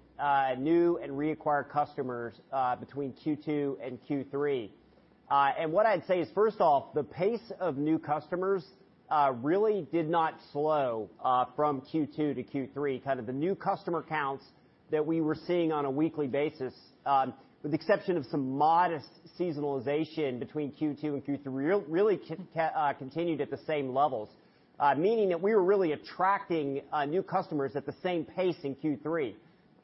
new and reacquired customers between Q2 and Q3. What I'd say is, first off, the pace of new customers really did not slow from Q2-Q3. The new customer counts that we were seeing on a weekly basis, with the exception of some modest seasonalization between Q2 and Q3, really continued at the same levels. Meaning that we were really attracting new customers at the same pace in Q3.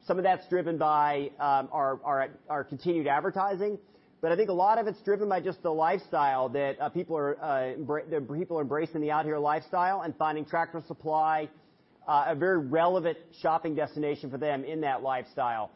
Some of that's driven by our continued advertising, but I think a lot of it's driven by just the lifestyle, that people are embracing the outdoor lifestyle and finding Tractor Supply a very relevant shopping destination for them in that lifestyle.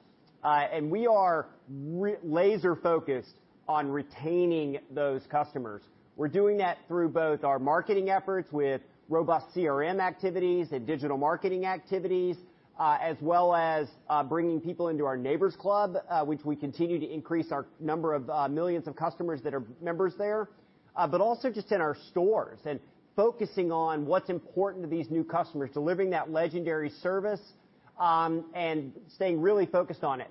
We are laser-focused on retaining those customers. We're doing that through both our marketing efforts with robust CRM activities and digital marketing activities, as well as bringing people into our Neighbor's Club, which we continue to increase our number of millions of customers that are members there, but also just in our stores and focusing on what's important to these new customers, delivering that legendary service, and staying really focused on it.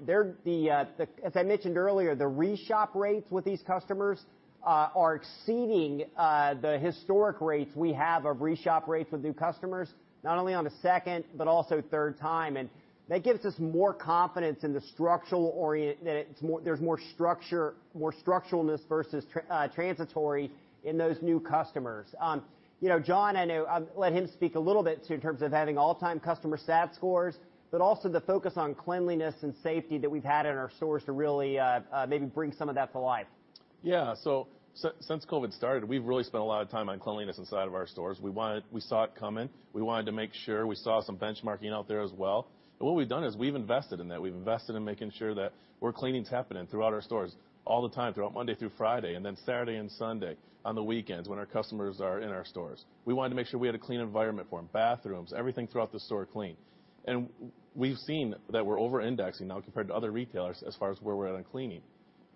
As I mentioned earlier, the re-shop rates with these customers are exceeding the historic rates we have of re-shop rates with new customers, not only on the second but also third time. That gives us more confidence in that there's more structural-ness versus transitory in those new customers. John, I know, I'll let him speak a little bit too in terms of having all-time customer stat scores, but also the focus on cleanliness and safety that we've had in our stores to really maybe bring some of that to life. Yeah. Since COVID started, we've really spent a lot of time on cleanliness inside of our stores. We saw it coming. We wanted to make sure. We saw some benchmarking out there as well. What we've done is we've invested in that. We've invested in making sure that we're cleaning, tapping in throughout our stores all the time, throughout Monday through Friday, and then Saturday and Sunday, on the weekends when our customers are in our stores. We wanted to make sure we had a clean environment for them, bathrooms, everything throughout the store clean. We've seen that we're over-indexing now compared to other retailers as far as where we're at on cleaning.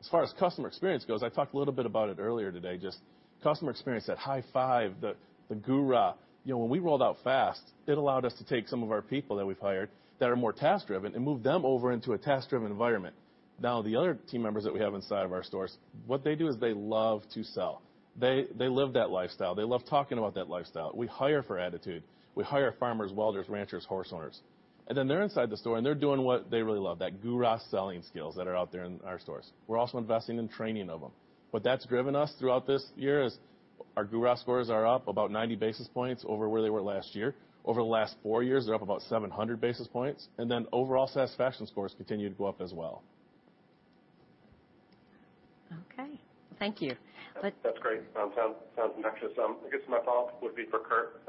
As far as customer experience goes, I talked a little bit about it earlier today, just customer experience, that High Five, the GURA. When we rolled out FAST, it allowed us to take some of our people that we've hired that are more task-driven and move them over into a task-driven environment. The other team members that we have inside of our stores, what they do is they love to sell. They live that lifestyle. They love talking about that lifestyle. We hire for attitude. We hire farmers, welders, ranchers, horse owners. They're inside the store, and they're doing what they really love, that GURA selling skills that are out there in our stores. We're also investing in training of them. What that's driven us throughout this year is our GURA scores are up about 90 basis points over where they were last year. Over the last four years, they're up about 700 basis points. Overall satisfaction scores continue to go up as well. Okay. Thank you. That's great. Sounds excellent. I guess my follow-up would be for Kurt.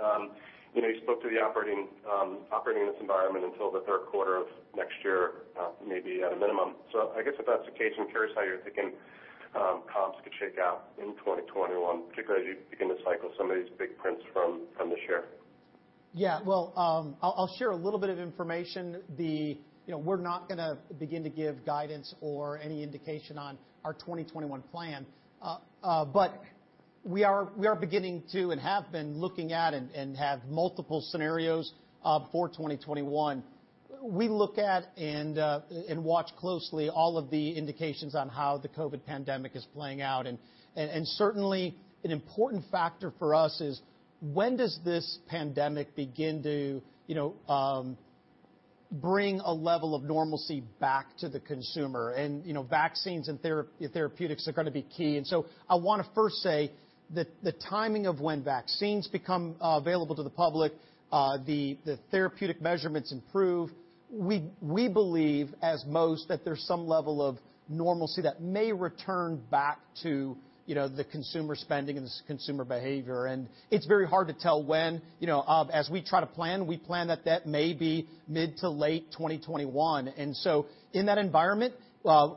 You spoke to operating in this environment until the third quarter of next year, maybe at a minimum. I guess if that's the case, I'm curious how you're thinking comps could shake out in 2021, particularly as you begin to cycle some of these big prints from this year. Yeah. Well, I'll share a little bit of information. We're not going to begin to give guidance or any indication on our 2021 plan. We are beginning to and have been looking at and have multiple scenarios for 2021. We look at and watch closely all of the indications on how the COVID pandemic is playing out, and certainly, an important factor for us is when does this pandemic begin to bring a level of normalcy back to the consumer? Vaccines and therapeutics are going to be key. I want to first say that the timing of when vaccines become available to the public, the therapeutic measurements improve. We believe, as most, that there's some level of normalcy that may return back to the consumer spending and consumer behavior. It's very hard to tell when. As we try to plan, we plan that that may be mid to late 2021. In that environment,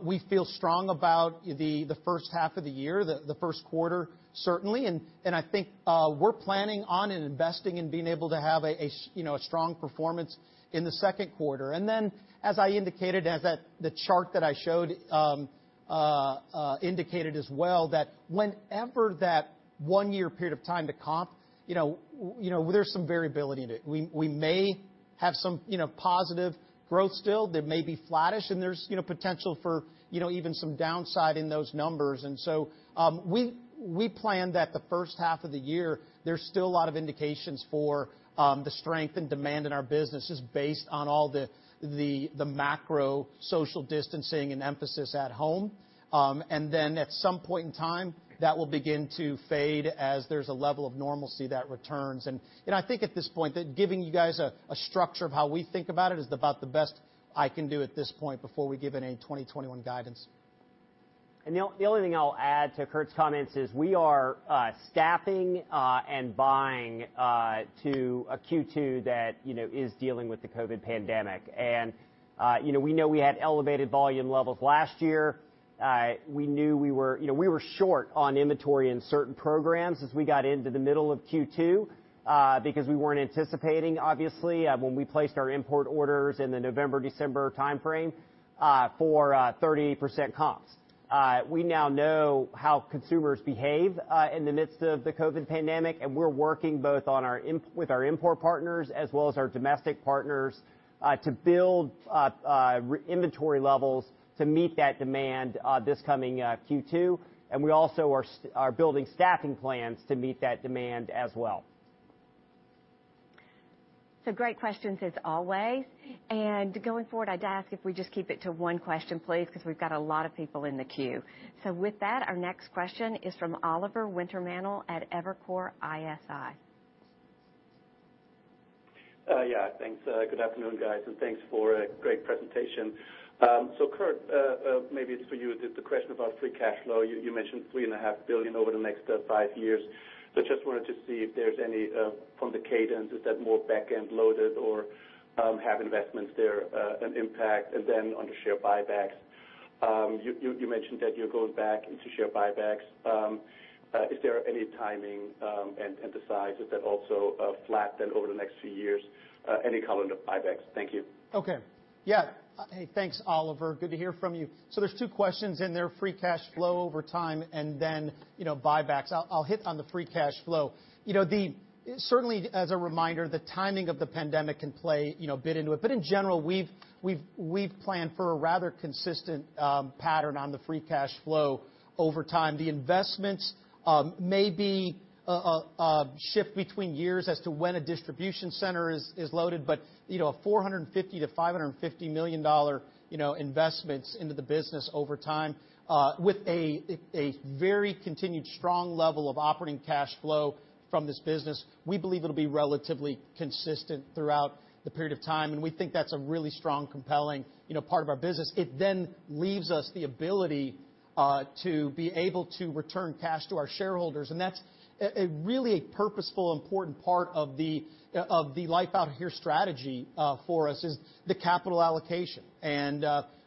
we feel strong about the first half of the year, the first quarter, certainly. I think we're planning on and investing in being able to have a strong performance in the second quarter. As I indicated, as the chart that I showed indicated as well, that whenever that one-year period of time to comp, there's some variability to it. We may have some positive growth still, that may be flattish, and there's potential for even some downside in those numbers. We plan that the first half of the year, there's still a lot of indications for the strength and demand in our business is based on all the macro social distancing and emphasis at home. At some point in time, that will begin to fade as there's a level of normalcy that returns. I think at this point that giving you guys a structure of how we think about it is about the best I can do at this point before we give any 2021 guidance. The only thing I'll add to Kurt's comments is we are staffing and buying to a Q2 that is dealing with the COVID pandemic. We know we had elevated volume levels last year. We knew we were short on inventory in certain programs as we got into the middle of Q2 because we weren't anticipating, obviously, when we placed our import orders in the November, December timeframe for 30% comps. We now know how consumers behave in the midst of the COVID pandemic, and we're working both with our import partners as well as our domestic partners to build inventory levels to meet that demand this coming Q2. We also are building staffing plans to meet that demand as well. Great questions as always. Going forward, I'd ask if we just keep it to one question, please, because we've got a lot of people in the queue. With that, our next question is from Oliver Wintermantel at Evercore ISI. Yeah. Thanks. Good afternoon, guys, thanks for a great presentation. Kurt, maybe it's for you, the question about free cash flow, you mentioned $3.5 billion over the next five years. I just wanted to see if there's any from the cadence, is that more back-end loaded or have investments there, an impact? On the share buybacks, you mentioned that you're going back into share buybacks. Is there any timing and the size, is that also flat then over the next few years? Any comment on buybacks? Thank you. Okay. Yeah. Hey, thanks, Oliver. There's two questions in there, free cash flow over time and then buybacks. I'll hit on the free cash flow. Certainly, as a reminder, the timing of the pandemic can play a bit into it. In general, we've planned for a rather consistent pattern on the free cash flow over time. The investments may be a shift between years as to when a distribution center is loaded, but a $450 million-$550 million investments into the business over time, with a very continued strong level of operating cash flow from this business. We believe it'll be relatively consistent throughout the period of time, and we think that's a really strong, compelling part of our business. It then leaves us the ability to be able to return cash to our shareholders, and that's really a purposeful important part of the Life Out Here Strategy for us, is the capital allocation.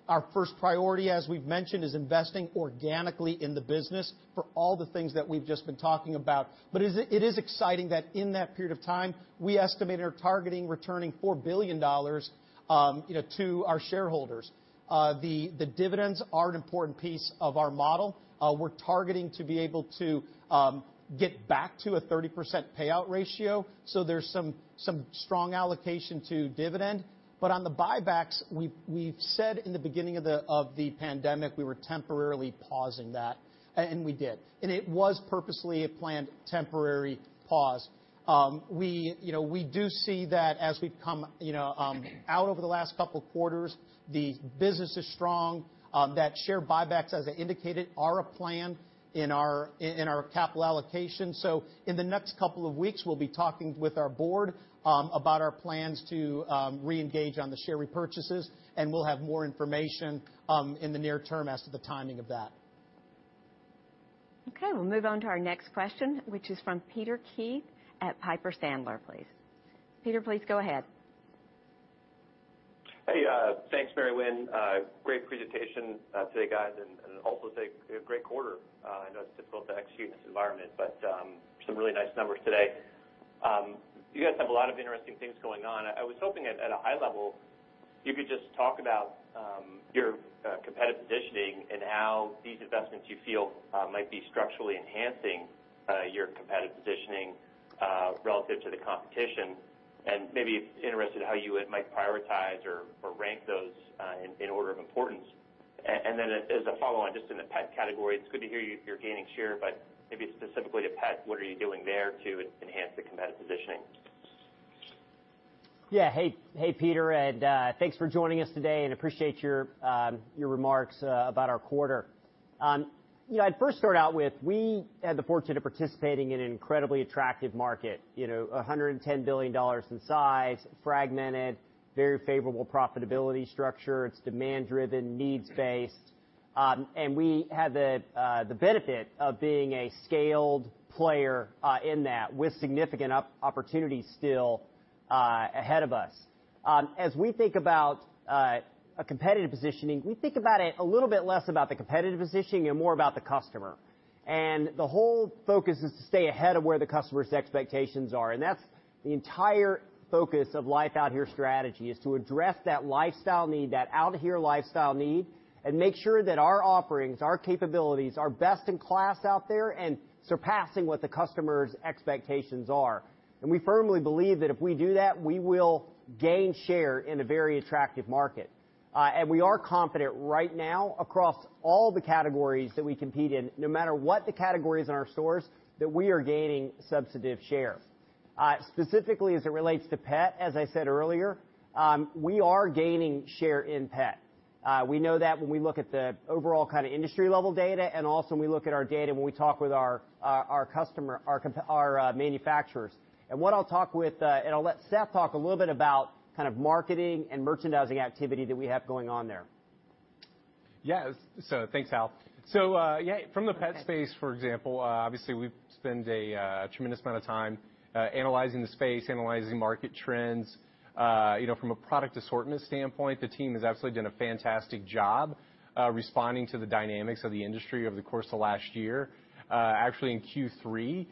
Our first priority, as we've mentioned, is investing organically in the business for all the things that we've just been talking about. It is exciting that in that period of time, we estimate or are targeting returning $4 billion to our shareholders. The dividends are an important piece of our model. We're targeting to be able to get back to a 30% payout ratio, so there's some strong allocation to dividend. On the buybacks, we've said in the beginning of the pandemic, we were temporarily pausing that, and we did. It was purposely a planned temporary pause. We do see that as we've come out over the last couple of quarters, the business is strong. That share buybacks, as I indicated, are a plan in our capital allocation. In the next couple of weeks, we'll be talking with our board about our plans to reengage on the share repurchases, we'll have more information in the near term as to the timing of that. Okay, we'll move on to our next question, which is from Peter Keith at Piper Sandler, please. Peter, please go ahead. Hey, thanks, Mary Winn. Great presentation today, guys, and also a great quarter. I know it's difficult to execute in this environment. Some really nice numbers today. You guys have a lot of interesting things going on. I was hoping at a high level you could just talk about your competitive positioning and how these investments you feel might be structurally enhancing your competitive positioning relative to the competition, and maybe interested how you might prioritize or rank those in order of importance. As a follow-on just in the pet category, it's good to hear you're gaining share, but maybe specifically to pet, what are you doing there to enhance the competitive positioning? Hey, Peter, thanks for joining us today and appreciate your remarks about our quarter. I'd first start out with, we had the fortune of participating in an incredibly attractive market, $110 billion in size, fragmented, very favorable profitability structure. It's demand-driven, needs-based. We have the benefit of being a scaled player in that with significant opportunity still ahead of us. As we think about a competitive positioning, we think about it a little bit less about the competitive positioning and more about the customer. The whole focus is to stay ahead of where the customer's expectations are, and that's the entire focus of Life Out Here Strategy, is to address that lifestyle need, that Out Here lifestyle need, and make sure that our offerings, our capabilities, are best in class out there and surpassing what the customer's expectations are. We firmly believe that if we do that, we will gain share in a very attractive market. We are confident right now across all the categories that we compete in, no matter what the categories in our stores, that we are gaining substantive share. Specifically as it relates to pet, as I said earlier, we are gaining share in pet. We know that when we look at the overall industry level data and also when we look at our data when we talk with our manufacturers. I'll let Seth talk a little bit about marketing and merchandising activity that we have going on there. Thanks, Hal. From the pet space, for example, obviously we spend a tremendous amount of time analyzing the space, analyzing market trends. From a product assortment standpoint, the team has absolutely done a fantastic job responding to the dynamics of the industry over the course of last year. In Q3,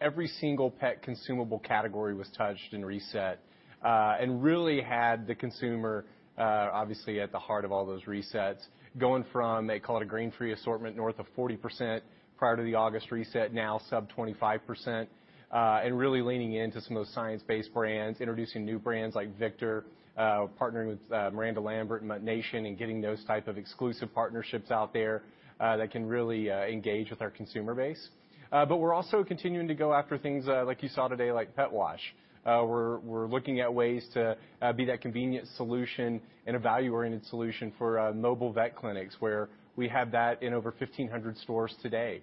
every single pet consumable category was touched and reset, and really had the consumer, obviously, at the heart of all those resets, going from, they call it a grain-free assortment, north of 40% prior to the August reset, now sub 25%. Really leaning into some of those science-based brands, introducing new brands like VICTOR, partnering with Miranda Lambert and MuttNation, and getting those type of exclusive partnerships out there that can really engage with our consumer base. We're also continuing to go after things, like you saw today, like pet wash. We're looking at ways to be that convenient solution and a value-oriented solution for mobile vet clinics, where we have that in over 1,500 stores today.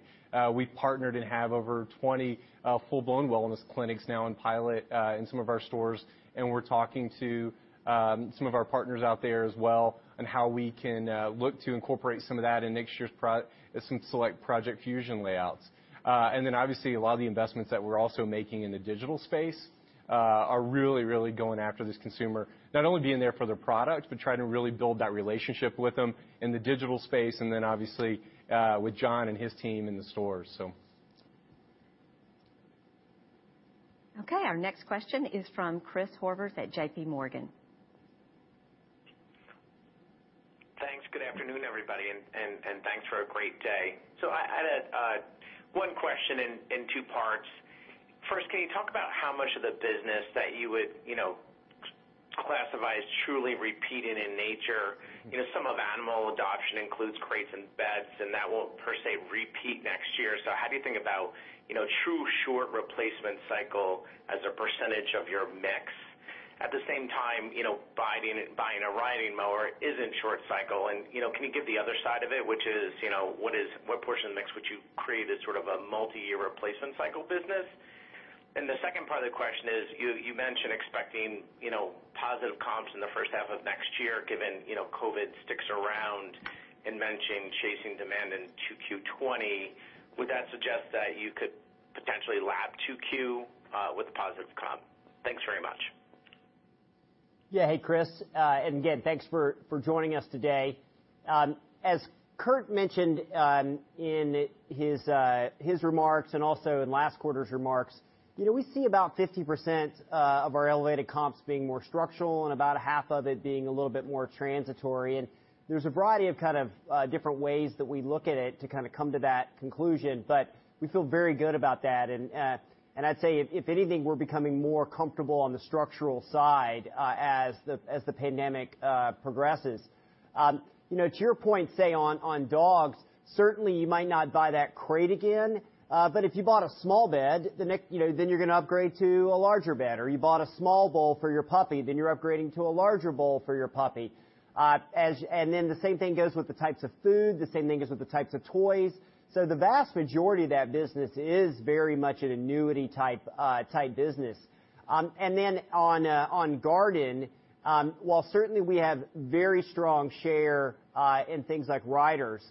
We partnered and have over 20 full-blown wellness clinics now in pilot in some of our stores, and we're talking to some of our partners out there as well on how we can look to incorporate some of that in next year's select Project Fusion layouts. Obviously a lot of the investments that we're also making in the digital space are really going after this consumer, not only being there for their product, but trying to really build that relationship with them in the digital space, and then obviously, with John and his team in the stores. Okay. Our next question is from Chris Horvers at JP Morgan. Thanks. Good afternoon, everybody, and thanks for a great day. I had one question in two parts. First, can you talk about how much of the business that you would classify as truly repeated in nature? Some of animal adoption includes crates and beds, and that won't per se repeat next year. How do you think about true short replacement cycle as a percentage of your mix? At the same time, buying a riding mower is in short cycle and can you give the other side of it, which is, what portion of the mix would you create as sort of a multi-year replacement cycle business? The second part of the question is, you mentioned expecting positive comps in the first half of next year, given COVID sticks around and mentioning chasing demand in 2Q 2020. Would that suggest that you could potentially lap 2Q with a positive comp? Thanks very much. Yeah. Hey, Chris. Again, thanks for joining us today. As Kurt mentioned in his remarks and also in last quarter's remarks, we see about 50% of our elevated comps being more structural and about half of it being a little bit more transitory. There's a variety of kind of different ways that we look at it to kind of come to that conclusion. We feel very good about that. I'd say if anything, we're becoming more comfortable on the structural side as the pandemic progresses. To your point, say on dogs, certainly you might not buy that crate again, but if you bought a small bed, then you're going to upgrade to a larger bed, or you bought a small bowl for your puppy, then you're upgrading to a larger bowl for your puppy. The same thing goes with the types of food, the same thing goes with the types of toys. The vast majority of that business is very much an annuity type business. On garden, while certainly we have very strong share in things like riders,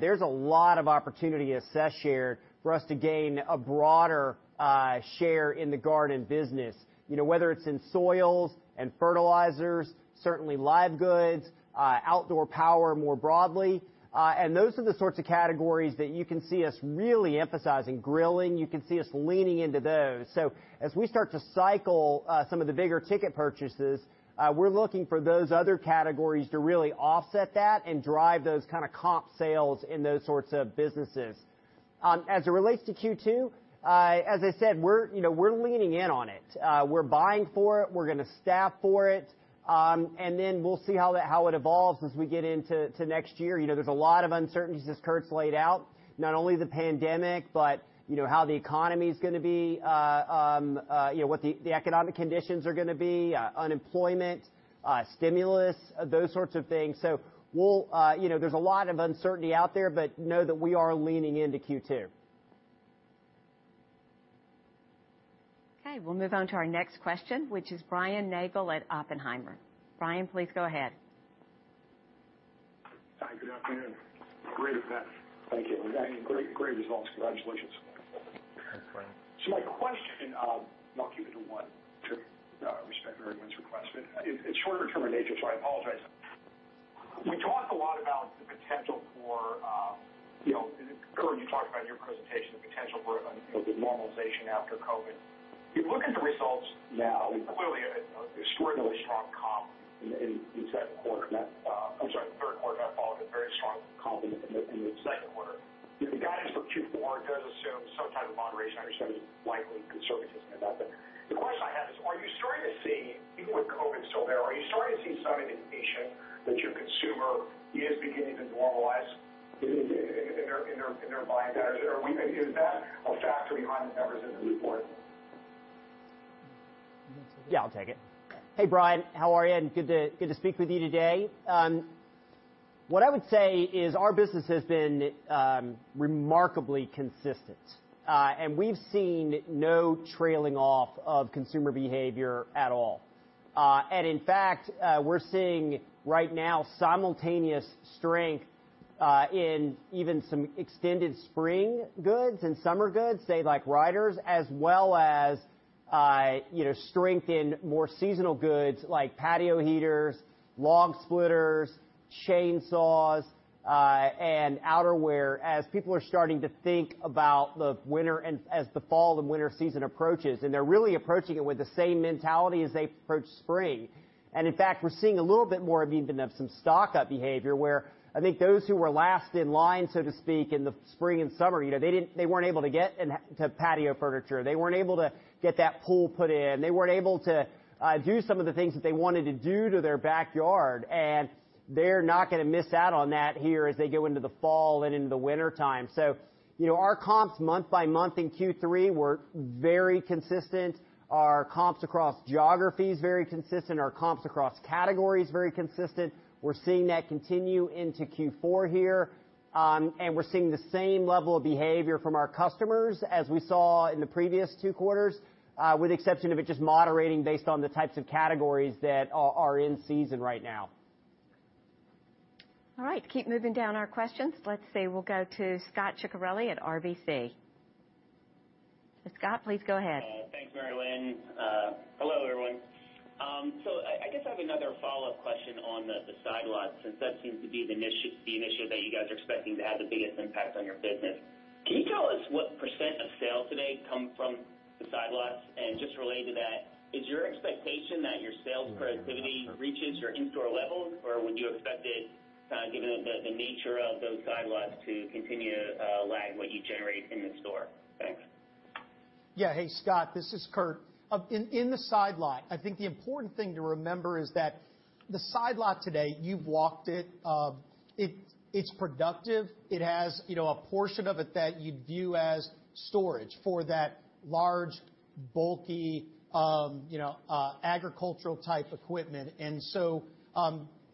there's a lot of opportunity to assess share for us to gain a broader share in the garden business, whether it's in soils and fertilizers, certainly live goods, outdoor power more broadly. Those are the sorts of categories that you can see us really emphasizing. Grilling, you can see us leaning into those. As we start to cycle some of the bigger ticket purchases, we're looking for those other categories to really offset that and drive those kind of comp sales in those sorts of businesses. As it relates to Q2, as I said, we're leaning in on it. We're buying for it, we're gonna staff for it, and then we'll see how it evolves as we get into next year. There's a lot of uncertainties as Kurt's laid out, not only the pandemic, but how the economy's gonna be, what the economic conditions are gonna be, unemployment, stimulus, those sorts of things. There's a lot of uncertainty out there, but know that we are leaning into Q2. Okay. We'll move on to our next question, which is Brian Nagel at Oppenheimer. Brian, please go ahead. Hi. Good afternoon. Great event. Thank you. Great results. Congratulations. Thanks, Brian. My question, and I'll keep it to one to respect everyone's request, but it's shorter term in nature, so I apologize. We talk a lot about the potential for, and Kurt, you talked about in your presentation, the potential for the normalization after COVID. You look at the results now, clearly an extraordinarily strong comp in that quarter, I'm sorry, third quarter not followed a very strong comp in the second quarter. The guidance for Q4 does assume some type of moderation. I understand it's likely conservatism in that. The question I have is, are you starting to see, even with COVID still there, are you starting to see some indication that your consumer is beginning to normalize in their buying patterns? Is that a factor behind the numbers in the report? You want to take it? Yeah, I'll take it. Hey, Brian. How are you? Good to speak with you today. What I would say is our business has been remarkably consistent. We've seen no trailing off of consumer behavior at all. In fact, we're seeing right now simultaneous strength in even some extended spring goods and summer goods, say like riders, as well as strength in more seasonal goods like patio heaters, log splitters, chainsaws, and outerwear as people are starting to think about the fall and winter season approaches. They're really approaching it with the same mentality as they approach spring. In fact, we're seeing a little bit more even of some stock-up behavior where I think those who were last in line, so to speak, in the spring and summer, they weren't able to get to patio furniture. They weren't able to get that pool put in. They weren't able to do some of the things that they wanted to do to their backyard. They're not going to miss out on that here as they go into the fall and into the winter time. Our comps month by month in Q3 were very consistent. Our comps across geography is very consistent. Our comps across category is very consistent. We're seeing that continue into Q4 here. We're seeing the same level of behavior from our customers as we saw in the previous two quarters, with the exception of it just moderating based on the types of categories that are in season right now. All right, keep moving down our questions. Let's see. We'll go to Scot Ciccarelli at RBC. Scot, please go ahead. Thanks, Mary Winn. Hello, everyone. I guess I have another follow-up question on the side lot, since that seems to be the initiative that you guys are expecting to have the biggest impact on your business. Can you tell us what percent of sales today come from the side lots? Just related to that, is your expectation that your sales productivity reaches your in-store levels, or would you expect it, kind of given the nature of those side lots, to continue to lag what you generate in the store? Thanks. Yeah. Hey, Scot. This is Kurt. In the side lot, I think the important thing to remember is that the side lot today, you've walked it. It's productive. It has a portion of it that you'd view as storage for that large, bulky, agricultural type equipment.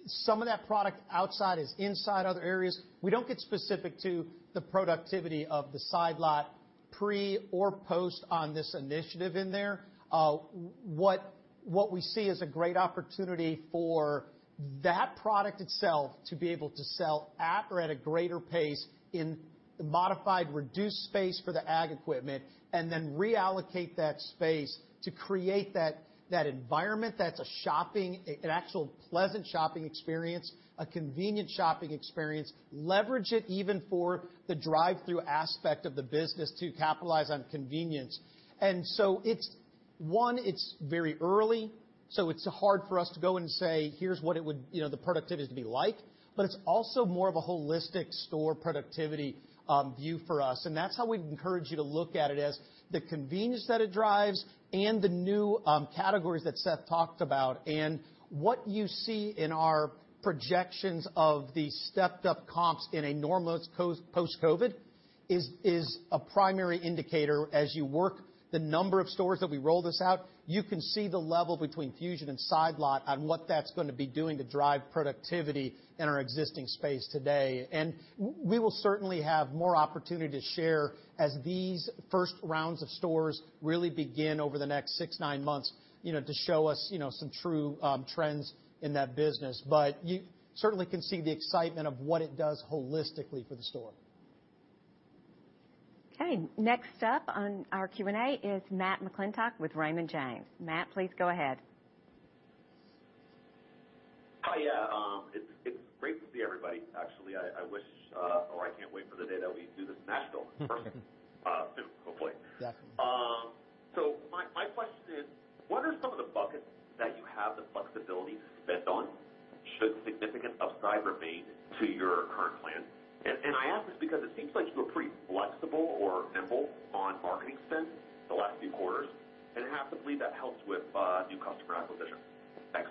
Some of that product outside is inside other areas. We don't get specific to the productivity of the side lot pre or post on this initiative in there. What we see is a great opportunity for that product itself to be able to sell at or at a greater pace in the modified, reduced space for the ag equipment, and then reallocate that space to create that environment that's an actual pleasant shopping experience, a convenient shopping experience, leverage it even for the drive-thru aspect of the business to capitalize on convenience. One, it's very early, so it's hard for us to go and say, "Here's what the productivity would be like," but it's also more of a holistic store productivity view for us. That's how we'd encourage you to look at it, as the convenience that it drives and the new categories that Seth talked about. What you see in our projections of the stepped-up comps in a normal post-COVID is a primary indicator as you work the number of stores that we roll this out. You can see the level between Fusion and Side Lot on what that's going to be doing to drive productivity in our existing space today. We will certainly have more opportunity to share as these first rounds of stores really begin over the next six, nine months to show us some true trends in that business. You certainly can see the excitement of what it does holistically for the store. Okay. Next up on our Q&A is Matt McClintock with Raymond James. Matt, please go ahead. Hi. It's great to see everybody, actually. I can't wait for the day that we do this national, in person, soon, hopefully. Definitely. My question is, what are some of the buckets that you have the flexibility to spend on, should significant upside remain to your current plan? I ask this because it seems like you were pretty flexible or nimble on marketing spend the last few quarters, and I have to believe that helps with new customer acquisition. Thanks.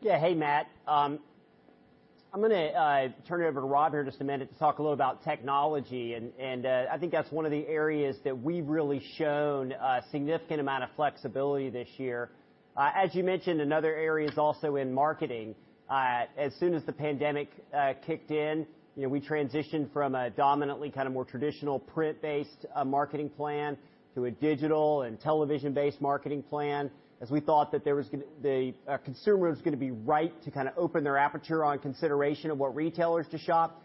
Yeah. Hey, Matt. I'm going to turn it over to Rob here just a minute to talk a little about technology, and I think that's one of the areas that we've really shown a significant amount of flexibility this year. As you mentioned, another area is also in marketing. As soon as the pandemic kicked in, we transitioned from a dominantly kind of more traditional print-based marketing plan to a digital and television-based marketing plan, as we thought that the consumer was going to be right to kind of open their aperture on consideration of what retailers to shop.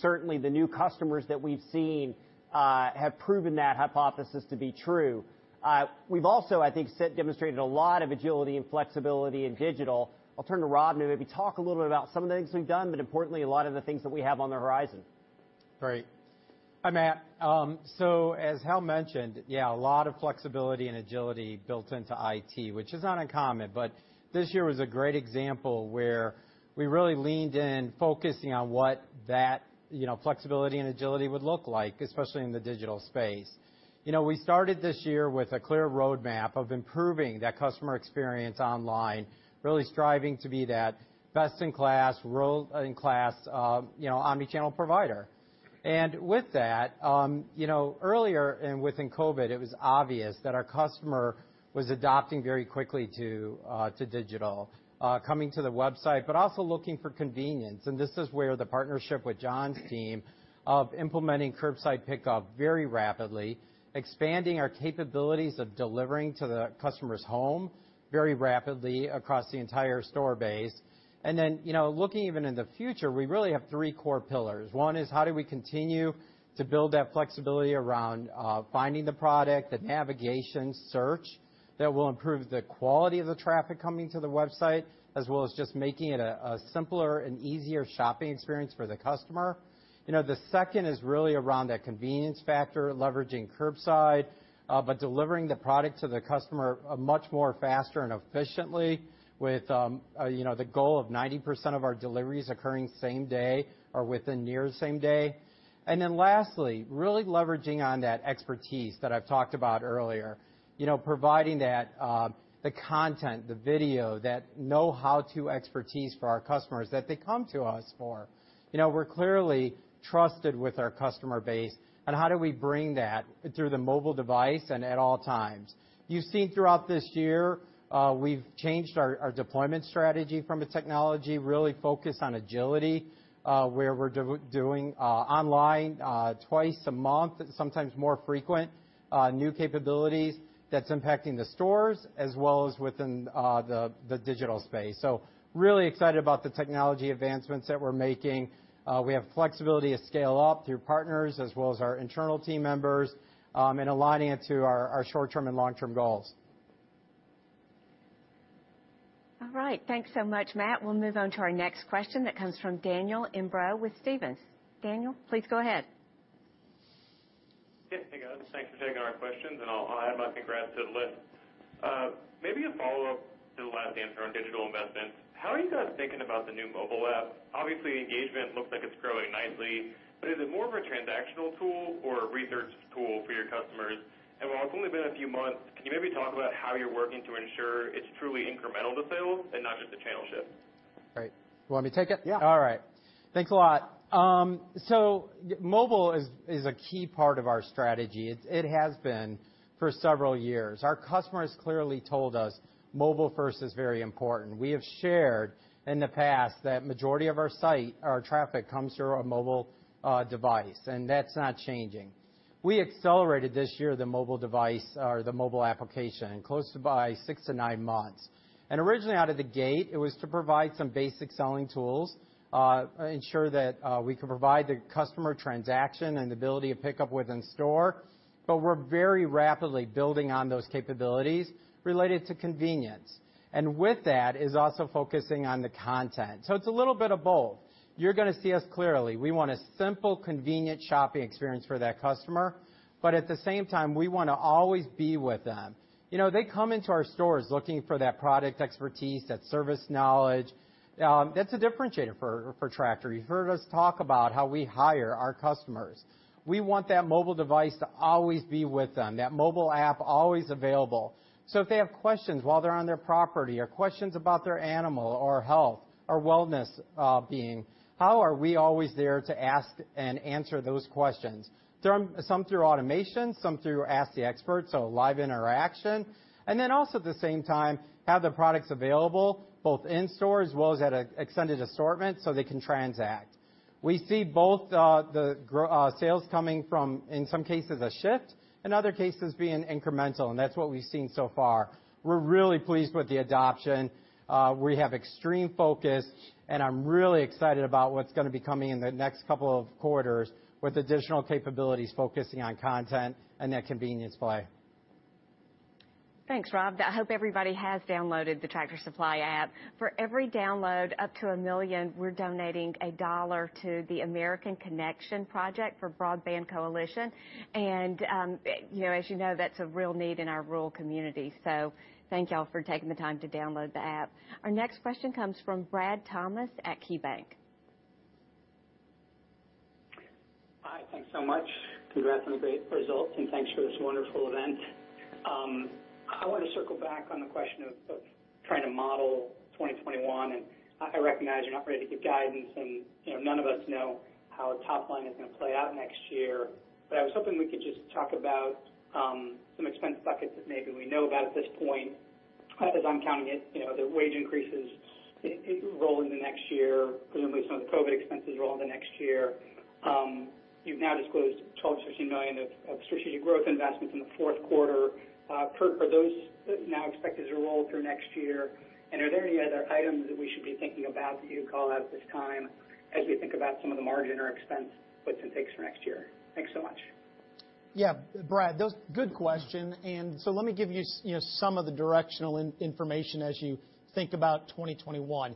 Certainly, the new customers that we've seen have proven that hypothesis to be true. We've also, I think, demonstrated a lot of agility and flexibility in digital. I'll turn to Rob to maybe talk a little bit about some of the things we've done, but importantly, a lot of the things that we have on the horizon. Great. Hi, Matt. As Hal mentioned, yeah, a lot of flexibility and agility built into IT, which is not uncommon, but this year was a great example where we really leaned in, focusing on what that flexibility and agility would look like, especially in the digital space. We started this year with a clear roadmap of improving that customer experience online, really striving to be that best in class, world-class, omnichannel provider. With that, earlier and within COVID, it was obvious that our customer was adapting very quickly to digital, coming to the website, but also looking for convenience. This is where the partnership with John's team of implementing curbside pickup very rapidly, expanding our capabilities of delivering to the customer's home very rapidly across the entire store base. Looking even in the future, we really have three core pillars. One is how do we continue to build that flexibility around finding the product, the navigation search that will improve the quality of the traffic coming to the website, as well as just making it a simpler and easier shopping experience for the customer? The second is really around that convenience factor, leveraging curbside, but delivering the product to the customer much more faster and efficiently with the goal of 90% of our deliveries occurring same day or within near the same day. Lastly, really leveraging on that expertise that I've talked about earlier, providing the content, the video, that know-how-to expertise for our customers that they come to us for. We're clearly trusted with our customer base, and how do we bring that through the mobile device and at all times? You've seen throughout this year, we've changed our deployment strategy from a technology really focused on agility, where we're doing online twice a month, sometimes more frequent, new capabilities that's impacting the stores as well as within the digital space. Really excited about the technology advancements that we're making. We have flexibility to scale up through partners as well as our internal team members, and aligning it to our short-term and long-term goals. All right. Thanks so much, Matt. We'll move on to our next question that comes from Daniel Imbro with Stephens. Daniel, please go ahead. Yes, hey, guys. Thanks for taking our questions, and I'll add my congrats to the list. Maybe a follow-up to the last answer on digital investments. How are you guys thinking about the new mobile app? Obviously, engagement looks like it's growing nicely, but is it more of a transactional tool or a research tool for your customers? While it's only been a few months, can you maybe talk about how you're working to ensure it's truly incremental to sales and not just a channel shift? Great. You want me to take it? Yeah. All right. Thanks a lot. Mobile is a key part of our strategy. It has been for several years. Our customers clearly told us mobile first is very important. We have shared in the past that majority of our traffic comes through a mobile device, and that's not changing. We accelerated this year, the mobile device or the mobile application, close to by 6-9 months. Originally out of the gate, it was to provide some basic selling tools, ensure that we could provide the customer transaction and the ability to pick up within store. We're very rapidly building on those capabilities related to convenience. With that is also focusing on the content. It's a little bit of both. You're going to see us clearly. We want a simple, convenient shopping experience for that customer. At the same time, we want to always be with them. They come into our stores looking for that product expertise, that service knowledge. That's a differentiator for Tractor. You've heard us talk about how we hire our customers. We want that mobile device to always be with them, that mobile app always available. If they have questions while they're on their property or questions about their animal or health or wellness being, how are we always there to ask and answer those questions? Some through automation, some through ask the experts, so live interaction. Also at the same time, have the products available both in-store as well as at an extended assortment so they can transact. We see both the sales coming from, in some cases, a shift, in other cases being incremental, and that's what we've seen so far. We're really pleased with the adoption. We have extreme focus, and I'm really excited about what's going to be coming in the next couple of quarters with additional capabilities focusing on content and that convenience play. Thanks, Rob. I hope everybody has downloaded the Tractor Supply app. For every download up to 1 million, we're donating $1 to the American Connection Project for Broadband Coalition. As you know, that's a real need in our rural community. Thank you all for taking the time to download the app. Our next question comes from Brad Thomas at KeyBanc. Hi, thanks so much. Congrats on the great results, thanks for this wonderful event. I want to circle back on the question of trying to model 2021, I recognize you're not ready to give guidance, and none of us know how top line is going to play out next year. I was hoping we could just talk about some expense buckets that maybe we know about at this point. As I'm counting it, the wage increases roll into next year. Presumably, some of the COVID expenses roll into next year. You've now disclosed $12 million-$16 million of strategic growth investments in the fourth quarter. Are those now expected to roll through next year? Are there any other items that we should be thinking about that you'd call out at this time as we think about some of the margin or expense puts and takes for next year? Thanks so much. Yeah. Brad, good question. Let me give you some of the directional information as you think about 2021.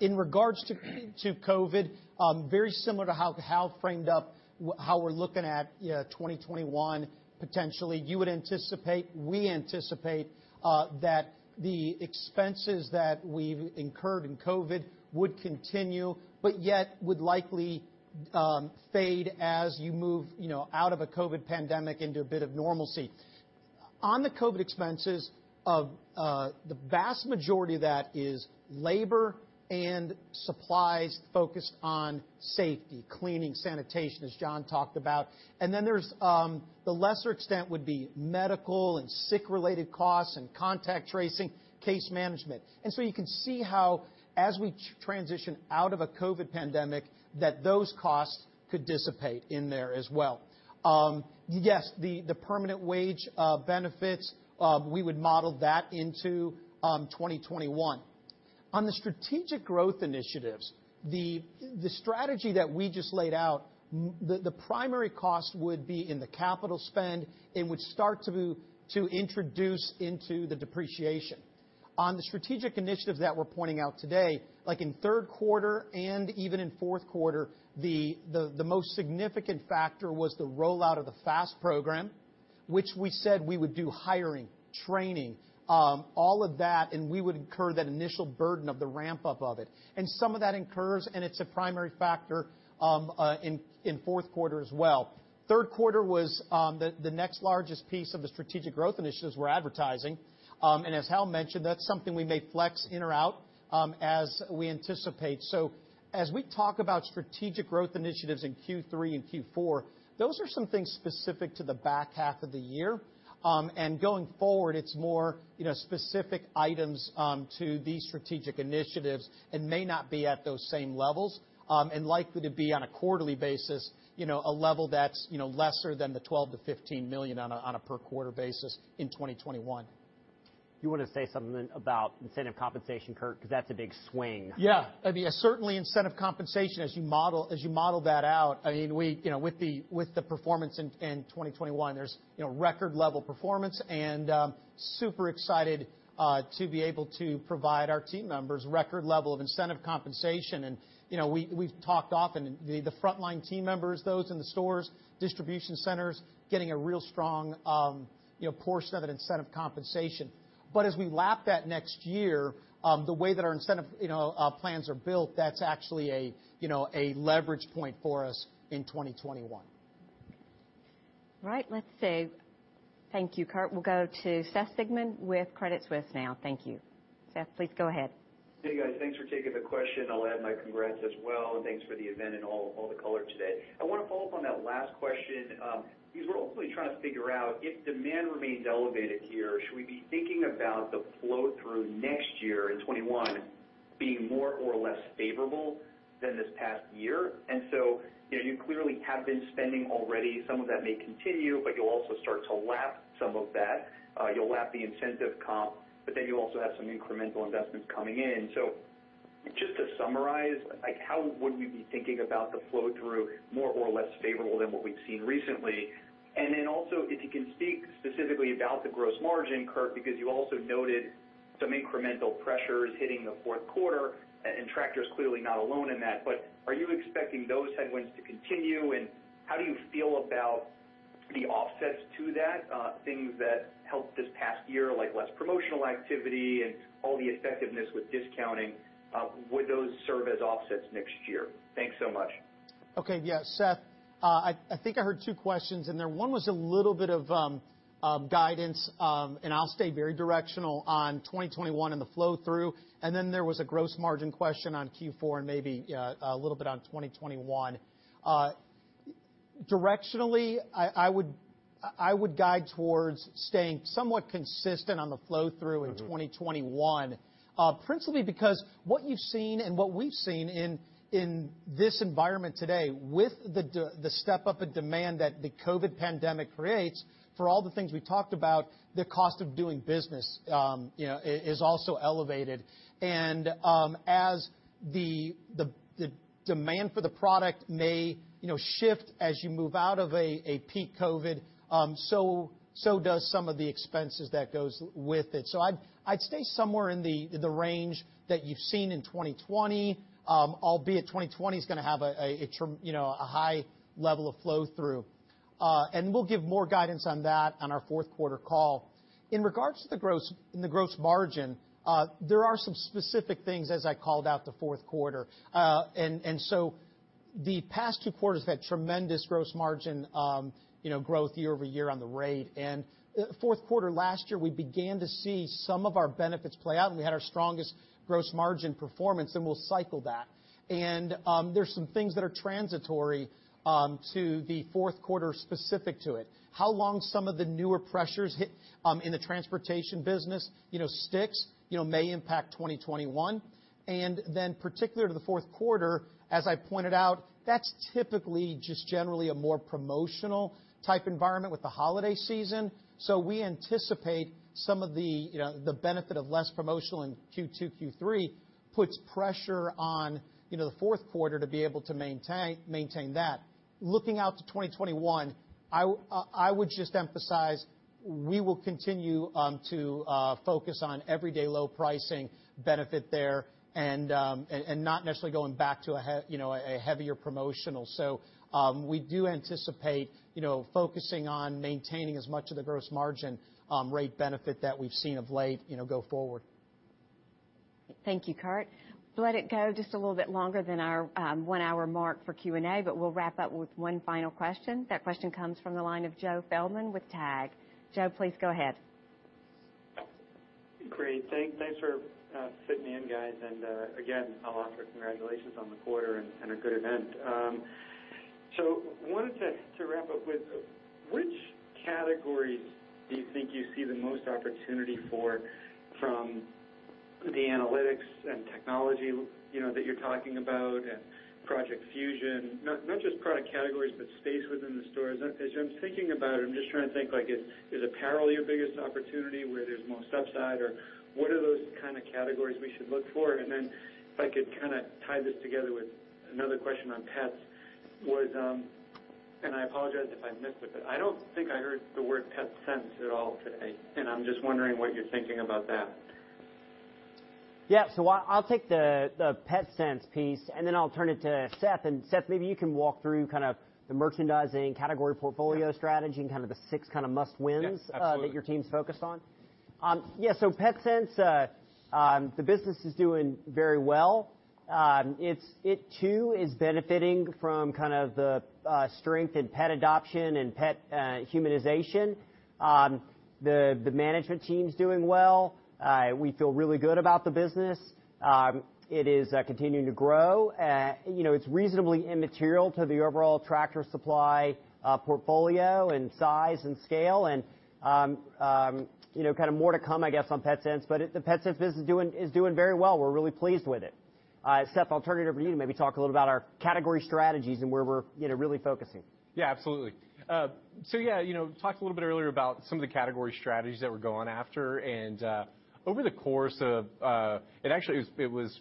In regards to COVID, very similar to how Hal framed up how we're looking at 2021, potentially. We anticipate that the expenses that we've incurred in COVID would continue, but yet would likely fade as you move out of a COVID pandemic into a bit of normalcy. On the COVID expenses, the vast majority of that is labor and supplies focused on safety, cleaning, sanitation, as John talked about. There's the lesser extent would be medical and sick-related costs and contact tracing, case management. You can see how as we transition out of a COVID pandemic, that those costs could dissipate in there as well. Yes, the permanent wage benefits, we would model that into 2021. On the strategic growth initiatives, the strategy that we just laid out, the primary cost would be in the capital spend. It would start to introduce into the depreciation. On the strategic initiatives that we're pointing out today, like in third quarter and even in fourth quarter, the most significant factor was the rollout of the FAST program, which we said we would do hiring, training, all of that, and we would incur that initial burden of the ramp-up of it. Some of that incurs, and it's a primary factor in fourth quarter as well. Third quarter was the next largest piece of the strategic growth initiatives we're advertising. As Hal mentioned, that's something we may flex in or out as we anticipate. As we talk about strategic growth initiatives in Q3 and Q4, those are some things specific to the back half of the year. Going forward, it's more specific items to these strategic initiatives and may not be at those same levels and likely to be on a quarterly basis, a level that's lesser than the $12 million-$15 million on a per quarter basis in 2021. You want to say something about incentive compensation, Kurt? Because that's a big swing. Yeah. Certainly incentive compensation, as you model that out, with the performance in 2021, there's record level performance and super excited to be able to provide our team members record level of incentive compensation. We've talked often, the frontline team members, those in the stores, distribution centers, getting a real strong portion of that incentive compensation. As we lap that next year, the way that our incentive plans are built, that's actually a leverage point for us in 2021. Right. Let's see. Thank you, Kurt. We'll go to Seth Sigman with Credit Suisse now. Thank you. Seth, please go ahead. Hey, guys. Thanks for taking the question. I'll add my congrats as well, and thanks for the event and all the color today. I want to follow up on that last question because we're ultimately trying to figure out if demand remains elevated here, should we be thinking about the flow-through next year in 2021 being more or less favorable than this past year? You clearly have been spending already. Some of that may continue, but you'll also start to lap some of that. You'll lap the incentive comp, but then you also have some incremental investments coming in. Just to summarize, how would we be thinking about the flow-through more or less favorable than what we've seen recently? Also, if you can speak specifically about the gross margin, Kurt, because you also noted some incremental pressures hitting the fourth quarter, and Tractor's clearly not alone in that. Are you expecting those headwinds to continue, and how do you feel about the offsets to that, things that helped this past year, like less promotional activity and all the effectiveness with discounting? Would those serve as offsets next year? Thanks so much. Okay. Yeah, Seth, I think I heard two questions in there. One was a little bit of guidance, and I'll stay very directional on 2021 and the flow-through. Then there was a gross margin question on Q4 and maybe a little bit on 2021. Directionally, I would guide towards staying somewhat consistent on the flow-through in 2021, principally because what you've seen and what we've seen in this environment today with the step-up in demand that the COVID pandemic creates, for all the things we've talked about, the cost of doing business is also elevated. As the demand for the product may shift as you move out of a peak COVID, so does some of the expenses that goes with it. I'd stay somewhere in the range that you've seen in 2020, albeit 2020 is going to have a high level of flow-through. We'll give more guidance on that on our fourth quarter call. In regards to the gross margin, there are some specific things as I called out the fourth quarter. The past two quarters have had tremendous gross margin growth year-over-year on the rate. Fourth quarter last year, we began to see some of our benefits play out, and we had our strongest gross margin performance, and we'll cycle that. There's some things that are transitory to the fourth quarter specific to it. How long some of the newer pressures hit in the transportation business sticks may impact 2021. Then particular to the fourth quarter, as I pointed out, that's typically just generally a more promotional type environment with the holiday season. We anticipate some of the benefit of less promotional in Q2, Q3 puts pressure on the fourth quarter to be able to maintain that. Looking out to 2021, I would just emphasize we will continue to focus on everyday low pricing benefit there and not necessarily going back to a heavier promotional. We do anticipate focusing on maintaining as much of the gross margin rate benefit that we've seen of late go forward. Thank you, Kurt. Let it go just a little bit longer than our one-hour mark for Q&A. We'll wrap up with one final question. That question comes from the line of Joe Feldman with TAG. Joe, please go ahead. Great. Thanks for fitting me in, guys, and, again, I'll offer congratulations on the quarter and a good event. Wanted to wrap up with which categories do you think you see the most opportunity for from the analytics and technology that you're talking about and Project Fusion? Not just product categories, but space within the stores. As I'm thinking about it, I'm just trying to think is apparel your biggest opportunity where there's most upside, or what are those kind of categories we should look for? If I could kind of tie this together with another question on pets was, and I apologize if I missed it, but I don't think I heard the word Petsense at all today, and I'm just wondering what you're thinking about that. Yeah. I'll take the Petsense piece. Then I'll turn it to Seth. Seth, maybe you can walk through kind of the merchandising category portfolio strategy and kind of the six kind of must wins. Yeah, absolutely. ...that your team's focused on. PetSense, the business is doing very well. It, too, is benefiting from the strength in pet adoption and pet humanization. The management team's doing well. We feel really good about the business. It is continuing to grow. It's reasonably immaterial to the overall Tractor Supply portfolio and size and scale and more to come, I guess, on PetSense, but the PetSense business is doing very well. We're really pleased with it. Seth, I'll turn it over to you to maybe talk a little about our category strategies and where we're really focusing. Yeah, absolutely. talked a little bit earlier about some of the category strategies that we're going after. over the course of It actually was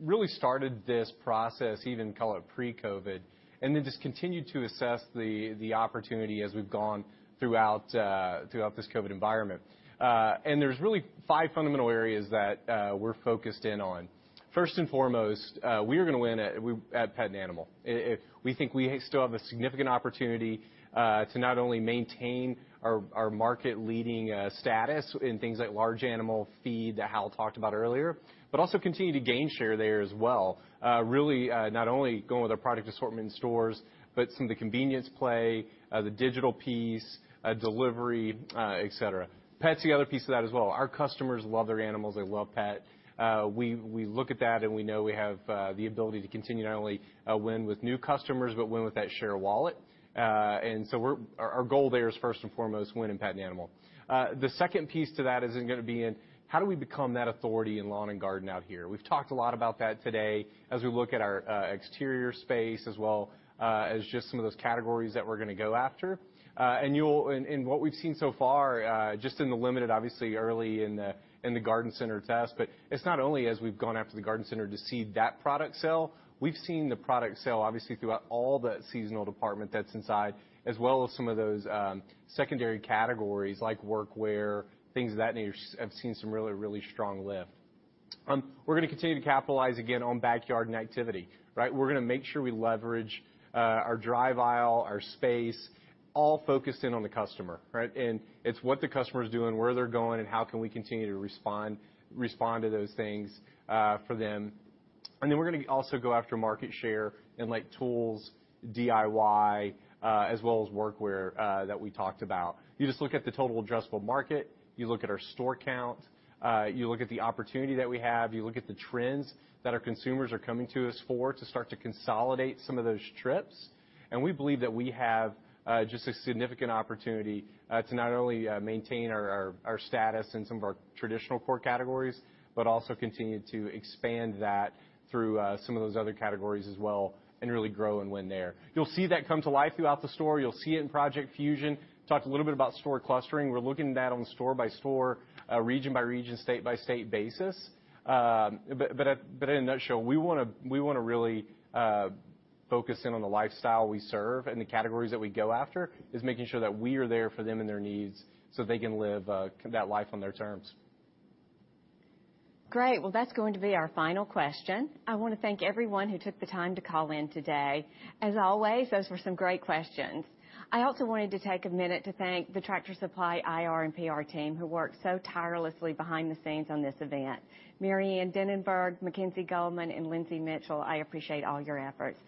really started this process, even call it pre-COVID, then just continued to assess the opportunity as we've gone throughout this COVID environment. there's really five fundamental areas that we're focused in on. First and foremost, we are going to win at pet and animal. We think we still have a significant opportunity to not only maintain our market-leading status in things like large animal feed, that Hal talked about earlier, but also continue to gain share there as well. Really, not only going with our product assortment in stores, but some of the convenience play, the digital piece, delivery, et cetera. Pet's the other piece of that as well. Our customers love their animals. They love pet. We look at that, we know we have the ability to continue to not only win with new customers, but win with that share of wallet. Our goal there is, first and foremost, win in pet and animal. The second piece to that is going to be in how do we become that authority in lawn and garden out here? We've talked a lot about that today as we look at our exterior space, as well as just some of those categories that we're going to go after. What we've seen so far, just in the limited, obviously early in the garden center test, but it's not only as we've gone after the garden center to see that product sell. We've seen the product sell, obviously, throughout all the seasonal department that's inside, as well as some of those secondary categories like work wear, things of that nature have seen some really, really strong lift. We're going to continue to capitalize again on backyard and activity, right? We're going to make sure we leverage our drive aisle, our space, all focused in on the customer, right? It's what the customer's doing, where they're going, and how can we continue to respond to those things for them. Then we're going to also go after market share in tools, DIY, as well as work wear that we talked about. You just look at the total addressable market. You look at our store count. You look at the opportunity that we have. You look at the trends that our consumers are coming to us for to start to consolidate some of those trips. We believe that we have just a significant opportunity to not only maintain our status in some of our traditional core categories, but also continue to expand that through some of those other categories as well and really grow and win there. You'll see that come to life throughout the store. You'll see it in Project Fusion. Talked a little bit about store clustering. We're looking at that on store-by-store, region-by-region, state-by-state basis. In a nutshell, we want to really focus in on the lifestyle we serve and the categories that we go after, is making sure that we are there for them and their needs so they can live that life on their terms. Great. Well, that's going to be our final question. I want to thank everyone who took the time to call in today. As always, those were some great questions. I also wanted to take a minute to thank the Tractor Supply IR and PR team, who worked so tirelessly behind the scenes on this event. Marianne Denenberg, Mackenzie Goldman, and Lindsay Mitchell, I appreciate all your efforts.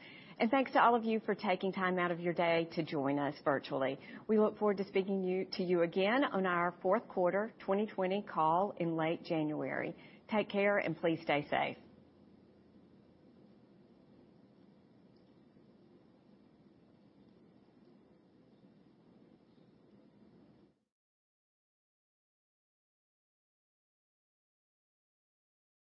Thanks to all of you for taking time out of your day to join us virtually. We look forward to speaking to you again on our fourth quarter 2020 call in late January. Take care and please stay safe.